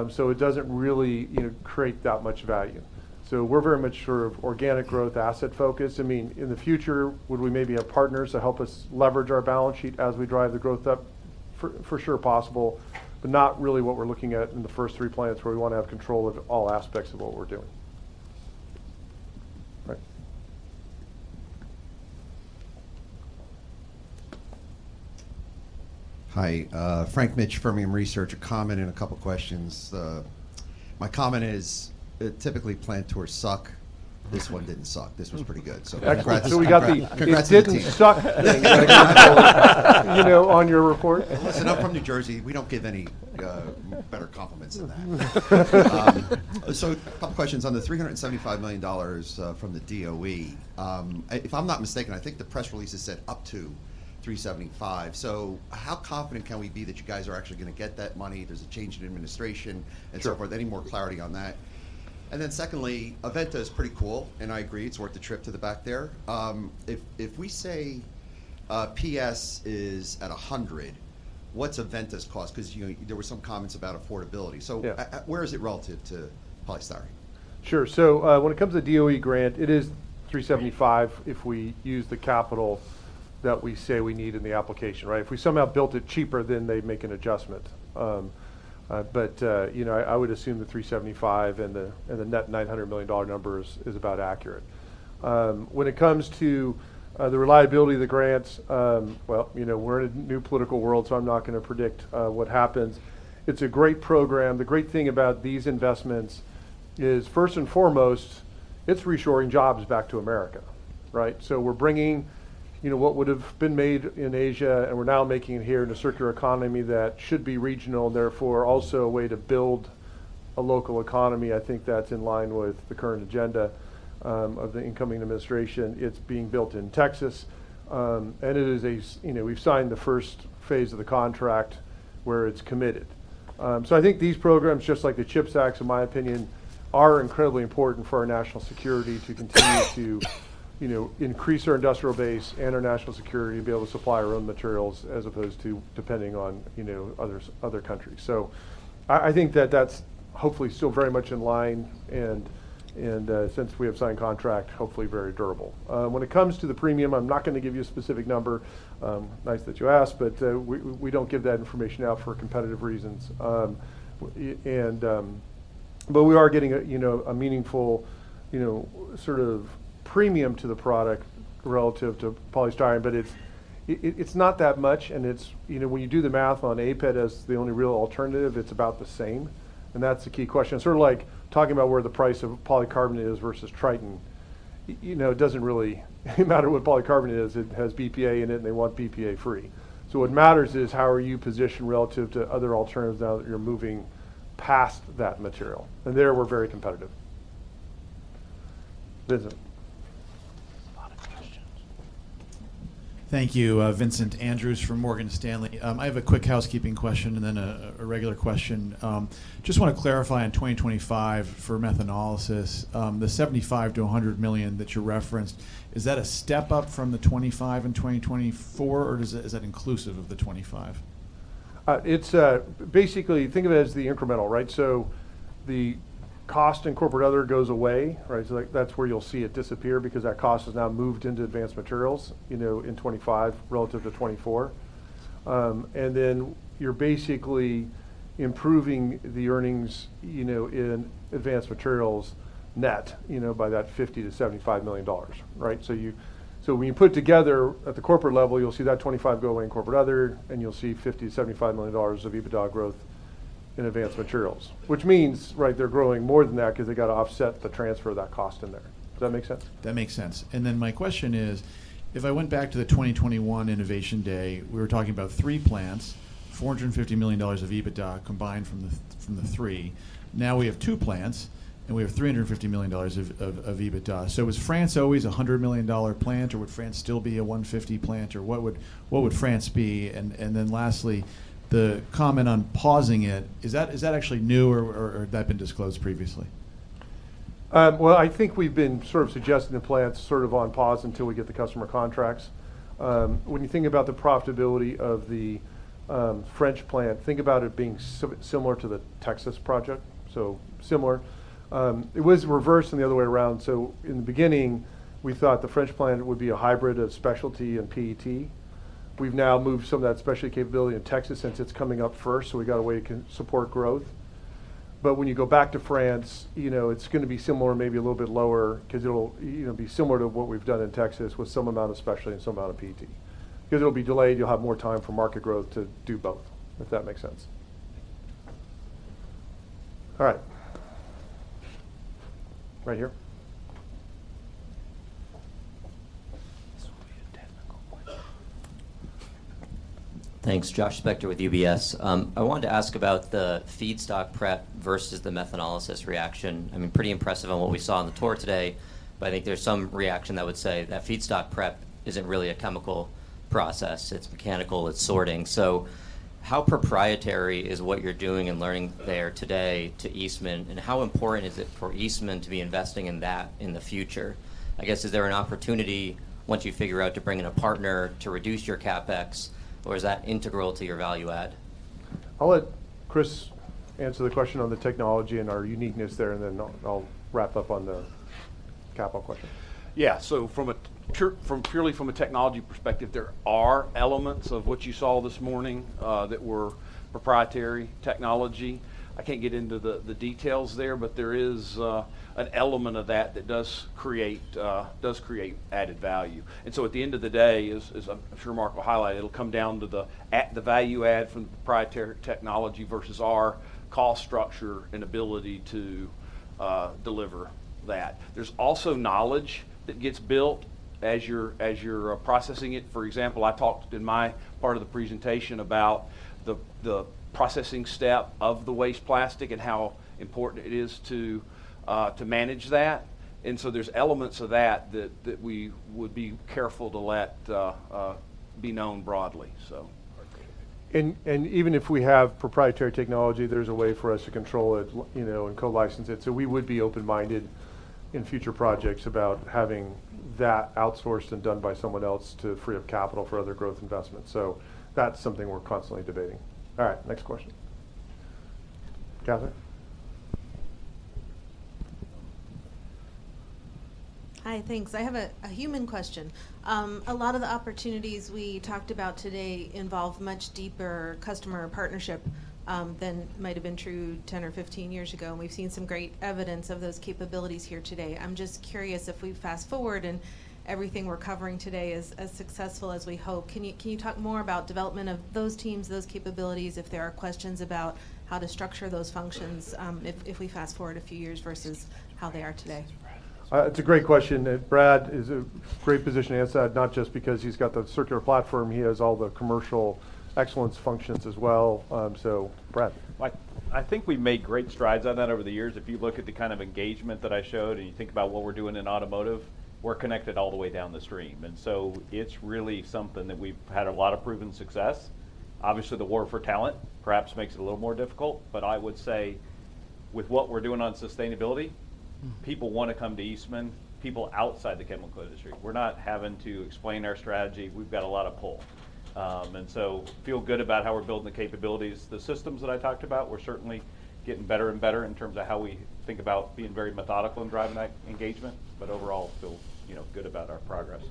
so it doesn't really create that much value. So we're very much sort of organic growth asset focused. I mean, in the future, would we maybe have partners to help us leverage our balance sheet as we drive the growth up? For sure, possible, but not really what we're looking at in the first three plants where we want to have control of all aspects of what we're doing. All right. Hi. Frank Mitsch from Fermium Research, a comment and a couple of questions. My comment is typically plant tours suck. This one didn't suck. This was pretty good. So we got the didn't suck on your report. Listen, I'm from New Jersey. We don't give any better compliments than that. So a couple of questions on the $375 million from the DOE. If I'm not mistaken, I think the press release has said up to $375. So how confident can we be that you guys are actually going to get that money? There's a change in administration and so forth. Any more clarity on that? And then secondly, Aventa is pretty cool, and I agree it's worth the trip to the back there. If we say PS is at 100, what's Aventa's cost? Because there were some comments about affordability. So where is it relative to Polystyrene? Sure. So when it comes to DOE grant, it is $375 if we use the capital that we say we need in the application, right? If we somehow built it cheaper, then they make an adjustment. But I would assume the $375 and the net $900 million number is about accurate. When it comes to the reliability of the grants, well, we're in a new political world, so I'm not going to predict what happens. It's a great program. The great thing about these investments is, first and foremost, it's restoring jobs back to America, right? So we're bringing what would have been made in Asia, and we're now making it here in a circular economy that should be regional and therefore also a way to build a local economy. I think that's in line with the current agenda of the incoming administration. It's being built in Texas. We've signed the first phase of the contract where it's committed. I think these programs, just like the CHIPS Act, in my opinion, are incredibly important for our national security to continue to increase our industrial base and our national security and be able to supply our own materials as opposed to depending on other countries. That's hopefully still very much in line. Since we have signed a contract, it's hopefully very durable. When it comes to the premium, I'm not going to give you a specific number. Nice that you asked, but we don't give that information out for competitive reasons. We are getting a meaningful sort of premium to the product relative to polystyrene, but it's not that much. When you do the math on APET as the only real alternative, it's about the same. That's the key question. Sort of like talking about where the price of polycarbonate is versus Tritan. It doesn't really matter what polycarbonate is. It has BPA in it, and they want BPA-free. So what matters is how are you positioned relative to other alternatives now that you're moving past that material? And there we're very competitive. Vincent. There's a lot of questions. Thank you. Vincent Andrews from Morgan Stanley. I have a quick housekeeping question and then a regular question. Just want to clarify in 2025 for methanolysis, the $75-100 million that you referenced, is that a step up from the $25 million in 2024, or is that inclusive of the $25 million? Basically, think of it as the incremental, right? So the cost in Corporate Other goes away, right? So that's where you'll see it disappear because that cost has now moved into Advanced Materials in 2025 relative to 2024. And then you're basically improving the earnings in Advanced Materials net by that $50-$75 million, right? So when you put it together at the corporate level, you'll see that 2025 go away in Corporate Other, and you'll see $50-$75 million of EBITDA growth in Advanced Materials, which means they're growing more than that because they got to offset the transfer of that cost in there. Does that make sense? That makes sense. And then my question is, if I went back to the 2021 Innovation Day, we were talking about three plants, $450 million of EBITDA combined from the three. Now we have two plants, and we have $350 million of EBITDA. So is France always a $100 million plant, or would France still be a $150 million, or what would France be? And then lastly, the comment on pausing it, is that actually new, or had that been disclosed previously? I think we've been sort of suggesting the plants sort of on pause until we get the customer contracts. When you think about the profitability of the French plant, think about it being similar to the Texas project, so similar. It was reversed and the other way around. So in the beginning, we thought the French plant would be a hybrid of specialty and PET. We've now moved some of that specialty capability in Texas since it's coming up first, so we got a way to support growth. But when you go back to France, it's going to be similar, maybe a little bit lower, because it'll be similar to what we've done in Texas with some amount of specialty and some amount of PET. Because it'll be delayed, you'll have more time for market growth to do both, if that makes sense. All right. Right here. This will be a technical question. Thanks. Josh Spector with UBS. I wanted to ask about the feedstock prep versus the methanolysis reaction. I mean, pretty impressive on what we saw on the tour today, but I think there's some reaction that would say that feedstock prep isn't really a chemical process. It's mechanical. It's sorting. So how proprietary is what you're doing and learning there today to Eastman, and how important is it for Eastman to be investing in that in the future? I guess, is there an opportunity once you figure out to bring in a partner to reduce your CapEx, or is that integral to your value add? I'll let Chris answer the question on the technology and our uniqueness there, and then I'll wrap up on the CapEx question. Yeah. So purely from a technology perspective, there are elements of what you saw this morning that were proprietary technology. I can't get into the details there, but there is an element of that that does create added value. And so at the end of the day, as I'm sure Mark will highlight, it'll come down to the value add from the proprietary technology versus our cost structure and ability to deliver that. There's also knowledge that gets built as you're processing it. For example, I talked in my part of the presentation about the processing step of the waste plastic and how important it is to manage that. And so there's elements of that that we would be careful to let be known broadly, so. Even if we have proprietary technology, there's a way for us to control it and co-license it. We would be open-minded in future projects about having that outsourced and done by someone else to free up capital for other growth investments. That's something we're constantly debating. All right. Next question. Kathy. Hi. Thanks. I have a human question. A lot of the opportunities we talked about today involve much deeper customer partnership than might have been true 10 or 15 years ago. And we've seen some great evidence of those capabilities here today. I'm just curious if we fast forward and everything we're covering today is as successful as we hope. Can you talk more about development of those teams, those capabilities, if there are questions about how to structure those functions if we fast forward a few years versus how they are today? It's a great question. Brad is in a great position to answer that, not just because he's got the circular platform. He has all the commercial excellence functions as well. So, Brad. I think we've made great strides on that over the years. If you look at the kind of engagement that I showed and you think about what we're doing in automotive, we're connected all the way down the stream, and so it's really something that we've had a lot of proven success. Obviously, the war for talent perhaps makes it a little more difficult, but I would say with what we're doing on sustainability, people want to come to Eastman, people outside the chemical industry. We're not having to explain our strategy. We've got a lot of pull, and so feel good about how we're building the capabilities. The systems that I talked about, we're certainly getting better and better in terms of how we think about being very methodical in driving that engagement, but overall feel good about our progress.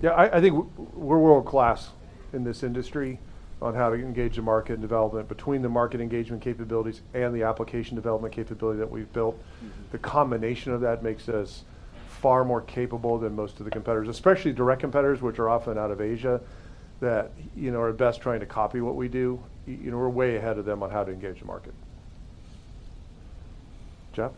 Yeah. I think we're world-class in this industry on how to engage the market and development between the market engagement capabilities and the application development capability that we've built. The combination of that makes us far more capable than most of the competitors, especially direct competitors, which are often out of Asia that are best trying to copy what we do. We're way ahead of them on how to engage the market. Jeff.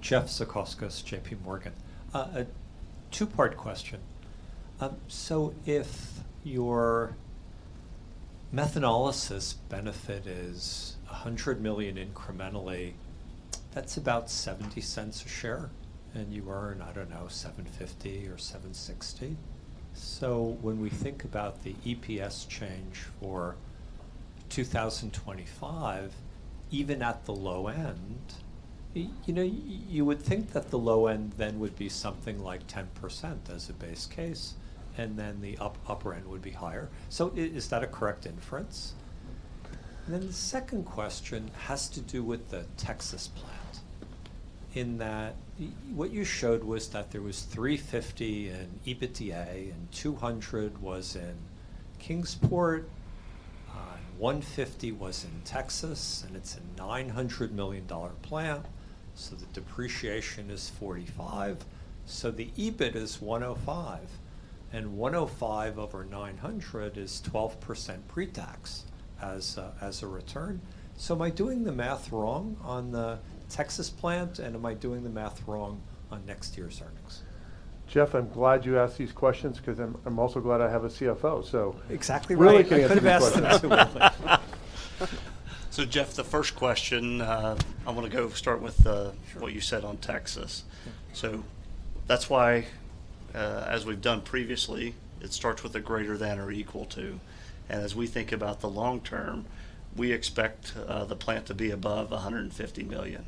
Jeff Zekauskas, J.P. Morgan. A two-part question. So if your methanolysis benefit is $100 million incrementally, that's about $0.70 a share, and you earn, I don't know, $7.50 or $7.60. So when we think about the EPS change for 2025, even at the low end, you would think that the low end then would be something like 10% as a base case, and then the upper end would be higher. So is that a correct inference? And then the second question has to do with the Texas plant in that what you showed was that there was $350 million in EBITDA and $200 million was in Kingsport, and $150 million was in Texas, and it's a $900 million plant. So the depreciation is $45 million. So the EBIT is $105 million, and $105 million over $900 million is 12% pre-tax as a return. Am I doing the math wrong on the Texas plant, and am I doing the math wrong on next year's earnings? Jeff, I'm glad you asked these questions because I'm also glad I have a CFO, so. Exactly right. I could have asked them too. So, Jeff, the first question, I want to go start with what you said on Texas. So that's why, as we've done previously, it starts with a greater than or equal to. And as we think about the long term, we expect the plant to be above $150 million.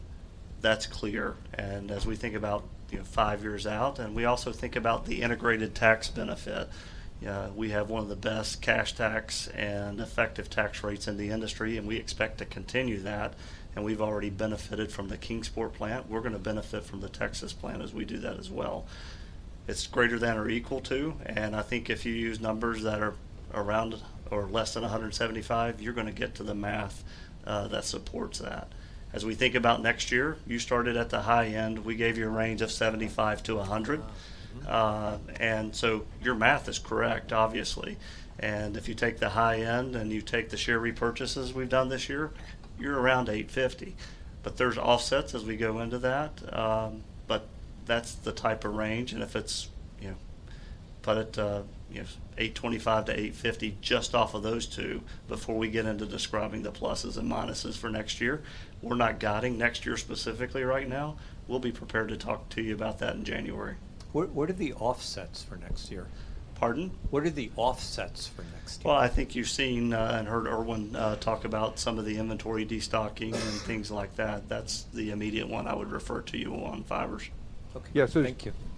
That's clear. And as we think about five years out, and we also think about the integrated tax benefit, we have one of the best cash tax and effective tax rates in the industry, and we expect to continue that. And we've already benefited from the Kingsport plant. We're going to benefit from the Texas plant as we do that as well. It's greater than or equal to. And I think if you use numbers that are around or less than $175, you're going to get to the math that supports that. As we think about next year, you started at the high end. We gave you a range of 75-100, and so your math is correct, obviously, and if you take the high end and you take the share repurchases we've done this year, you're around 850, but there's offsets as we go into that, but that's the type of range, and if it's put at 825-850 just off of those two before we get into describing the pluses and minuses for next year, we're not guiding next year specifically right now. We'll be prepared to talk to you about that in January. What are the offsets for next year? Pardon? What are the offsets for next year? I think you've seen and heard Erwin talk about some of the inventory destocking and things like that. That's the immediate one I would refer to you on fibers. Yeah. So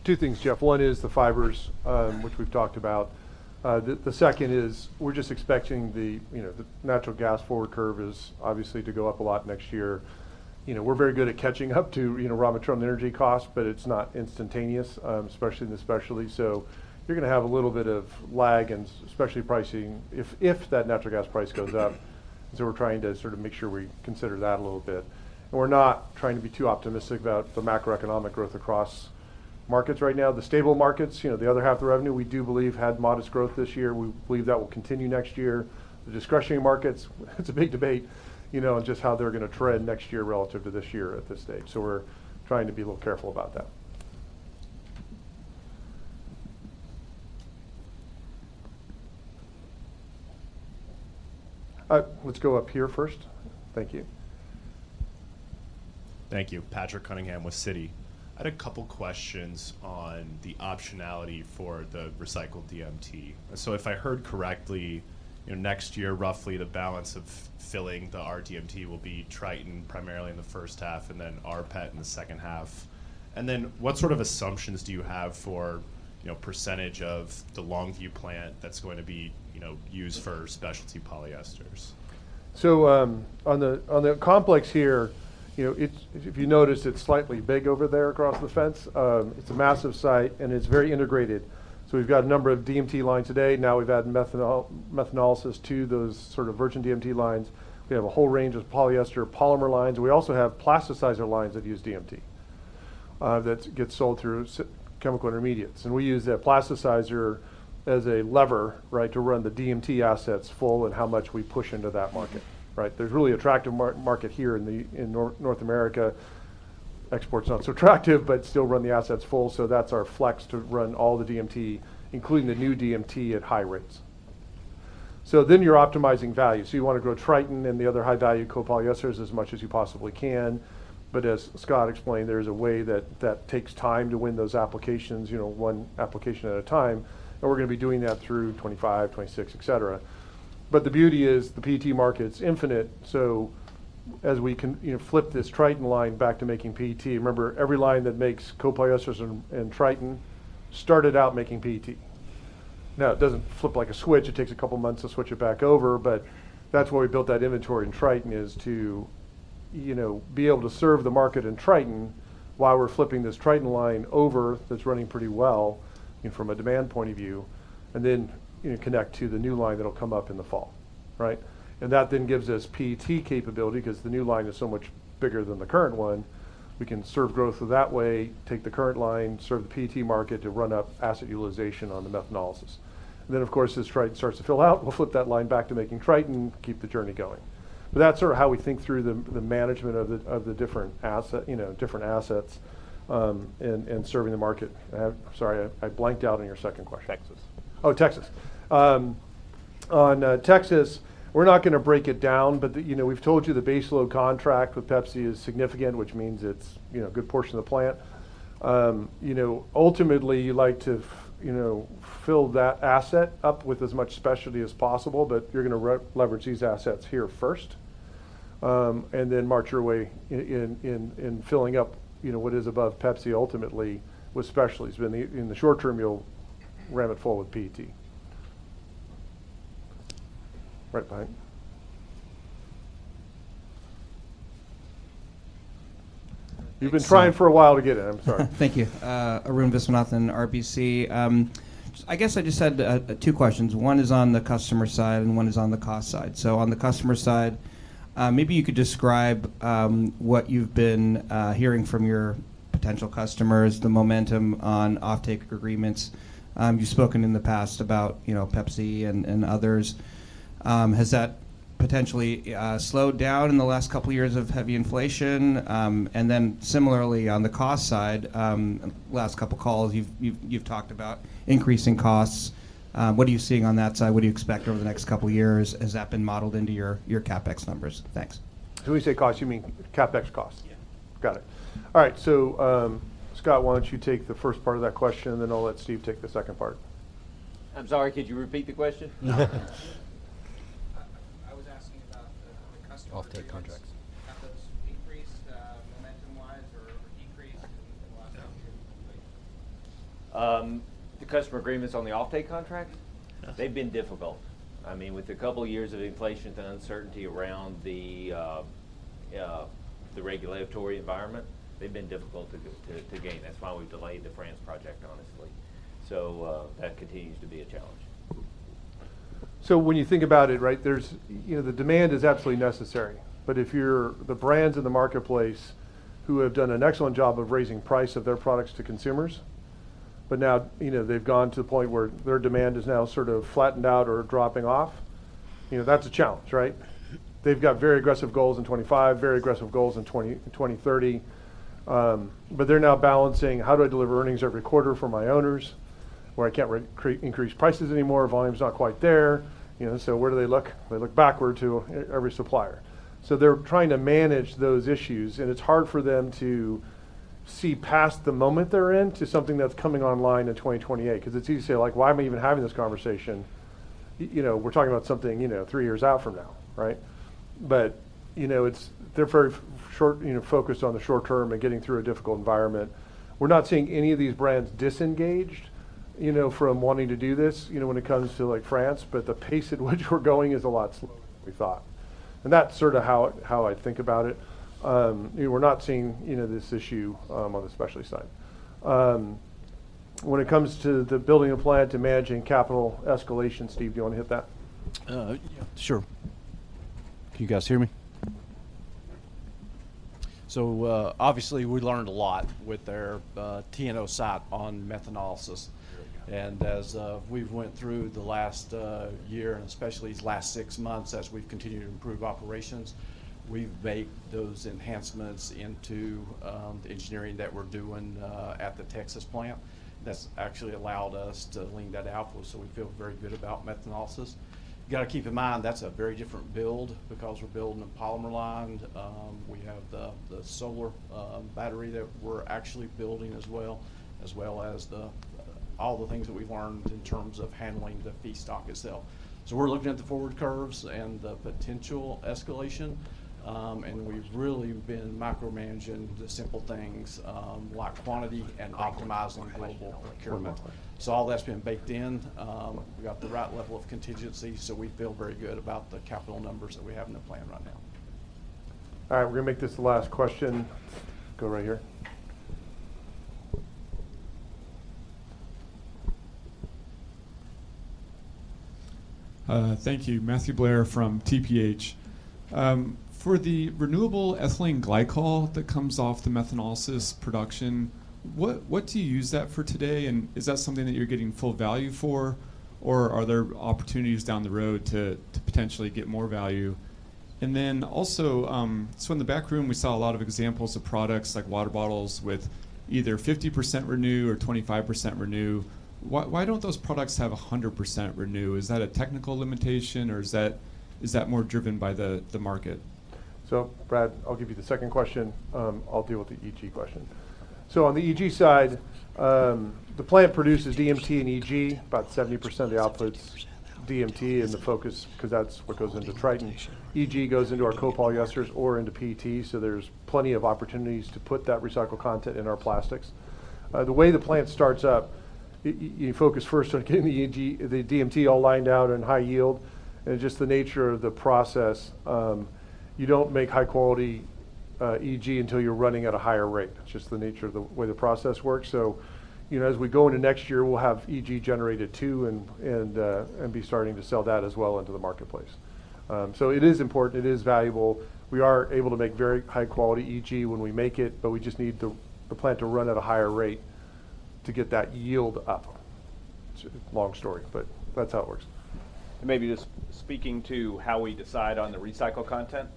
two things, Jeff. One is the fibers, which we've talked about. The second is we're just expecting the natural gas forward curve is obviously to go up a lot next year. We're very good at catching up to raw material and energy costs, but it's not instantaneous, especially in the specialty. So you're going to have a little bit of lag in specialty pricing if that natural gas price goes up. And so we're trying to sort of make sure we consider that a little bit. And we're not trying to be too optimistic about the macroeconomic growth across markets right now. The stable markets, the other half of the revenue, we do believe had modest growth this year. We believe that will continue next year. The discretionary markets, it's a big debate on just how they're going to trend next year relative to this year at this stage. So we're trying to be a little careful about that. Let's go up here first. Thank you. Thank you. Patrick Cunningham with Citi. I had a couple of questions on the optionality for the recycled DMT. So if I heard correctly, next year, roughly the balance of filling the rDMT will be Tritan primarily in the first half and then rPET in the second half. And then what sort of assumptions do you have for percentage of the Longview plant that's going to be used for specialty polyesters? So on the complex here, if you notice, it's slightly big over there across the fence. It's a massive site, and it's very integrated. So we've got a number of DMT lines today. Now we've added methanolysis to those sort of virgin DMT lines. We have a whole range of polyester polymer lines. We also have plasticizer lines that use DMT that gets sold through chemical intermediates. And we use that plasticizer as a lever, right, to run the DMT assets full and how much we push into that market, right? There's really attractive market here in North America. Export's not so attractive, but still run the assets full. So that's our flex to run all the DMT, including the new DMT at high rates. So then you're optimizing value. So you want to grow Tritan and the other high-value copolyesters as much as you possibly can. But as Scott explained, there is a way that takes time to win those applications, one application at a time. And we're going to be doing that through 2025, 2026, etc. But the beauty is the PET market's infinite. So as we flip this Tritan line back to making PET, remember, every line that makes copolyesters and Tritan started out making PET. Now, it doesn't flip like a switch. It takes a couple of months to switch it back over. But that's why we built that inventory in Tritan, is to be able to serve the market in Tritan while we're flipping this Tritan line over that's running pretty well from a demand point of view, and then connect to the new line that'll come up in the fall, right? And that then gives us PET capability because the new line is so much bigger than the current one. We can serve growth that way, take the current line, serve the PET market to run up asset utilization on the methanolysis, and then, of course, as Tritan starts to fill out, we'll flip that line back to making Tritan and keep the journey going. But that's sort of how we think through the management of the different assets and serving the market. Sorry, I blanked out on your second question. Texas. Oh, Texas. On Texas, we're not going to break it down, but we've told you the base load contract with Pepsi is significant, which means it's a good portion of the plant. Ultimately, you like to fill that asset up with as much specialty as possible, but you're going to leverage these assets here first and then march your way in filling up what is above Pepsi ultimately with specialties. In the short term, you'll ram it full with PET. Right, Pynn? You've been trying for a while to get in. I'm sorry. Thank you. Arun Viswanathan, RBC. I guess I just had two questions. One is on the customer side, and one is on the cost side. So on the customer side, maybe you could describe what you've been hearing from your potential customers, the momentum on off-take agreements. You've spoken in the past about Pepsi and others. Has that potentially slowed down in the last couple of years of heavy inflation? And then similarly, on the cost side, last couple of calls, you've talked about increasing costs. What are you seeing on that side? What do you expect over the next couple of years? Has that been modeled into your CapEx numbers? Thanks. When we say cost, you mean CapEx cost? Yeah. Got it. All right. So Scott, why don't you take the first part of that question, and then I'll let Steve take the second part. I'm sorry. Could you repeat the question? No. I was asking about the customer agreements. Off-take contracts. Have those increased momentum-wise or decreased in the last couple of years? The customer agreements on the off-take contracts? Yes. They've been difficult. I mean, with a couple of years of inflation and uncertainty around the regulatory environment, they've been difficult to gain. That's why we've delayed the France project, honestly. So that continues to be a challenge. So when you think about it, right, the demand is absolutely necessary. But if you're the brands in the marketplace who have done an excellent job of raising price of their products to consumers, but now they've gone to the point where their demand is now sort of flattened out or dropping off, that's a challenge, right? They've got very aggressive goals in 2025, very aggressive goals in 2030. But they're now balancing, how do I deliver earnings every quarter for my owners where I can't increase prices anymore? Volume's not quite there. So where do they look? They look backward to every supplier. So they're trying to manage those issues, and it's hard for them to see past the moment they're in to something that's coming online in 2028 because it's easy to say, like, "Why am I even having this conversation? We're talking about something three years out from now," right? But they're very focused on the short term and getting through a difficult environment. We're not seeing any of these brands disengaged from wanting to do this when it comes to France, but the pace at which we're going is a lot slower than we thought. And that's sort of how I think about it. We're not seeing this issue on the specialty side. When it comes to the building of a plant to managing capital escalation, Steve, do you want to hit that? Sure. Can you guys hear me? So obviously, we learned a lot with their TNO SAT on methanolysis. And as we've went through the last year and especially these last six months as we've continued to improve operations, we've baked those enhancements into the engineering that we're doing at the Texas plant. That's actually allowed us to lean that out. So we feel very good about methanolysis. You got to keep in mind that's a very different build because we're building a polymer line. We have the thermal battery that we're actually building as well, as well as all the things that we've learned in terms of handling the feedstock itself. So we're looking at the forward curves and the potential escalation. And we've really been micromanaging the simple things like quantity and optimizing global procurement. So all that's been baked in. We got the right level of contingency. So we feel very good about the capital numbers that we have in the plant right now. All right. We're going to make this the last question. Go right here. Thank you. Matthew Blair from TPH. For the renewable ethylene glycol that comes off the methanolysis production, what do you use that for today? And is that something that you're getting full value for, or are there opportunities down the road to potentially get more value? And then also, so in the back room, we saw a lot of examples of products like water bottles with either 50% Renew or 25% Renew. Why don't those products have 100% Renew? Is that a technical limitation, or is that more driven by the market? Brad, I'll give you the second question. I'll deal with the EG question. On the EG side, the plant produces DMT and EG, about 70% of the output's DMT in the focus because that's what goes into Tritan. EG goes into our copolyesters or into PET. There's plenty of opportunities to put that recycled content in our plastics. The way the plant starts up, you focus first on getting the DMT all lined out and high yield. It's just the nature of the process. You don't make high-quality EG until you're running at a higher rate. It's just the nature of the way the process works. As we go into next year, we'll have EG generated too and be starting to sell that as well into the marketplace. It is important. It is valuable. We are able to make very high-quality EG when we make it, but we just need the plant to run at a higher rate to get that yield up. It's a long story, but that's how it works. And maybe just speaking to how we decide on the recycled content.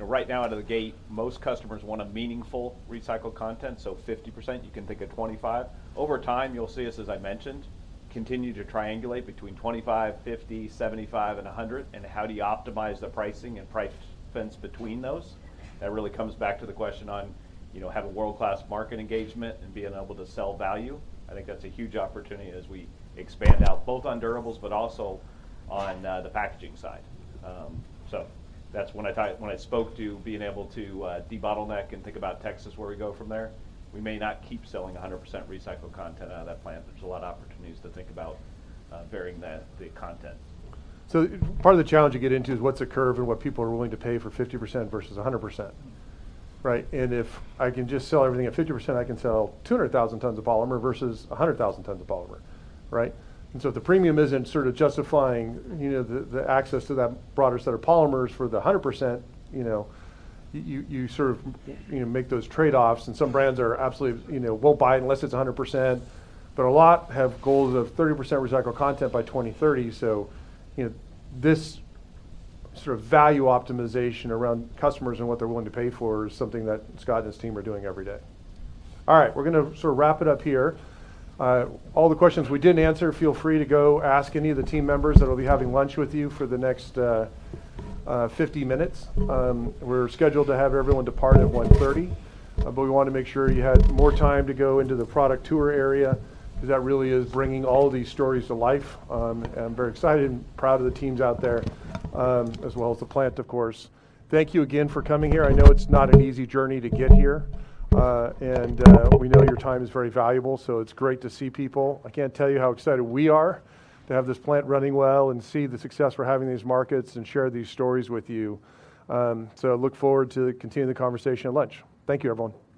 Right now, out of the gate, most customers want a meaningful recycled content. So 50%, you can think of 25%. Over time, you'll see us, as I mentioned, continue to triangulate between 25%, 50%, 75%, and 100%. And how do you optimize the pricing and price fence between those? That really comes back to the question on having world-class market engagement and being able to sell value. I think that's a huge opportunity as we expand out both on durables, but also on the packaging side. So that's when I spoke to being able to debottleneck and think about Texas where we go from there. We may not keep selling 100% recycled content out of that plant. There's a lot of opportunities to think about varying the content. So part of the challenge you get into is what's the curve and what people are willing to pay for 50% versus 100%, right? And if I can just sell everything at 50%, I can sell 200,000 tons of polymer versus 100,000 tons of polymer, right? And so if the premium isn't sort of justifying the access to that broader set of polymers for the 100%, you sort of make those trade-offs. And some brands are absolutely will buy it unless it's 100%, but a lot have goals of 30% recycled content by 2030. So this sort of value optimization around customers and what they're willing to pay for is something that Scott and his team are doing every day. All right. We're going to sort of wrap it up here. All the questions we didn't answer, feel free to go ask any of the team members that will be having lunch with you for the next 50 minutes. We're scheduled to have everyone depart at 1:30 P.M., but we want to make sure you had more time to go into the product tour area because that really is bringing all these stories to life. I'm very excited and proud of the teams out there, as well as the plant, of course. Thank you again for coming here. I know it's not an easy journey to get here, and we know your time is very valuable. So it's great to see people. I can't tell you how excited we are to have this plant running well and see the success we're having in these markets and share these stories with you. So I look forward to continuing the conversation at lunch. Thank you, everyone.